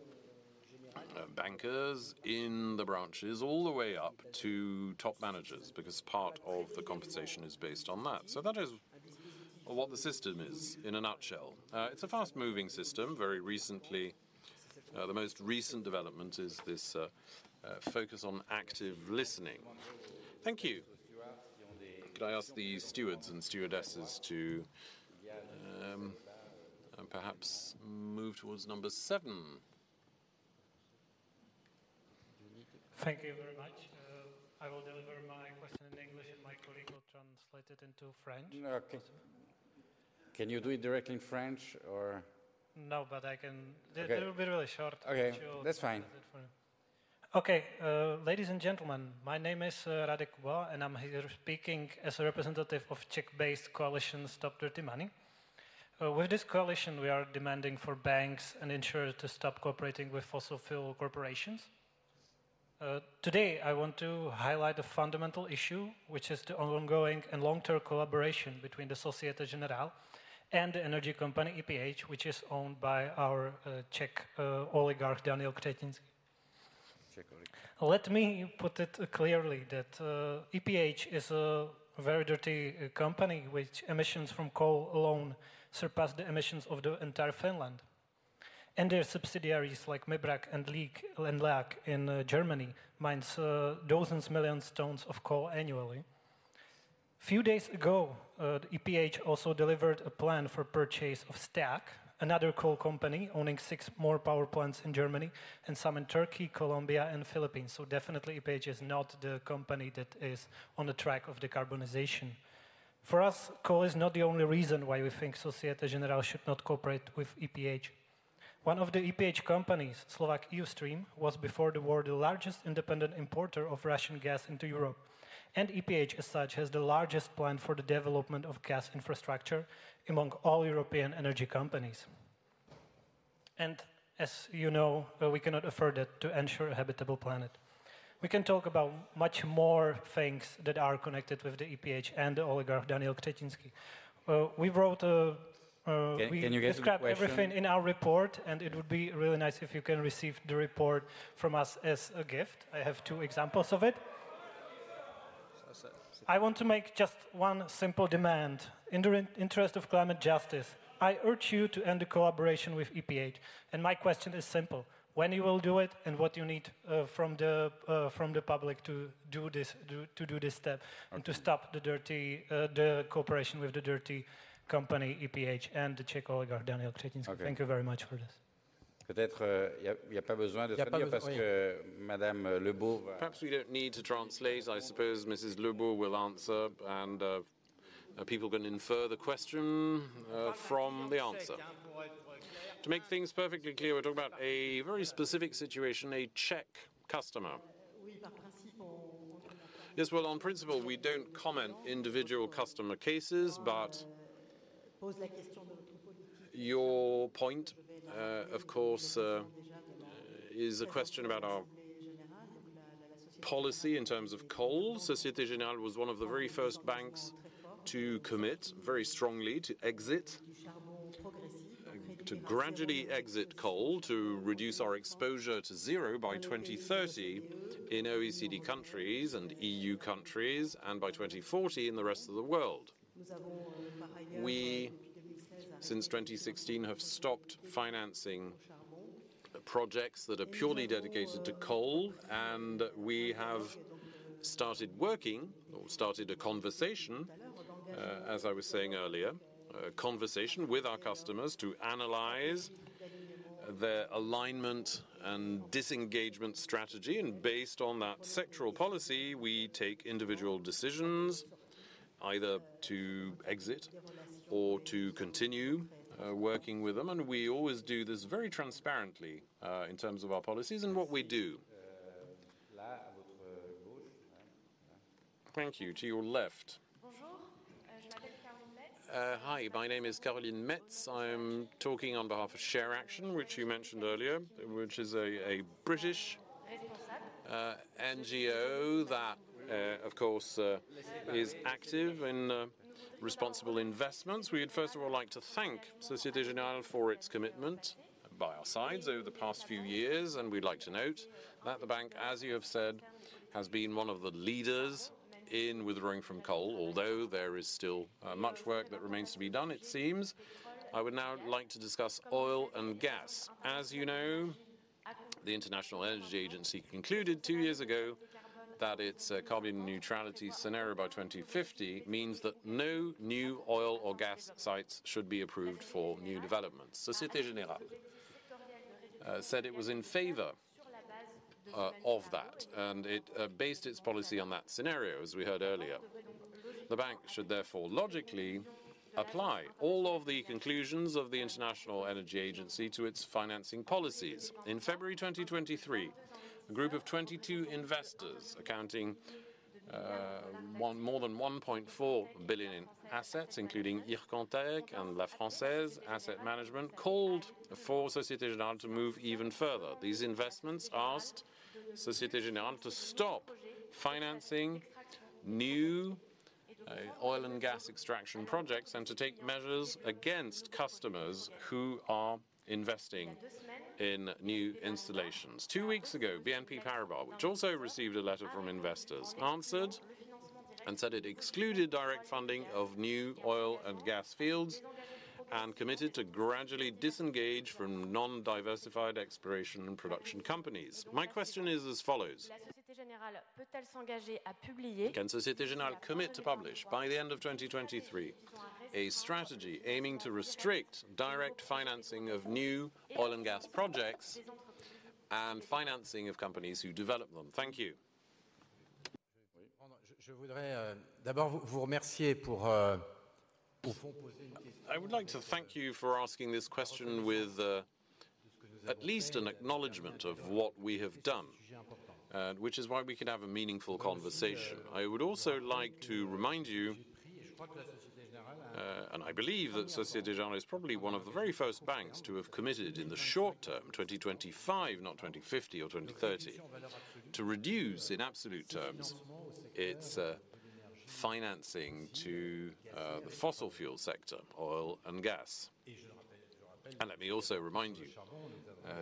bankers in the branches all the way up to top managers, because part of the compensation is based on that. That is what the system is in a nutshell. It's a fast-moving system. Very recently, the most recent development is this focus on active listening. Thank you. Could I ask the stewards and stewardesses to perhaps move towards number seven? Thank you very much. I will deliver my question in English, and my colleague will translate it into French. No, can you do it directly in French or...? No, but I. Okay. It'll be really short. Okay. That's fine. Okay. Ladies and gentlemen, my name is Radek Kubala, I'm here speaking as a representative of Czech-based coalition Stop Dirty Money. With this coalition, we are demanding for banks and insurers to stop cooperating with fossil fuel corporations. Today, I want to highlight a fundamental issue, which is the ongoing and long-term collaboration between the Société Générale and the energy company EPH, which is owned by our Czech oligarch, Daniel Křetínský. Czech oligarch. Let me put it clearly that EPH is a very dirty company, which emissions from coal alone surpass the emissions of the entire Finland. Their subsidiaries like MIBRAG and LEAG, and LEAG in Germany mines dozens million stones of coal annually. Few days ago, EPH also delivered a plan for purchase of STEAG, another coal company owning six more power plants in Germany and some in Turkey, Colombia and Philippines. Definitely EPH is not the company that is on the track of decarbonization. For us, coal is not the only reason why we think Société Générale should not cooperate with EPH. One of the EPH companies, Slovak eustream, was before the war, the largest independent importer of Russian gas into Europe. EPH, as such, has the largest plan for the development of gas infrastructure among all European energy companies. As you know, we cannot afford that to ensure a habitable planet. We can talk about much more things that are connected with the EPH and the oligarch, Daniel Křetínský. we wrote. Can you get to the question? We described everything in our report. It would be really nice if you can receive the report from us as a gift. I have two examples of it. I want to make just one simple demand. In the interest of climate justice, I urge you to end the collaboration with EPH. My question is simple: When you will do it, and what you need from the public to do this step. Okay. To stop the dirty cooperation with the dirty company, EPH, and the Czech oligarch, Daniel Křetínský. Okay. Thank you very much for this. Perhaps we don't need to translate. I suppose Mrs. Lebot will answer, and people can infer the question from the answer. To make things perfectly clear, we're talking about a very specific situation, a Czech customer. Yes, well, on principle, we don't comment individual customer cases, your point, of course, is a question about our policy in terms of coal. Société Générale was one of the very first banks to commit very strongly to gradually exit coal, to reduce our exposure to zero by 2030 in OECD countries and EU countries, and by 2040 in the rest of the world. Since 2016 have stopped financing projects that are purely dedicated to coal, and we have started working or started a conversation, as I was saying earlier, a conversation with our customers to analyze their alignment and disengagement strategy. Based on that sectoral policy, we take individual decisions either to exit or to continue working with them. We always do this very transparently in terms of our policies and what we do. Thank you. To your left. Bonjour. Hi. My name is Caroline Metz. I'm talking on behalf of ShareAction, which you mentioned earlier, which is a British NGO that, of course, is active in responsible investments. We would first of all like to thank Société Générale for its commitment by our sides over the past few years. We'd like to note that the bank, as you have said, has been one of the leaders in withdrawing from coal, although there is still much work that remains to be done, it seems. I would now like to discuss oil and gas. As you know, the International Energy Agency concluded two years ago that its carbon neutrality scenario by 2050 means that no new oil or gas sites should be approved for new developments. Société Générale said it was in favor of that, and it based its policy on that scenario, as we heard earlier. The bank should therefore logically apply all of the conclusions of the International Energy Agency to its financing policies. In February 2023, a group of 22 investors accounting more than 1.4 billion in assets, including and La Française Asset Management, called for Société Générale to move even further. These investments asked Société Générale to stop financing new oil and gas extraction projects and to take measures against customers who are investing in new installations. Two weeks ago, BNP Paribas, which also received a letter from investors, answered and said it excluded direct funding of new oil and gas fields and committed to gradually disengage from non-diversified exploration and production companies. My question is as follows: Can Société Générale commit to publish by the end of 2023 a strategy aiming to restrict direct financing of new oil and gas projects and financing of companies who develop them? Thank you. I would like to thank you for asking this question with at least an acknowledgement of what we have done, which is why we can have a meaningful conversation. I believe that Société Générale is probably one of the very first banks to have committed in the short term, 2025, not 2050 or 2030, to reduce in absolute terms its financing to the fossil fuel sector, oil and gas. Let me also remind you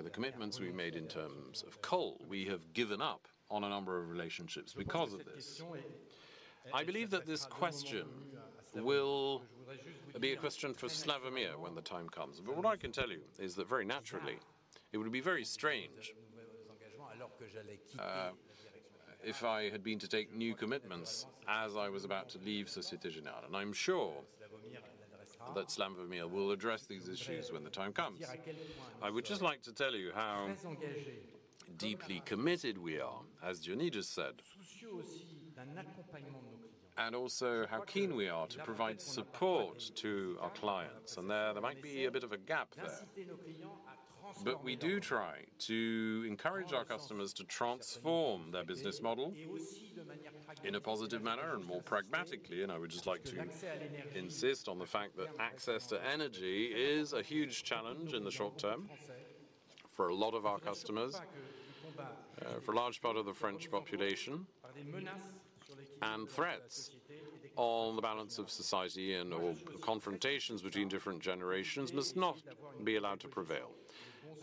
the commitments we made in terms of coal. We have given up on a number of relationships because of this. I believe that this question will be a question for Slavomir when the time comes. What I can tell you is that very naturally, it would be very strange if I had been to take new commitments as I was about to leave Société Générale. I'm sure that Slavomir will address these issues when the time comes. I would just like to tell you how deeply committed we are, as Diony said, and also how keen we are to provide support to our clients. There, there might be a bit of a gap there. We do try to encourage our customers to transform their business model in a positive manner and more pragmatically. I would just like to insist on the fact that access to energy is a huge challenge in the short term for a lot of our customers, for a large part of the French population. Threats on the balance of society and, or confrontations between different generations must not be allowed to prevail.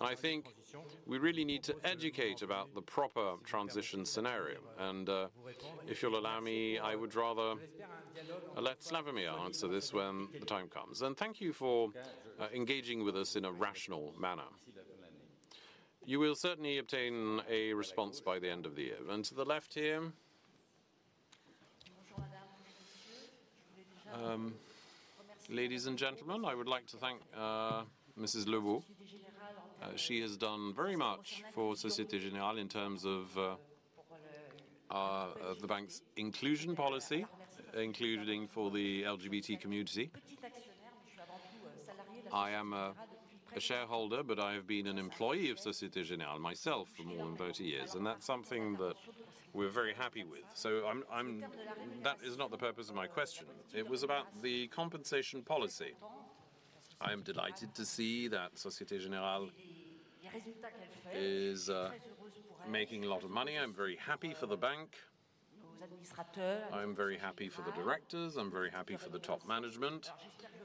I think we really need to educate about the proper transition scenario. If you'll allow me, I would rather let Slavomir answer this when the time comes. Thank you for engaging with us in a rational manner. You will certainly obtain a response by the end of the year. To the left here. Bonjour, madame et monsieur. Ladies and gentlemen, I would like to thank Mrs. Lebot. She has done very much for Société Générale in terms of the bank's inclusion policy, including for the LGBT community. I am a shareholder, but I have been an employee of Société Générale myself for more than 30 years, and that's something that we're very happy with. That is not the purpose of my question. It was about the compensation policy. I am delighted to see that Société Générale is making a lot of money. I'm very happy for the bank. I'm very happy for the directors. I'm very happy for the top management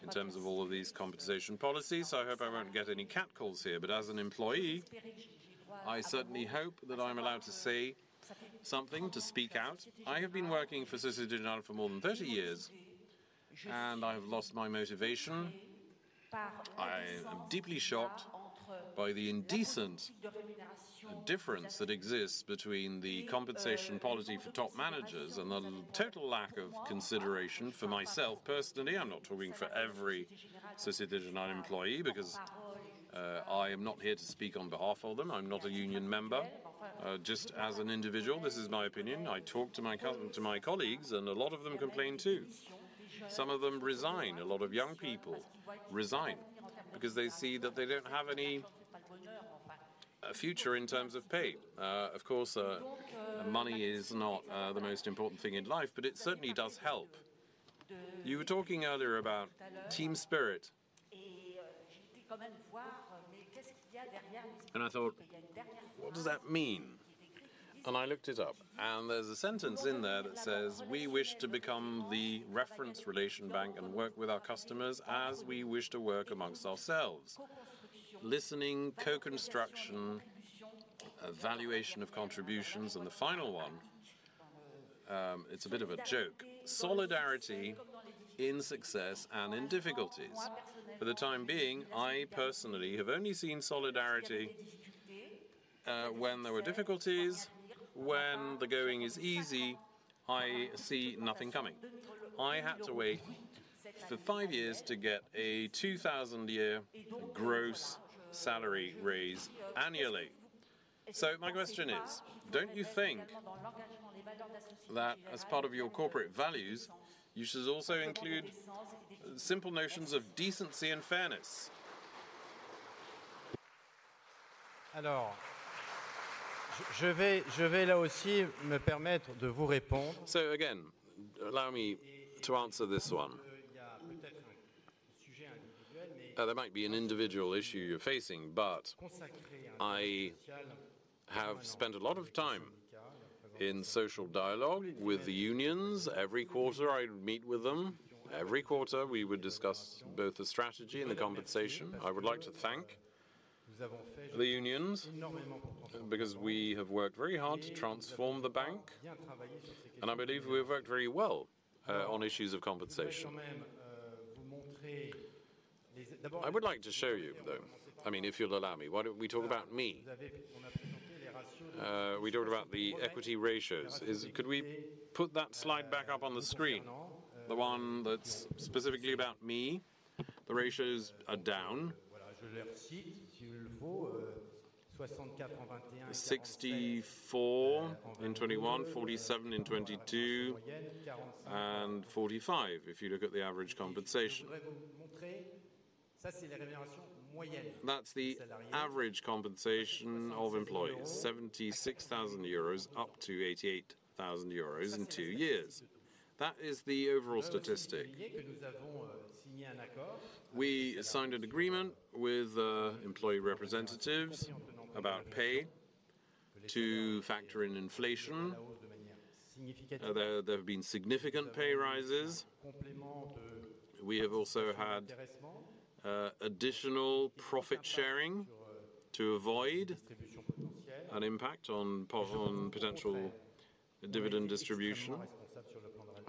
in terms of all of these compensation policies. I hope I won't get any catcalls here. As an employee I certainly hope that I'm allowed to say something, to speak out. I have been working for Société Générale for more than 30 years, and I've lost my motivation. I am deeply shocked by the indecent difference that exists between the compensation policy for top managers and the total lack of consideration for myself personally. I'm not talking for every Société Générale employee because I am not here to speak on behalf of them. I'm not a union member. Just as an individual, this is my opinion. I talk to my colleagues, and a lot of them complain too. Some of them resign. A lot of young people resign because they see that they don't have any future in terms of pay. Of course, money is not the most important thing in life, but it certainly does help. You were talking earlier about team spirit. I thought, "What does that mean?" I looked it up, and there's a sentence in there that says, "We wish to become the reference relation bank and work with our customers as we wish to work amongst ourselves." Listening, co-construction, valuation of contributions, and the final one, it's a bit of a joke, solidarity in success and in difficulties. For the time being, I personally have only seen solidarity when there were difficulties. When the going is easy, I see nothing coming. I had to wait for five years to get a 2,000 a year gross salary raise annually. My question is, don't you think that as part of your corporate values, you should also include simple notions of decency and fairness? Again, allow me to answer this one. There might be an individual issue you're facing. I have spent a lot of time in social dialogue with the unions. Every quarter, I would meet with them. Every quarter, we would discuss both the strategy and the compensation. I would like to thank the unions because we have worked very hard to transform the bank. I believe we have worked very well on issues of compensation. I would like to show you, though, I mean, if you'll allow me. Why don't we talk about me? We talked about the equity ratios. Could we put that slide back up on the screen, the one that's specifically about me? The ratios are down. 64 in 2021, 47 in 2022, 45 if you look at the average compensation. That's the average compensation of employees, 76,000 euros up to 88,000 euros in two years. That is the overall statistic. We signed an agreement with employee representatives about pay to factor in inflation. There have been significant pay rises. We have also had additional profit sharing to avoid an impact on potential dividend distribution.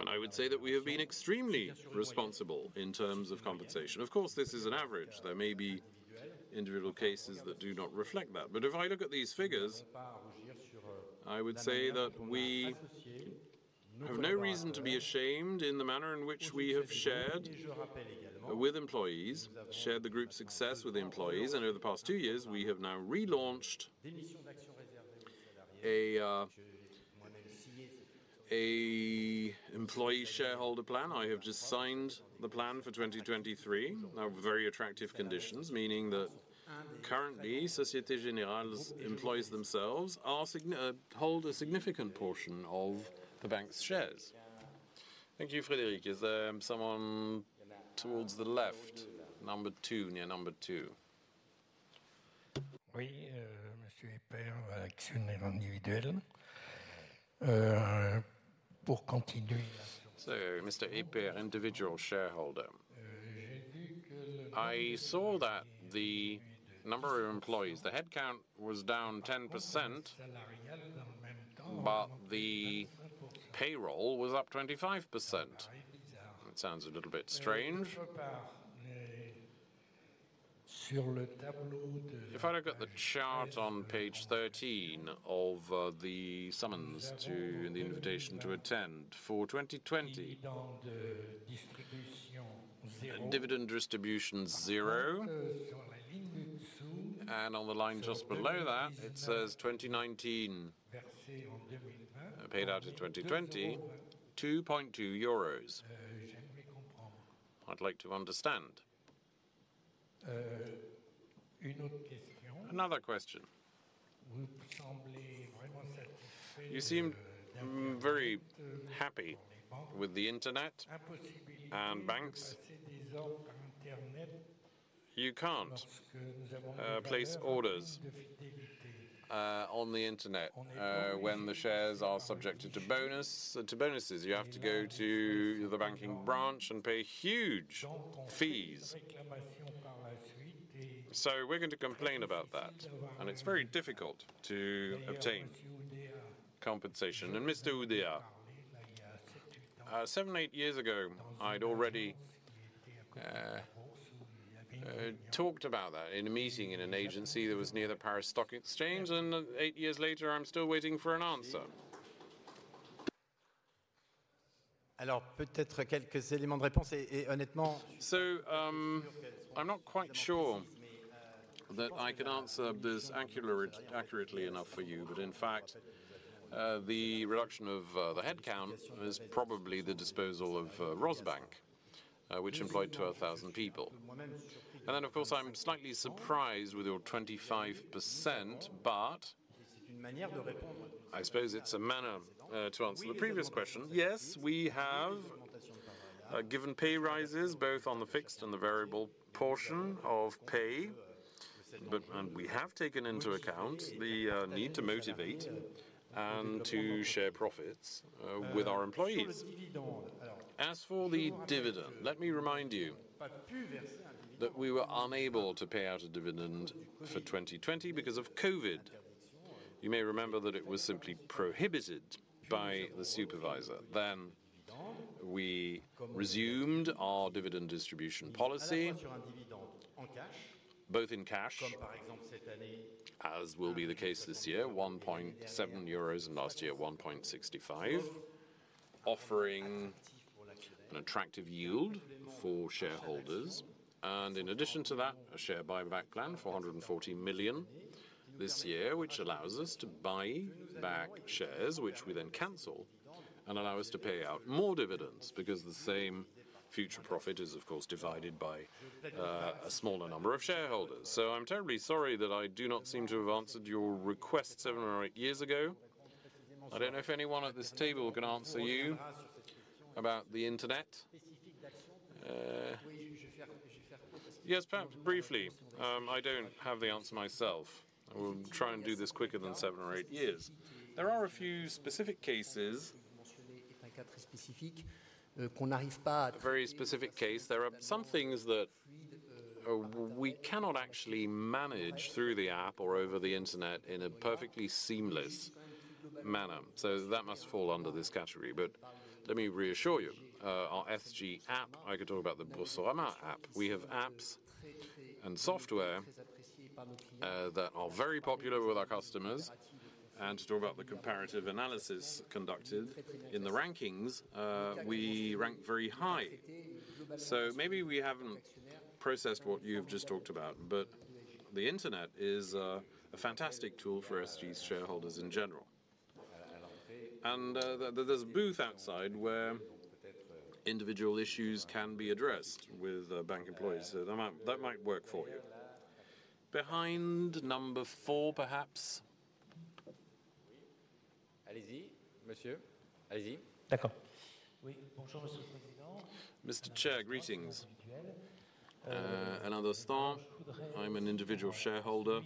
I would say that we have been extremely responsible in terms of compensation. Of course, this is an average. There may be individual cases that do not reflect that. If I look at these figures, I would say that we have no reason to be ashamed in the manner in which we have shared with employees, shared the group's success with the employees. Over the past two years, we have now relaunched a employee shareholder plan. I have just signed the plan for 2023. Very attractive conditions, meaning that currently, Société Générale's employees themselves hold a significant portion of the bank's shares. Thank you, Frédéric. Is there someone towards the left? Number 2, near number 2. We, Mr. Epir, individual shareholder. Mr. Epir, individual shareholder. I saw that the number of employees, the headcount was down 10%, but the payroll was up 25%. It sounds a little bit strange. If I look at the chart on page 13 of the summons to the invitation to attend, for 2020, dividend distribution, 0. On the line just below that, it says 2019, paid out in 2020, 2.2 euros. I'd like to understand. Another question. You seem very happy with the internet and banks. You can't place orders on the internet when the shares are subjected to bonuses. You have to go to the banking branch and pay huge fees. We're going to complain about that, and it's very difficult to obtain compensation. Mr. Oudéa, seven, eight years ago, I'd already talked about that in a meeting in an agency that was near the Paris Stock Exchange, and eight years later, I'm still waiting for an answer. I'm not quite sure that I can answer this accurately enough for you, but in fact, the reduction of the headcount is probably the disposal of Rosbank, which employed 12,000 people. Of course, I'm slightly surprised with your 25%, but I suppose it's a manner to answer the previous question. Yes, we have given pay rises both on the fixed and the variable portion of pay, and we have taken into account the need to motivate and to share profits with our employees. As for the dividend, let me remind you that we were unable to pay out a dividend for 2020 because of COVID. You may remember that it was simply prohibited by the supervisor. We resumed our dividend distribution policy, both in cash, as will be the case this year, 1.7 euros, and last year 1.65, offering an attractive yield for shareholders. In addition to that, a share buyback plan, 440 million this year, which allows us to buy back shares, which we then cancel and allow us to pay out more dividends because the same future profit is of course divided by a smaller number of shareholders. I'm terribly sorry that I do not seem to have answered your request seven or eight years ago. I don't know if anyone at this table can answer you about the Internet. Yes, perhaps briefly. I don't have the answer myself. I will try and do this quicker than seven or eight years. There are a few specific cases. A very specific case. There are some things that we cannot actually manage through the app or over the Internet in a perfectly seamless manner, so that must fall under this category. Let me reassure you, our SG app, I could talk about the Boursorama app. We have apps and software that are very popular with our customers, to talk about the comparative analysis conducted in the rankings, we rank very high. Maybe we haven't processed what you've just talked about, the Internet is a fantastic tool for SG's shareholders in general. There's a booth outside where individual issues can be addressed with bank employees, that might work for you. Behind number 4, perhaps. Mr. Chair, greetings. Alain Dontant. I'm an individual shareholder.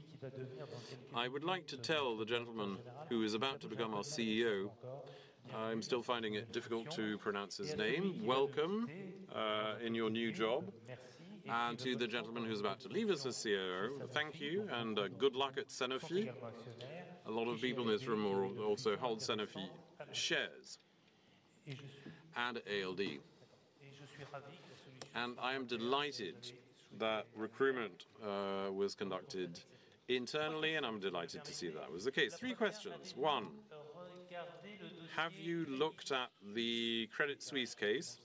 I would like to tell the gentleman who is about to become our CEO, I'm still finding it difficult to pronounce his name, welcome in your new job. To the gentleman who's about to leave as the CEO, thank you and good luck at Sanofi. A lot of people in this room also hold Sanofi shares and ALD. I am delighted that recruitment was conducted internally, and I am delighted to see that was the case. Three questions. One, have you looked at the Credit Suisse case?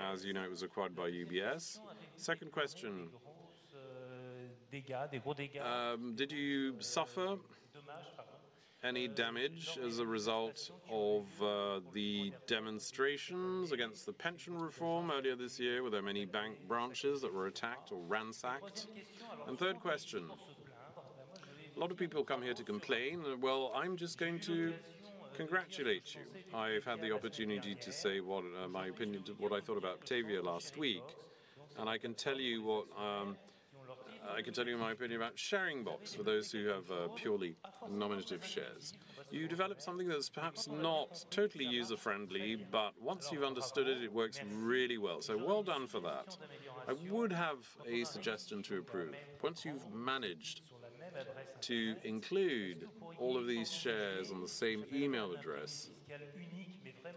As you know, it was acquired by UBS. Second question, did you suffer any damage as a result of the demonstrations against the pension reform earlier this year? Were there many bank branches that were attacked or ransacked? Third question, a lot of people come here to complain. Well, I'm just going to congratulate you. I've had the opportunity to say what, my opinion, what I thought about Octavia last week, and I can tell you what, I can tell you my opinion about Sharinbox for those who have, purely nominative shares. You developed something that's perhaps not totally user-friendly, but once you've understood it works really well. Well done for that. I would have a suggestion to improve. Once you've managed to include all of these shares on the same email address,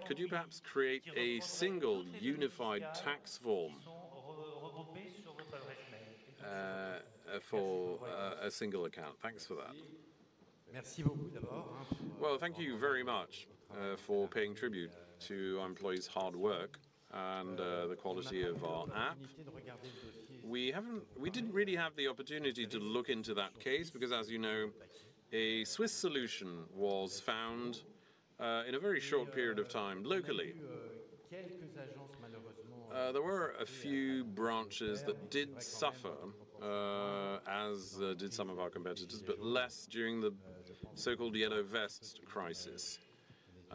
could you perhaps create a single unified tax form, for, a single account? Thanks for that. Well, thank you very much, for paying tribute to our employees' hard work and, the quality of our app. We didn't really have the opportunity to look into that case because, as you know, a Swiss solution was found in a very short period of time locally. There were a few branches that did suffer, as did some of our competitors, but less during the so-called yellow vest crisis.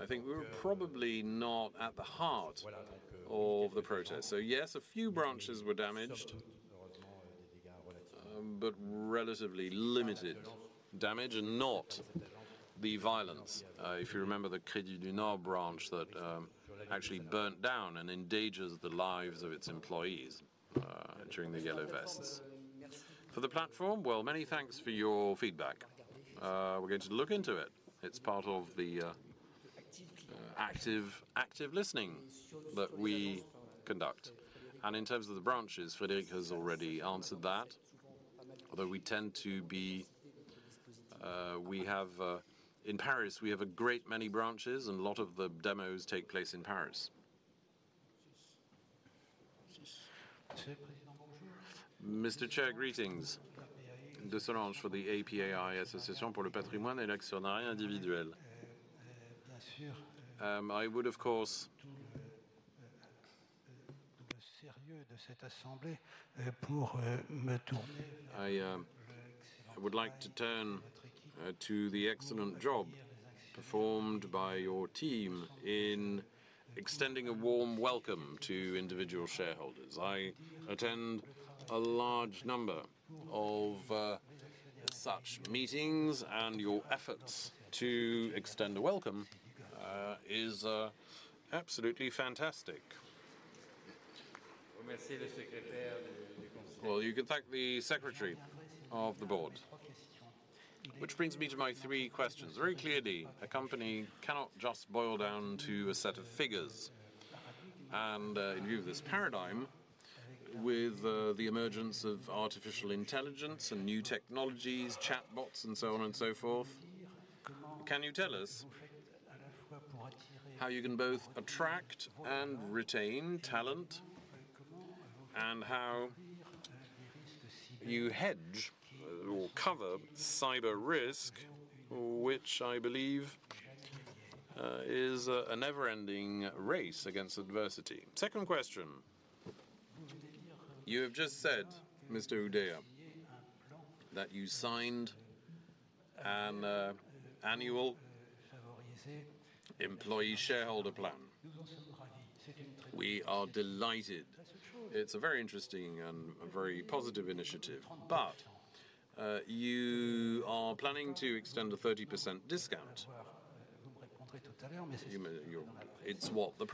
I think we were probably not at the heart of the protest. Yes, a few branches were damaged, but relatively limited damage and not the violence. If you remember the Crédit du Nord branch that actually burnt down and endangers the lives of its employees during the yellow vests. For the platform, well, many thanks for your feedback. We're going to look into it. It's part of the active listening that we conduct. In terms of the branches, Frédéric has already answered that. Although we tend to be, we have, in Paris, we have a great many branches, and a lot of the demos take place in Paris. Mr. Chair, greetings. This is Solange for the APAI Association pour le Patrimoine et l'Actionnariat Individuel. I would, of course, I would like to turn to the excellent job performed by your team in extending a warm welcome to individual shareholders. I attend a large number of such meetings, and your efforts to extend a welcome is absolutely fantastic. Well, you can thank the secretary of the board. Which brings me to my three questions. Very clearly, a company cannot just boil down to a set of figures. In view of this paradigm, with the emergence of artificial intelligence and new technologies, chatbots, and so on and so forth, can you tell us how you can both attract and retain talent, and how you hedge or cover cyber risk, which I believe is a never-ending race against adversity? Second question, you have just said, Mr. Oudéa, that you signed an annual employee shareholder plan. We are delighted. It's a very interesting and very positive initiative. You are planning to extend a 30% discount. You're... It's what the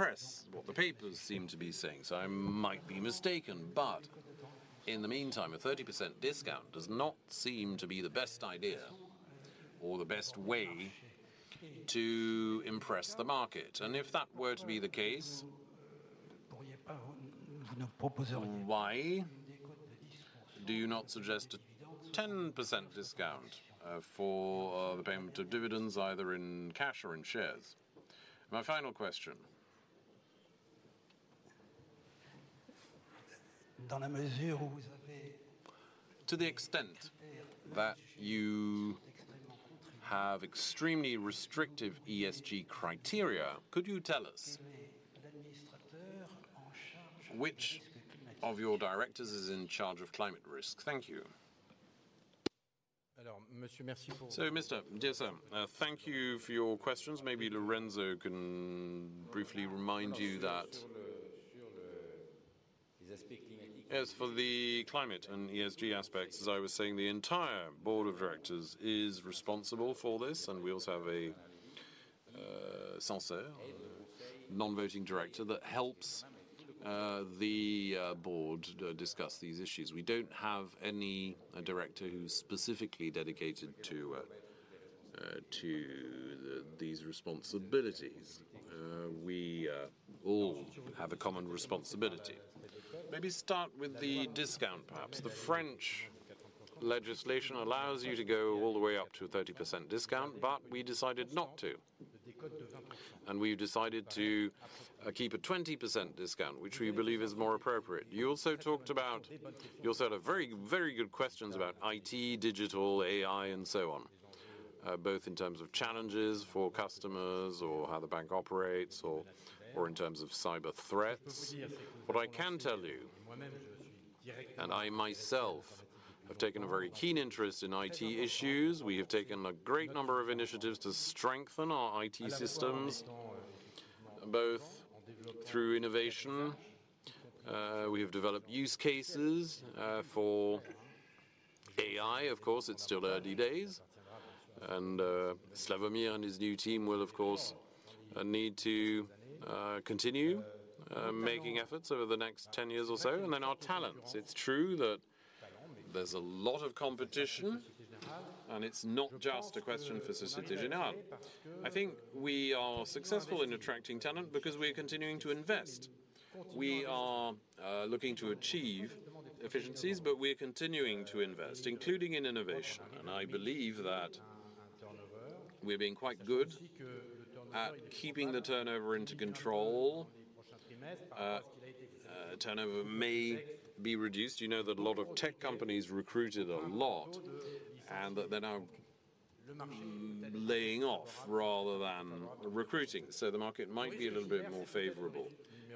papers seem to be saying, so I might be mistaken. In the meantime, a 30% discount does not seem to be the best idea or the best way to impress the market. If that were to be the case, why do you not suggest a 10% discount for the payment of dividends, either in cash or in shares? My final question. To the extent that you have extremely restrictive ESG criteria, could you tell us which of your directors is in charge of climate risk? Thank you. Mister, dear sir, thank you for your questions. Maybe Lorenzo can briefly remind you that... As for the climate and ESG aspects, as I was saying, the entire Board of Directors is responsible for this, and we also have a Censeur, non-voting director that helps the board discuss these issues. We don't have any director who's specifically dedicated to these responsibilities. We all have a common responsibility. Maybe start with the discount, perhaps. The French legislation allows you to go all the way up to a 30% discount, but we decided not to, and we've decided to keep a 20% discount, which we believe is more appropriate. You also had a very good questions about IT, digital, AI, and so on, both in terms of challenges for customers or how the bank operates or in terms of cyber threats. What I can tell you, and I myself have taken a very keen interest in IT issues. We have taken a great number of initiatives to strengthen our IT systems, both through innovation. We have developed use cases for AI. Of course, it's still early days, and Slawomir and his new team will, of course, need to continue making efforts over the next 10 years or so. Our talents. It's true that there's a lot of competition, and it's not just a question for Société Générale. I think we are successful in attracting talent because we're continuing to invest. We are looking to achieve efficiencies, but we're continuing to invest, including in innovation. I believe that we're being quite good at keeping the turnover into control. Turnover may be reduced. You know that a lot of tech companies recruited a lot, and that they're now laying off rather than recruiting. The market might be a little bit more favorable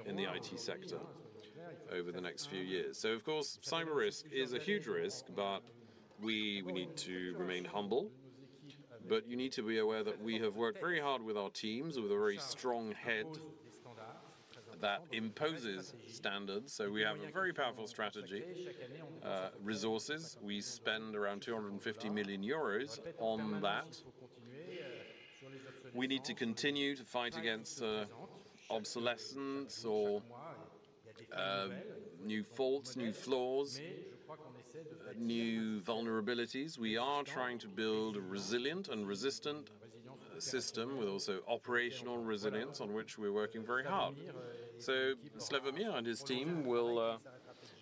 in the IT sector over the next few years. Of course, cyber risk is a huge risk, but we need to remain humble. You need to be aware that we have worked very hard with our teams, with a very strong head that imposes standards. We have a very powerful strategy. Resources, we spend around 250 million euros on that. We need to continue to fight against obsolescence or new faults, new flaws, new vulnerabilities. We are trying to build a resilient and resistant system with also operational resilience on which we're working very hard. Slawomir and his team will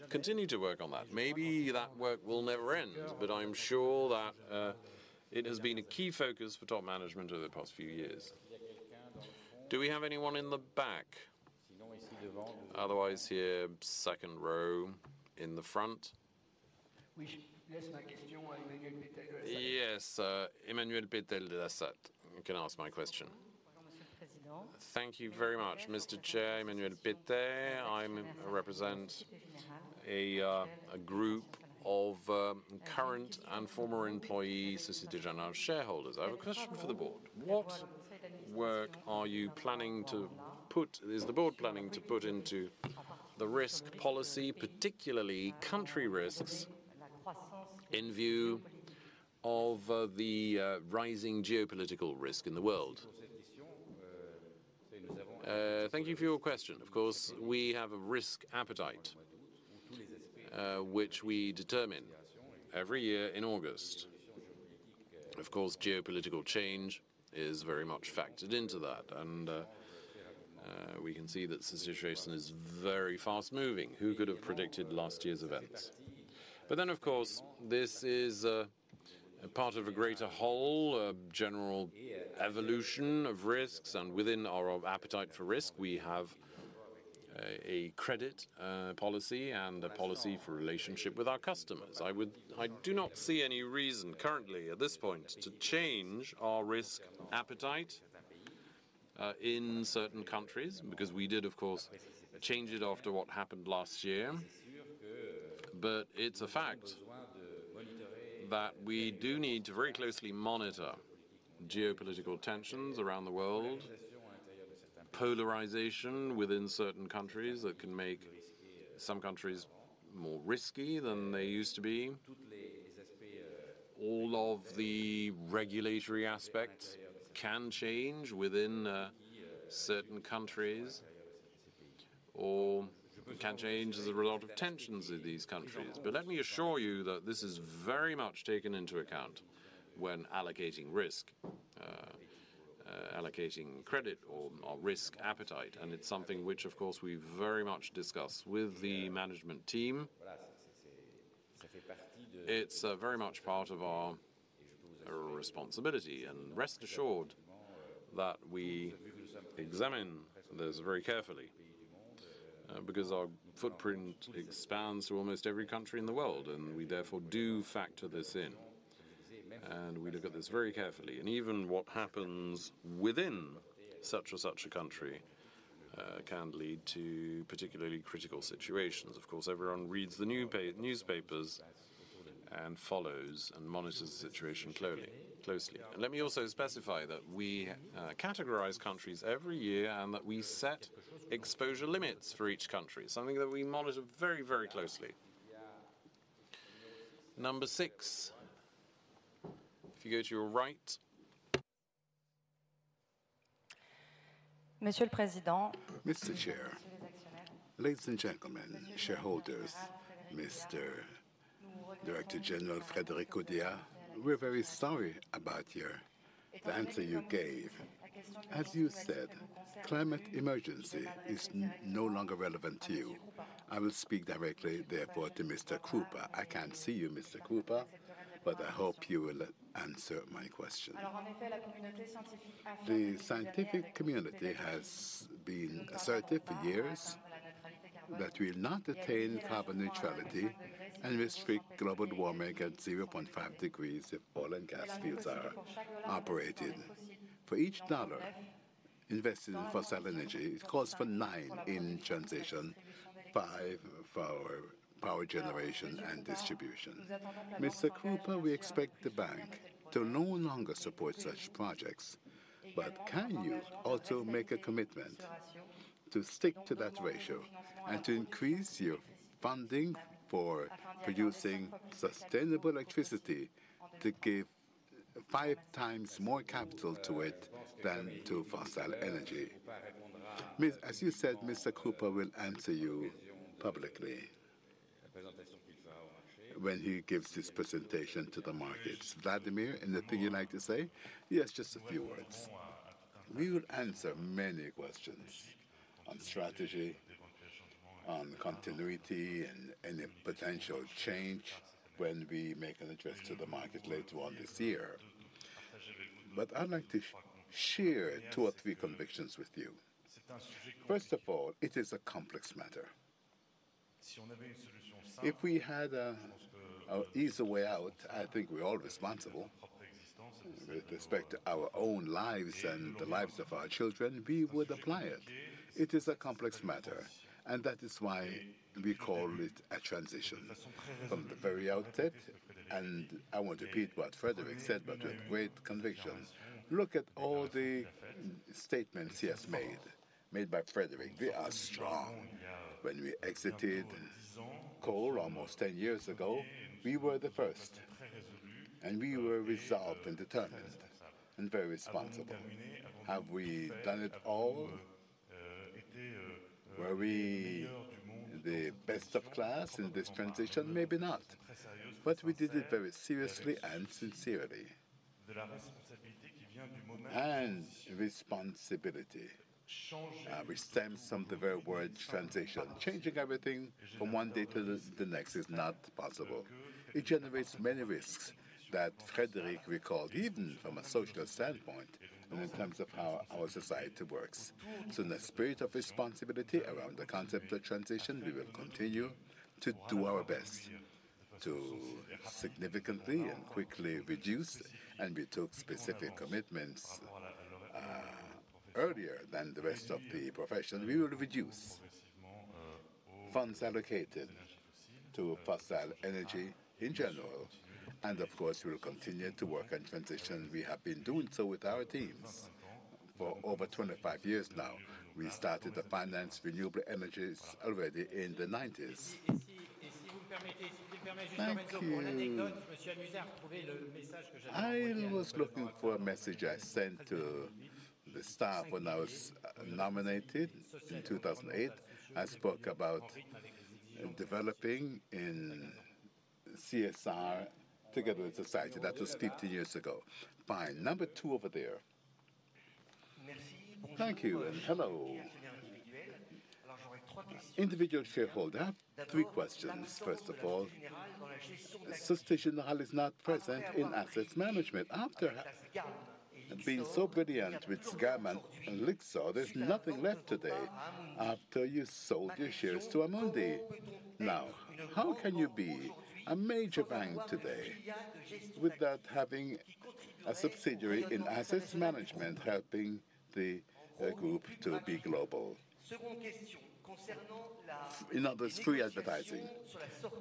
continue to work on that. Maybe that work will never end, but I'm sure that it has been a key focus for top management over the past few years. Do we have anyone in the back? Otherwise here, second row in the front. Emmanuel Petel de Lassalle can ask my question. Thank you very much, Mr. Chair, Emmanuel Petel. I'm represent a group of current and former employees, Société Générale shareholders. I have a question for the board. What work are you planning to put is the board planning to put into the risk policy, particularly country risks, in view of the rising geopolitical risk in the world? Thank you for your question. Of course, we have a risk appetite, which we determine every year in August. Of course, geopolitical change is very much factored into that, and we can see that the situation is very fast-moving. Who could have predicted last year's events? Of course, this is a part of a greater whole, a general evolution of risks, and within our appetite for risk, we have a credit policy and a policy for relationship with our customers. I do not see any reason currently at this point to change our risk appetite in certain countries, because we did, of course, change it after what happened last year. It's a fact that we do need to very closely monitor geopolitical tensions around the world, polarization within certain countries that can make some countries more risky than they used to be. All of the regulatory aspects can change within certain countries or can change as a result of tensions in these countries. Let me assure you that this is very much taken into account when allocating risk, allocating credit or risk appetite, and it's something which, of course, we very much discuss with the management team. It's very much part of our responsibility, and rest assured that we examine those very carefully, because our footprint expands to almost every country in the world, and we therefore do factor this in, and we look at this very carefully. Even what happens within such and such a country, can lead to particularly critical situations. Of course, everyone reads the newspapers and follows and monitors the situation closely. Let me also specify that we categorize countries every year and that we set exposure limits for each country, something that we monitor very closely. Number 6, if you go to your right. Mr. Chair, ladies and gentlemen, shareholders, Mr. Director General Frédéric Oudéa, we're very sorry about your the answer you gave. As you said, climate emergency is no longer relevant to you. I will speak directly therefore to Mr. Krupa. I can't see you, Mr. Krupa, but I hope you will answer my question. The scientific community has been assertive for years that we'll not attain carbon neutrality and restrict global warming at 0.5 degrees if oil and gas fields are operated. For each dollar invested in fossil energy, it costs for nine in transition, five for power generation and distribution. Mr. Krupa, we expect the bank to no longer support such projects, can you also make a commitment to stick to that ratio and to increase your funding for producing sustainable electricity to give 5x more capital to it than to fossil energy? As you said, Mr. Krupa will answer you publicly when he gives his presentation to the markets. Slawomir, anything you'd like to say? Yes, just a few words. We will answer many questions on strategy, on continuity, and any potential change when we make an address to the market later on this year. I'd like to share two or three convictions with you. First of all, it is a complex matter. If we had a easy way out, I think we're all responsible with respect to our own lives and the lives of our children, we would apply it. It is a complex matter, that is why we call it a transition from the very outset. I won't repeat what Frédéric said, with great conviction. Look at all the statements he has made. Made by Frédéric. We are strong. When we exited coal almost 10 years ago, we were the first, we were resolved and determined and very responsible. Have we done it all? Were we the best of class in this transition? Maybe not, but we did it very seriously and sincerely. Responsibility, which stems from the very word transition. Changing everything from one day to the next is not possible. It generates many risks that Frédéric recalled, even from a social standpoint and in terms of how our society works. In the spirit of responsibility around the concept of transition, we will continue to do our best to significantly and quickly reduce. We took specific commitments earlier than the rest of the profession. We will reduce funds allocated to fossil energy in general, and of course, we will continue to work on transition. We have been doing so with our teams for over 25 years now. We started to finance renewable energies already in the 90s. Thank you. I was looking for a message I sent to the staff when I was nominated in 2008. I spoke about developing in CSR together with society. That was 15 years ago. Fine. Number 2 over there. Thank you. Hello. Individual shareholder. three questions. First of all, Société Générale is not present in assets management. After being so brilliant with SGAM and Lyxor, there's nothing left today after you sold your shares to Amundi. Now, how can you be a major bank today without having a subsidiary in assets management, helping the group to be global? In other free advertising,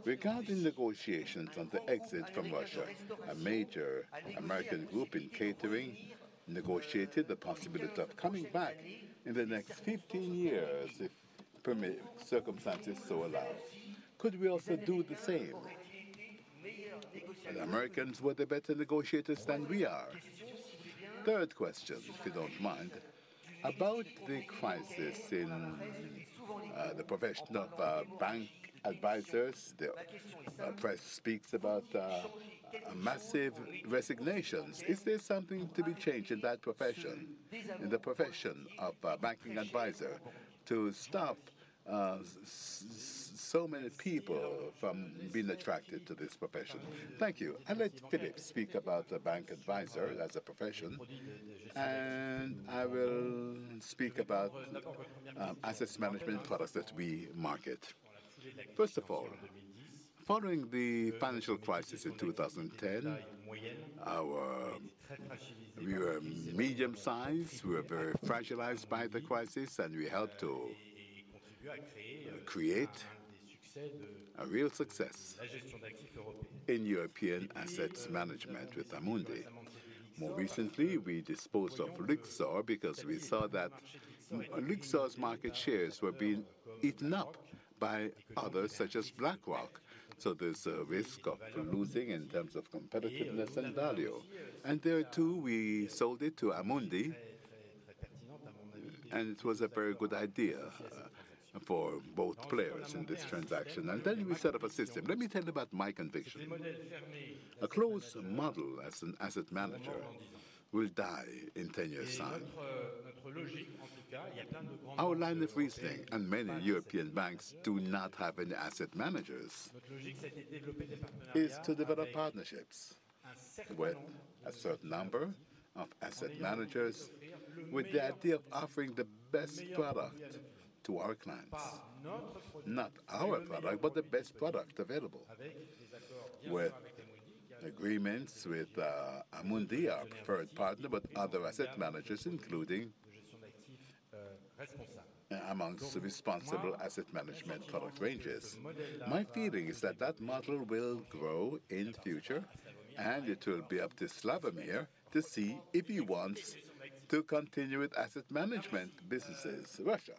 regarding negotiations on the exit from Russia, a major American group in catering negotiated the possibility of coming back in the next 15 years if circumstances so allow. Could we also do the same? Americans were the better negotiators than we are. Third question, if you don't mind. About the crisis in the profession of bank advisors. The press speaks about massive resignations. Is there something to be changed in that profession, in the profession of a banking advisor, to stop so many people from being attracted to this profession? Thank you. I'll let Philippe speak about the bank advisor as a profession, and I will speak about assets management products that we market. First of all, following the financial crisis in 2010, we were medium-sized. We were very fragilized by the crisis, and we helped to create a real success in European assets management with Amundi. More recently, we disposed of Lyxor because we saw that Lyxor's market shares were being eaten up by others such as BlackRock. There's a risk of losing in terms of competitiveness and value. There, too, we sold it to Amundi, and it was a very good idea for both players in this transaction. Then we set up a system. Let me tell you about my conviction. A closed model as an asset manager will die in 10 years' time. Our line of reasoning, and many European banks do not have any asset managers, is to develop partnerships with a certain number of asset managers with the idea of offering the best product to our clients. Not our product, but the best product available. With agreements with Amundi, our preferred partner, but other asset managers, including amongst the responsible asset management product ranges. My feeling is that that model will grow in future, and it will be up to Slawomir to see if he wants to continue with asset management businesses. Russia.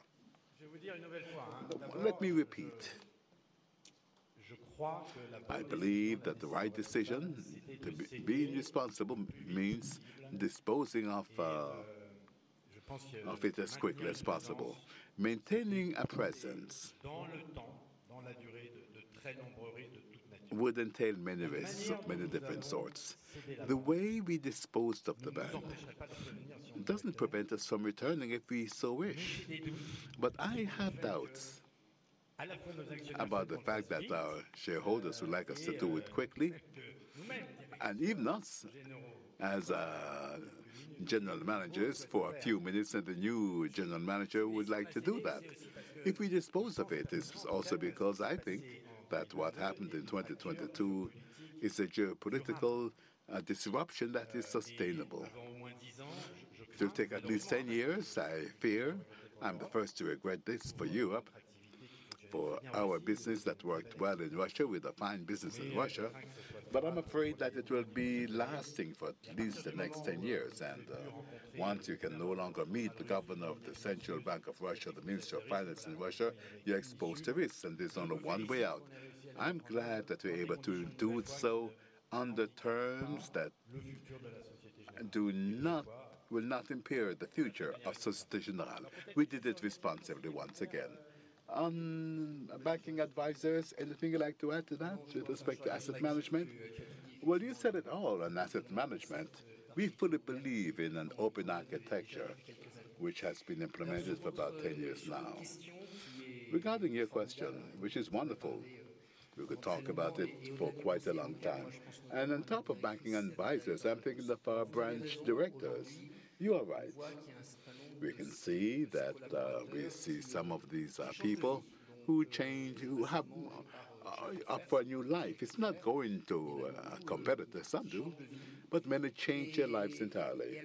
Let me repeat. I believe that the right decision to be responsible means disposing of it as quickly as possible. Maintaining a presence would entail many risks of many different sorts. The way we disposed of the bank doesn't prevent us from returning if we so wish. I have doubts about the fact that our shareholders would like us to do it quickly, and even us as general managers for a few minutes, and the new general manager would like to do that. If we dispose of it's also because I think that what happened in 2022 is a geopolitical disruption that is sustainable. It will take at least 10 years, I fear. I'm the first to regret this for Europe. For our business that worked well in Russia, we had a fine business in Russia, I'm afraid that it will be lasting for at least the next 10 years. Once you can no longer meet the governor of the Central Bank of Russia, the Minister of Finance in Russia, you're exposed to risks, and there's only one way out. I'm glad that we're able to do it so on the terms that will not impair the future of Société Générale. We did it responsibly once again. Banking advisors, anything you'd like to add to that with respect to asset management? Well, you said it all on asset management. We fully believe in an open architecture which has been implemented for about 10 years now. Regarding your question, which is wonderful, we could talk about it for quite a long time. On top of banking advisors, I'm thinking of our branch directors. You are right. We can see that we see some of these people who change, who have up for a new life. It's not going to a competitor. Some do, but many change their lives entirely.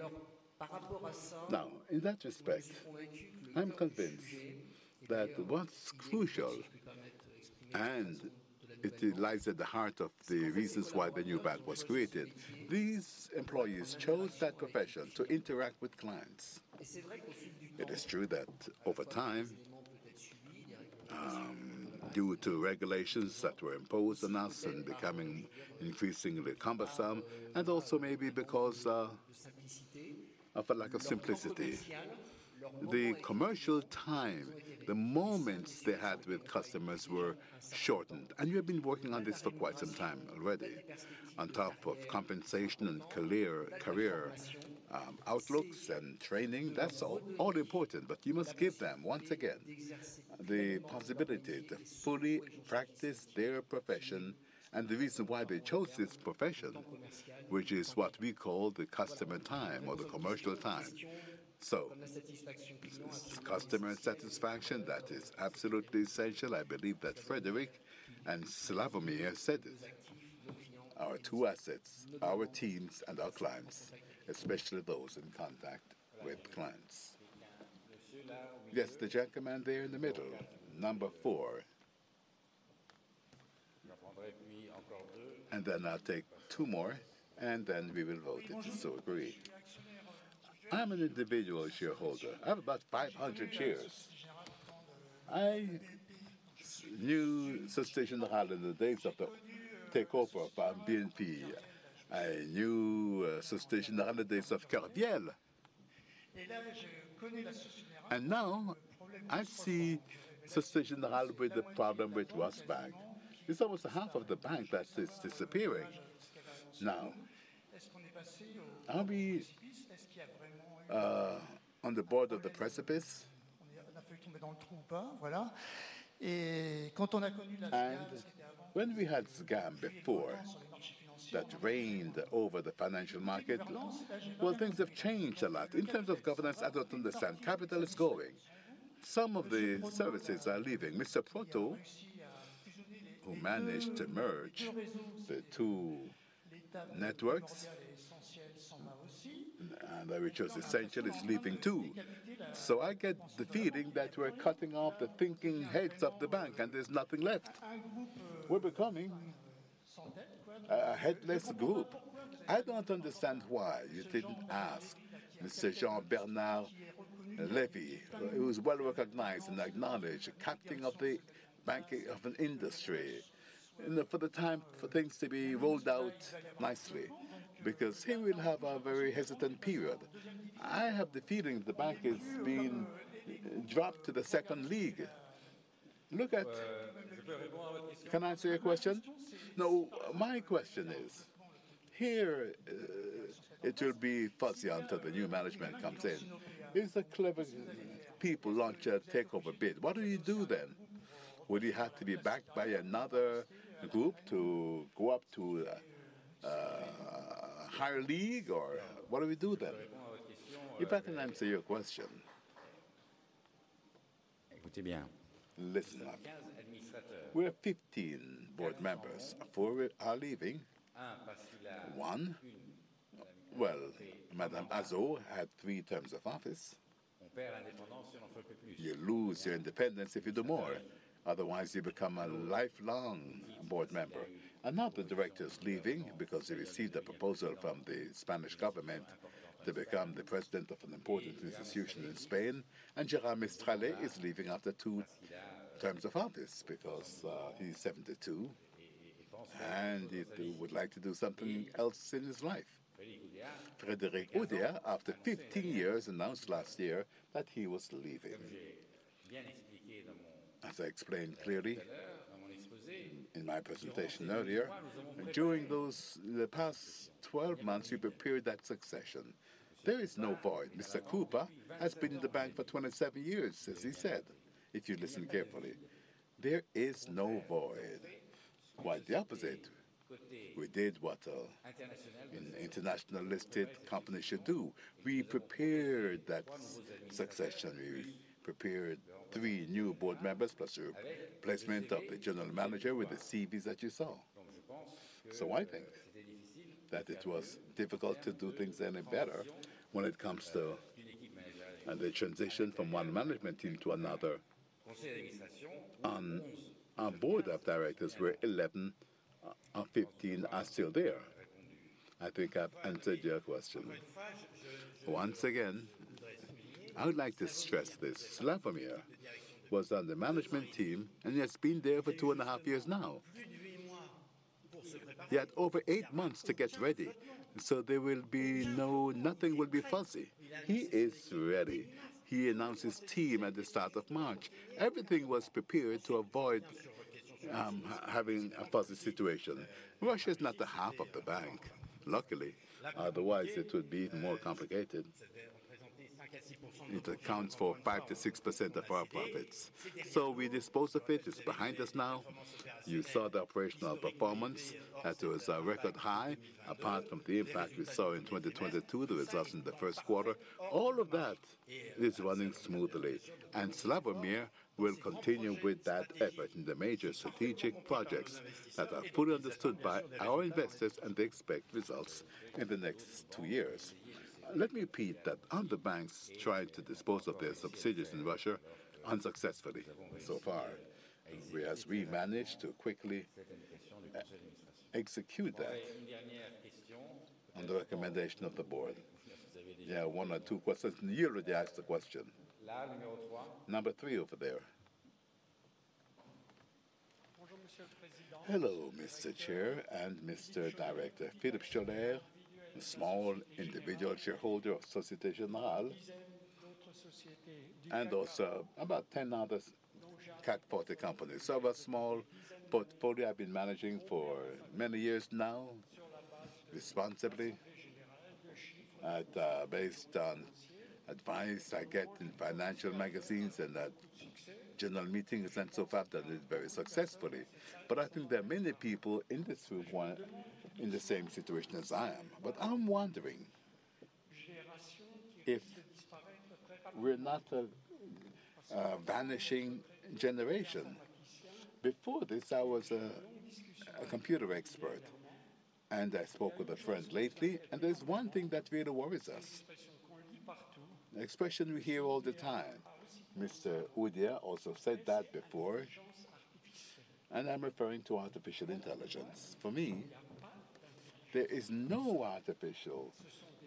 In that respect, I'm convinced that what's crucial, and it lies at the heart of the reasons why the new bank was created. These employees chose that profession to interact with clients. It is true that over time, due to regulations that were imposed on us and becoming increasingly cumbersome, and also maybe because of a lack of simplicity, the commercial time, the moments they had with customers were shortened. You have been working on this for quite some time already. On top of compensation and career outlooks and training, that's all important, but you must give them, once again, the possibility to fully practice their profession and the reason why they chose this profession, which is what we call the customer time or the commercial time. Business, customer satisfaction, that is absolutely essential. I believe that Frédéric and Slawomir said it. Our two assets, our teams and our clients, especially those in contact with clients. Yes, the gentleman there in the middle, number 4. Then I'll take 2 more, and then we will vote if you so agree. I'm an individual shareholder. I have about 500 shares. I knew Société Générale in the days of the takeover from BNP. I knew Société Générale days of Kerviel. Now I see Société Générale with the problem with Rosbank. It's almost half of the bank that is disappearing now. Are we on the border of the precipice? When we had SGAM before that reigned over the financial market, well, things have changed a lot. In terms of governance, I don't understand. Capital is going. Some of the services are leaving. Mr. Proto, who managed to merge the two networks, and which was essential, is leaving too. I get the feeling that we're cutting off the thinking heads of the bank, and there's nothing left. We're becoming a headless group. I don't understand why you didn't ask Mr. Jean-Bernard Lévy, who is well-recognized and acknowledged, captain of an industry, you know, for the time for things to be rolled out nicely, because he will have a very hesitant period. I have the feeling the bank is being dropped to the second league. Can I answer your question? No, my question is, here, it will be fuzzy until the new management comes in. If the clever people launch a takeover bid, what do you do then? Would you have to be backed by another group to go up to a higher league, or what do we do then? If I can answer your question. Listen up. We have 15 board members. Four are leaving. One, well, Kyra Hazou had three terms of office. You lose your independence if you do more. Otherwise, you become a lifelong board member. Another director is leaving because he received a proposal from the Spanish government to become the president of an important institution in Spain. Gérard Mestrallet is leaving after two terms of office because he's 72, and he would like to do something else in his life. Frédéric Oudéa, after 15 years, announced last year that he was leaving. As I explained clearly in my presentation earlier, during the past 12 months, we prepared that succession. There is no void. Mr. Krupa has been in the bank for 27 years, as he said, if you listen carefully. There is no void. Quite the opposite. We did what an international listed company should do. We prepared that succession. We prepared three new board members, plus the replacement of the general manager with the CVs that you saw. I think that it was difficult to do things any better when it comes to the transition from one management team to another. On our Board of Directors, we're 11 out of 15 are still there. I think I've answered your question. Once again, I would like to stress this. Slawomir was on the management team, and he has been there for two and a half years now. He had over eight months to get ready, so there will be nothing will be fuzzy. He is ready. He announced his team at the start of March. Everything was prepared to avoid having a fuzzy situation. Russia is not the half of the bank, luckily. Otherwise, it would be more complicated. It accounts for 5%-6% of our profits. We dispose of it. It's behind us now. You saw the operational performance as it was record high. Apart from the impact we saw in 2022, the results in the first quarter, all of that is running smoothly. Slawomir will continue with that effort in the major strategic projects that are fully understood by our investors, and they expect results in the next two years. Let me repeat that other banks tried to dispose of their subsidiaries in Russia unsuccessfully so far, whereas we managed to quickly execute that on the recommendation of the board. There are one or two questions. You already asked the question. Number three over there. Hello, Mr. Chair and Mr. Director. Philip Schoeller, a small individual shareholder of Société Générale, and also about 10 other CAC 40 companies. I have a small portfolio I've been managing for many years now, responsibly, at based on advice I get in financial magazines and at general meetings, and so far done it very successfully. I think there are many people in this room who are in the same situation as I am. I'm wondering if we're not a vanishing generation. Before this, I was a computer expert, and I spoke with a friend lately, and there's one thing that really worries us, an expression we hear all the time. Mr. Oudéa also said that before, I'm referring to artificial intelligence. For me, there is no artificial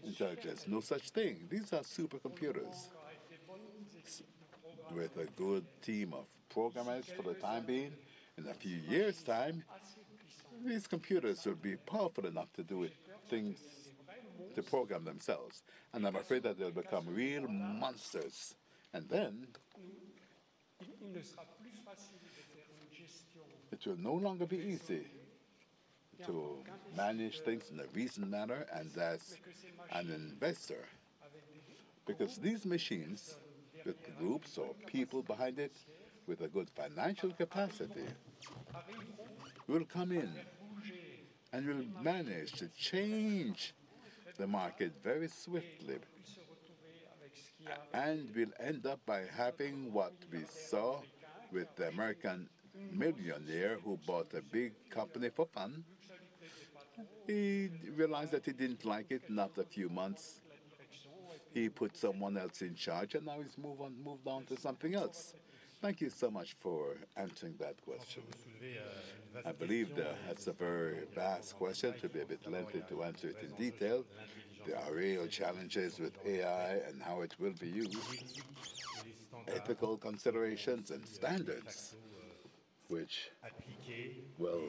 intelligence, no such thing. These are super computers with a good team of programmers for the time being. In a few years time, these computers will be powerful enough to do it, things to program themselves, I'm afraid that they'll become real monsters. It will no longer be easy to manage things in a reasoned manner and as an investor, because these machines, with groups or people behind it, with a good financial capacity, will come in and will manage to change the market very swiftly. We'll end up by having what we saw with the American millionaire who bought a big company for fun. He realized that he didn't like it. After a few months, he put someone else in charge. Now he's moved on to something else. Thank you so much for answering that question. I believe that that's a very vast question, to be a bit lengthy, to answer it in detail. There are real challenges with AI and how it will be used, ethical considerations and standards which will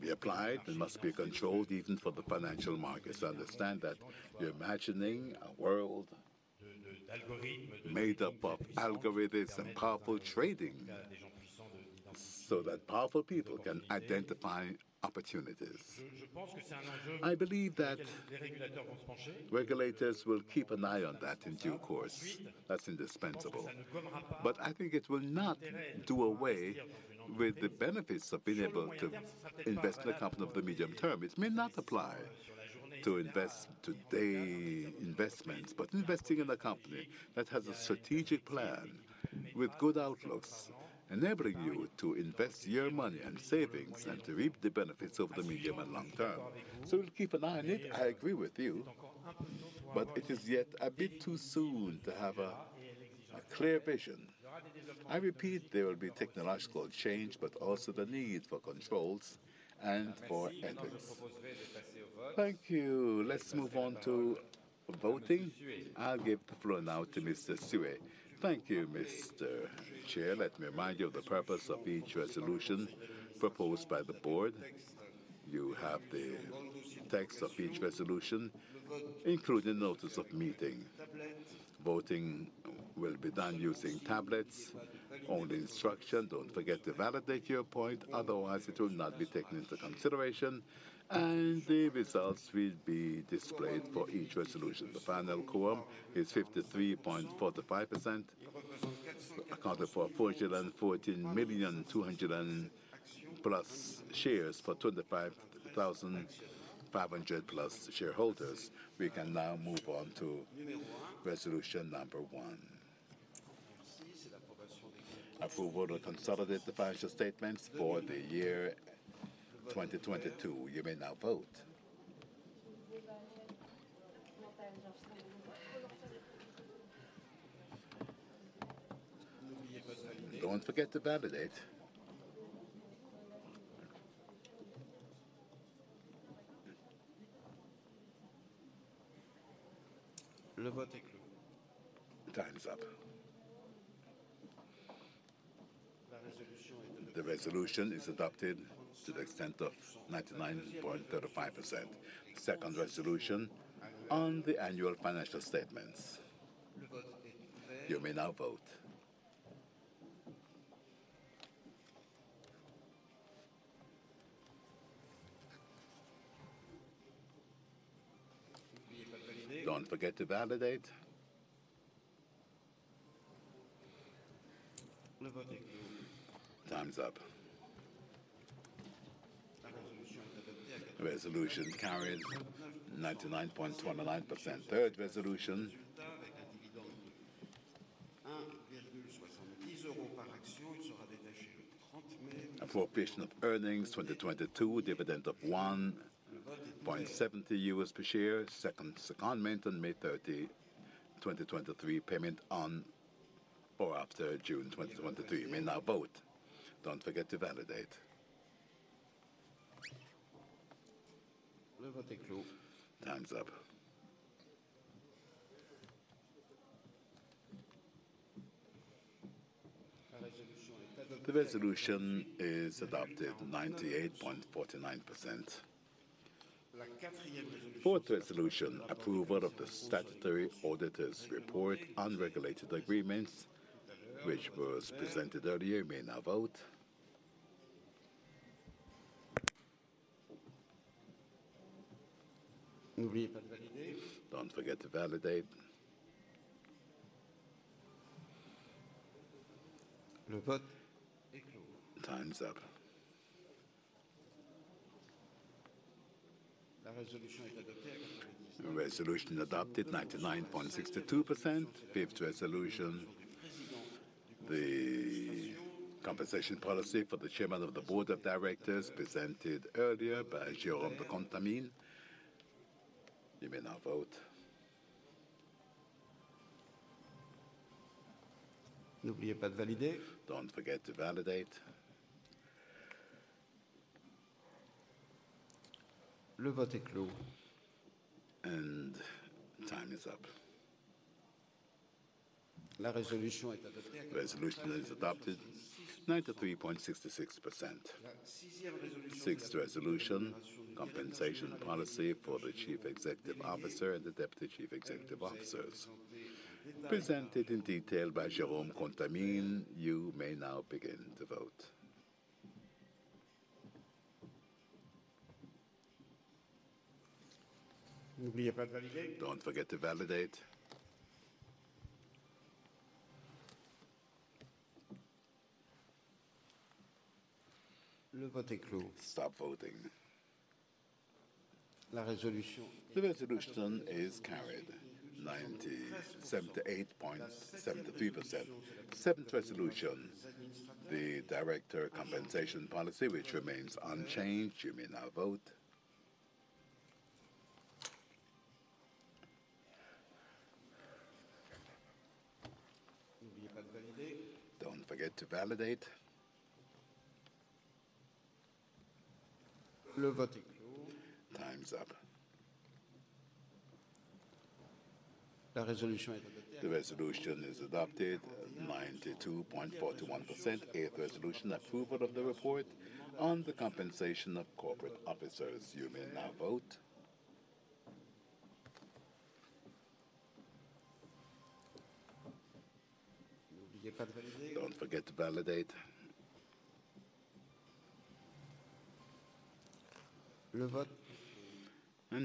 be applied and must be controlled even for the financial markets. I understand that you're imagining a world made up of algorithms and powerful trading so that powerful people can identify opportunities. I believe that regulators will keep an eye on that in due course. That's indispensable. I think it will not do away with the benefits of being able to invest in a company over the medium-term. It may not apply to invest today investments, but investing in a company that has a strategic plan with good outlooks, enabling you to invest your money and savings and to reap the benefits over the medium and long term. We'll keep an eye on it, I agree with you, but it is yet a bit too soon to have a clear vision. I repeat, there will be technological change, but also the need for controls and for ethics. Thank you. Let's move on to voting. I'll give the floor now to Mr. Suet. Thank you, Mr. Chair. Let me remind you of the purpose of each resolution proposed by the board. You have the text of each resolution, including notice of meeting. Voting will be done using tablets. Only instruction, don't forget to validate your point, otherwise it will not be taken into consideration, and the results will be displayed for each resolution. The final quorum is 53.45%, accounted for 414,000,200+ shares for 25,500+ shareholders. We can now move on to resolution number one. Approval of consolidated financial statements for the year 2022. You may now vote. Don't forget to validate. Time's up. The resolution is adopted to the extent of 99.35%. Second resolution on the annual financial statements. You may now vote. Don't forget to validate. Time's up. Resolution carries 99.29%. Third resolution. Approval of earnings 2022, dividend of 1.70 per share. Second secondment on May 30, 2023. Payment on or after June 2023. You may now vote. Don't forget to validate. Time's up. The resolution is adopted, 98.49%. Fourth resolution, approval of the statutory auditor's report on regulated agreements which was presented earlier. You may now vote. Don't forget to validate. Time's up. Resolution adopted, 99.62%. Fifth resolution, the compensation policy for the Chairman of the Board of Directors presented earlier by Jérôme Contamine. You may now vote. Don't forget to validate. Time is up. Resolution is adopted, 93.66%. Sixth resolution, compensation policy for the Chief Executive Officer and the Deputy Chief Executive Officers, presented in detail by Jérôme Contamine. You may now begin to vote. Don't forget to validate. Stop voting. The resolution is carried, 78.73%. 7th resolution, the director compensation policy, which remains unchanged. You may now vote. Don't forget to validate. Time's up. The resolution is adopted, 92.41%. eighth resolution, approval of the report on the compensation of corporate officers. You may now vote. Don't forget to validate.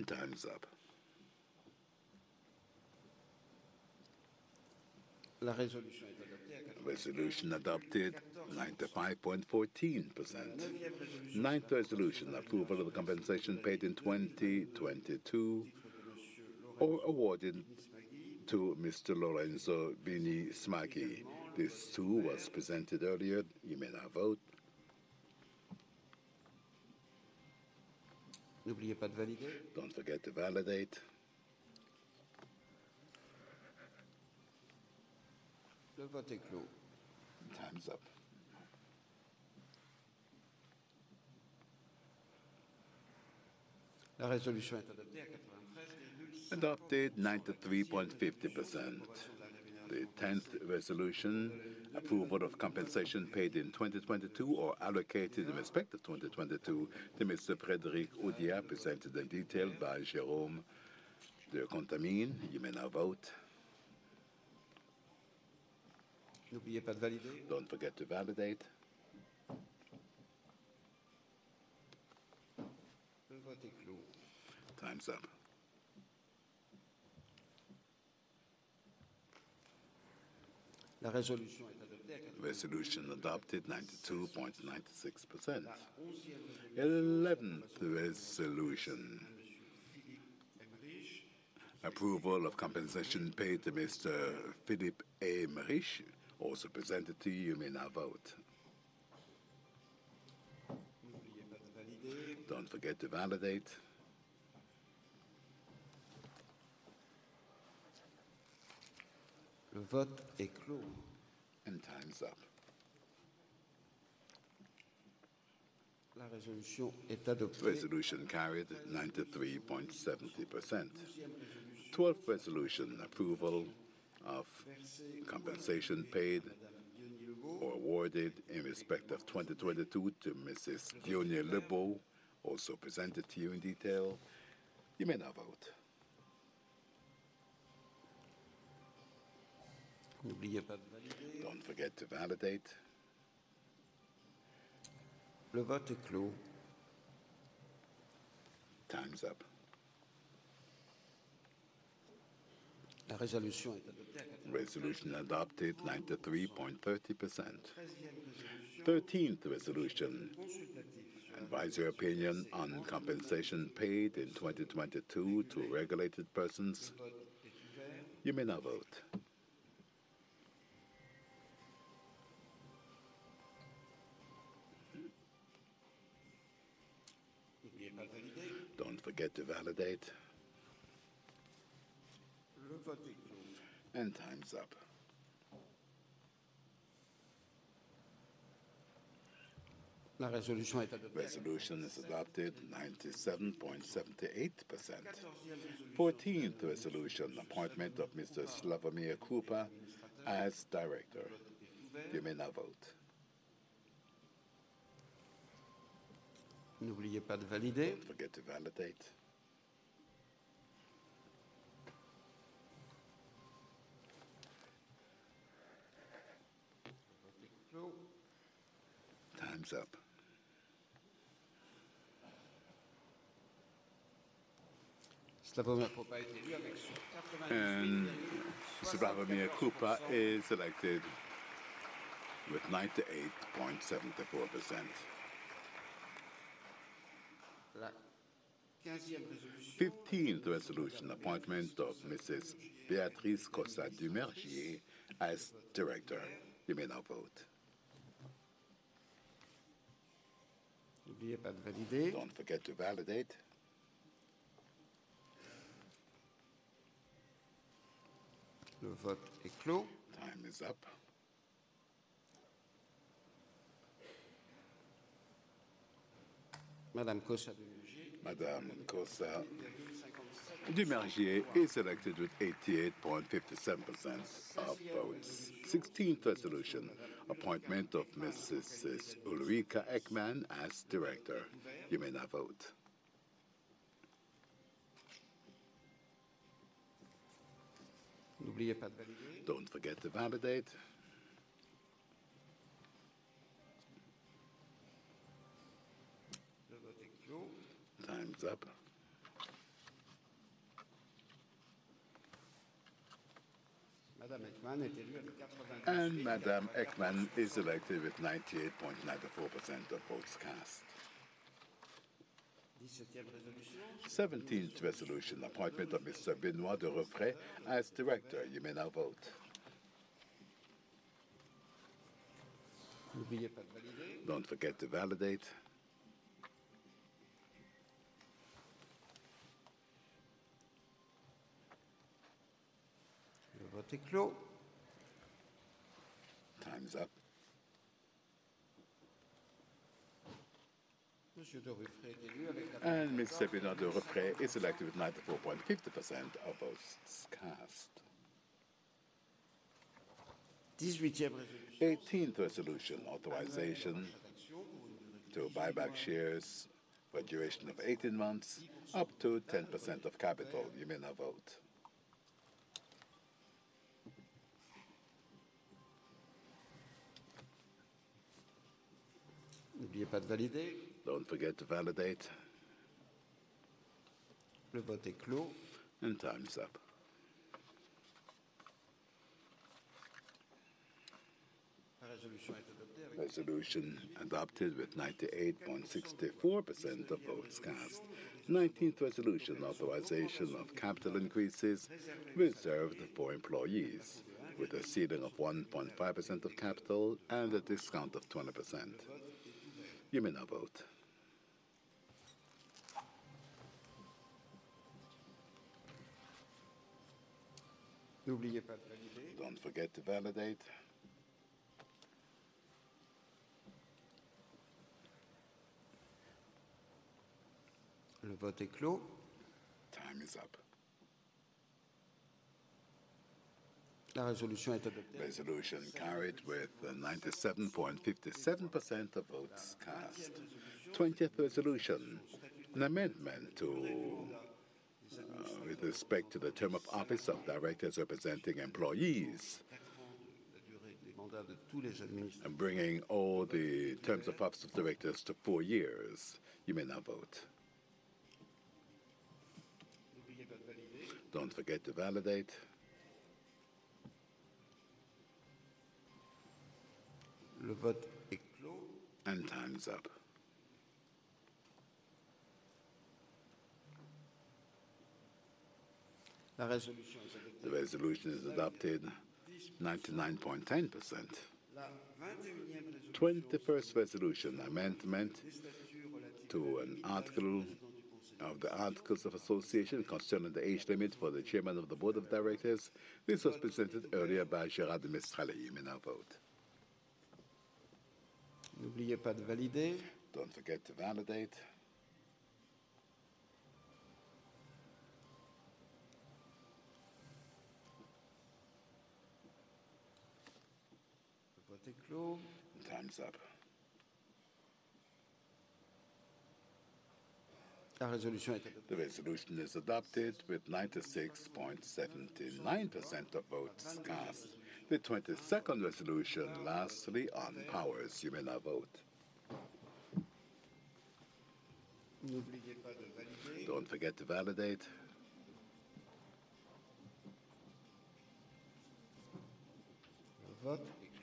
Time's up. Resolution adopted, 95.14%. 9th resolution, approval of the compensation paid in 2022 or awarded to Mr. Lorenzo Bini Smaghi. This too was presented earlier. You may now vote. Don't forget to validate. Time's up. Adopted, 93.50%. The 10th resolution, approval of compensation paid in 2022 or allocated in respect of 2022 to Mr. Frédéric Oudéa, presented in detail by Jérôme de Contamine. You may now vote. Don't forget to validate. Time's up. Resolution adopted, 92.96%. 11th resolution: Approval of compensation paid to Mr. Philippe Aymerich, also presented to you. You may now vote. Don't forget to validate. Time's up. Resolution carried, 93.70%. 12th resolution: approval of compensation paid or awarded in respect of 2022 to Mrs. Diony Lebot, also presented to you in detail. You may now vote. Don't forget to validate. Time's up. Resolution adopted, 93.30%. 13th resolution: advise your opinion on compensation paid in 2022 to regulated persons. You may now vote. Don't forget to validate. Time's up. Resolution is adopted, 97.78%. 14th resolution: appointment of Mr. Slawomir Krupa as director. You may now vote. Don't forget to validate. Time's up. Mr. Slawomir Krupa is elected with 98.74%. 15th resolution: appointment of Mrs. Béatrice Cossa-Dumurgier as director. You may now vote. Don't forget to validate. Time is up. Madame Cossa-Dumurgier is elected with 88.57% of votes. 16th resolution: appointment of Mrs. Ulrika Ekman as director. You may now vote. Don't forget to validate. Time's up. Madame Ekman is elected with 98.94% of votes cast. 17th resolution: appointment of Mr. Benoît de Ruffray as director. You may now vote. Don't forget to validate. Time's up. Mr. Benoît de Ruffray is elected with 94.50% of votes cast. 18th resolution: authorization to buy back shares for a duration of 18 months, up to 10% of capital. You may now vote. Don't forget to validate. Time's up. Resolution adopted with 98.64% of votes cast. 19th resolution: authorization of capital increases reserved for employees with a ceiling of 1.5% of capital and a discount of 20%. You may now vote. Don't forget to validate. Time is up. Resolution carried with 97.57% of votes cast. 20th resolution: an amendment to with respect to the term of office of directors representing employees and bringing all the terms of office of directors to four years. You may now vote. Don't forget to validate. Time's up. The resolution is adopted, 99.10%. 21st resolution, amendment to an article of the articles of association concerning the age limit for the chairman of the Board of Directors. This was presented earlier by Gérard Mestrallet. You may now vote. Don't forget to validate. Time's up. The resolution is adopted with 96.79% of votes cast. The 22nd resolution, lastly, on powers. You may now vote. Don't forget to validate.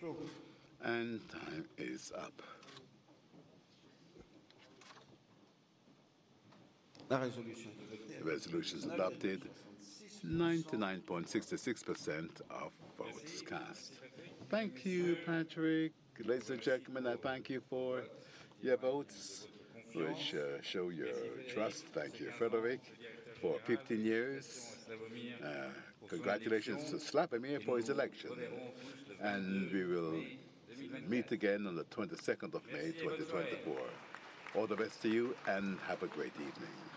Time is up. The resolution's adopted, 99.66% of votes cast. Thank you, Patrick. Ladies and gentlemen, I thank you for your votes which show your trust. Thank you, Frédéric, for 15 years. Congratulations to Slawomir for his election. We will meet again on the 22nd of May, 2024. All the best to you and have a great evening.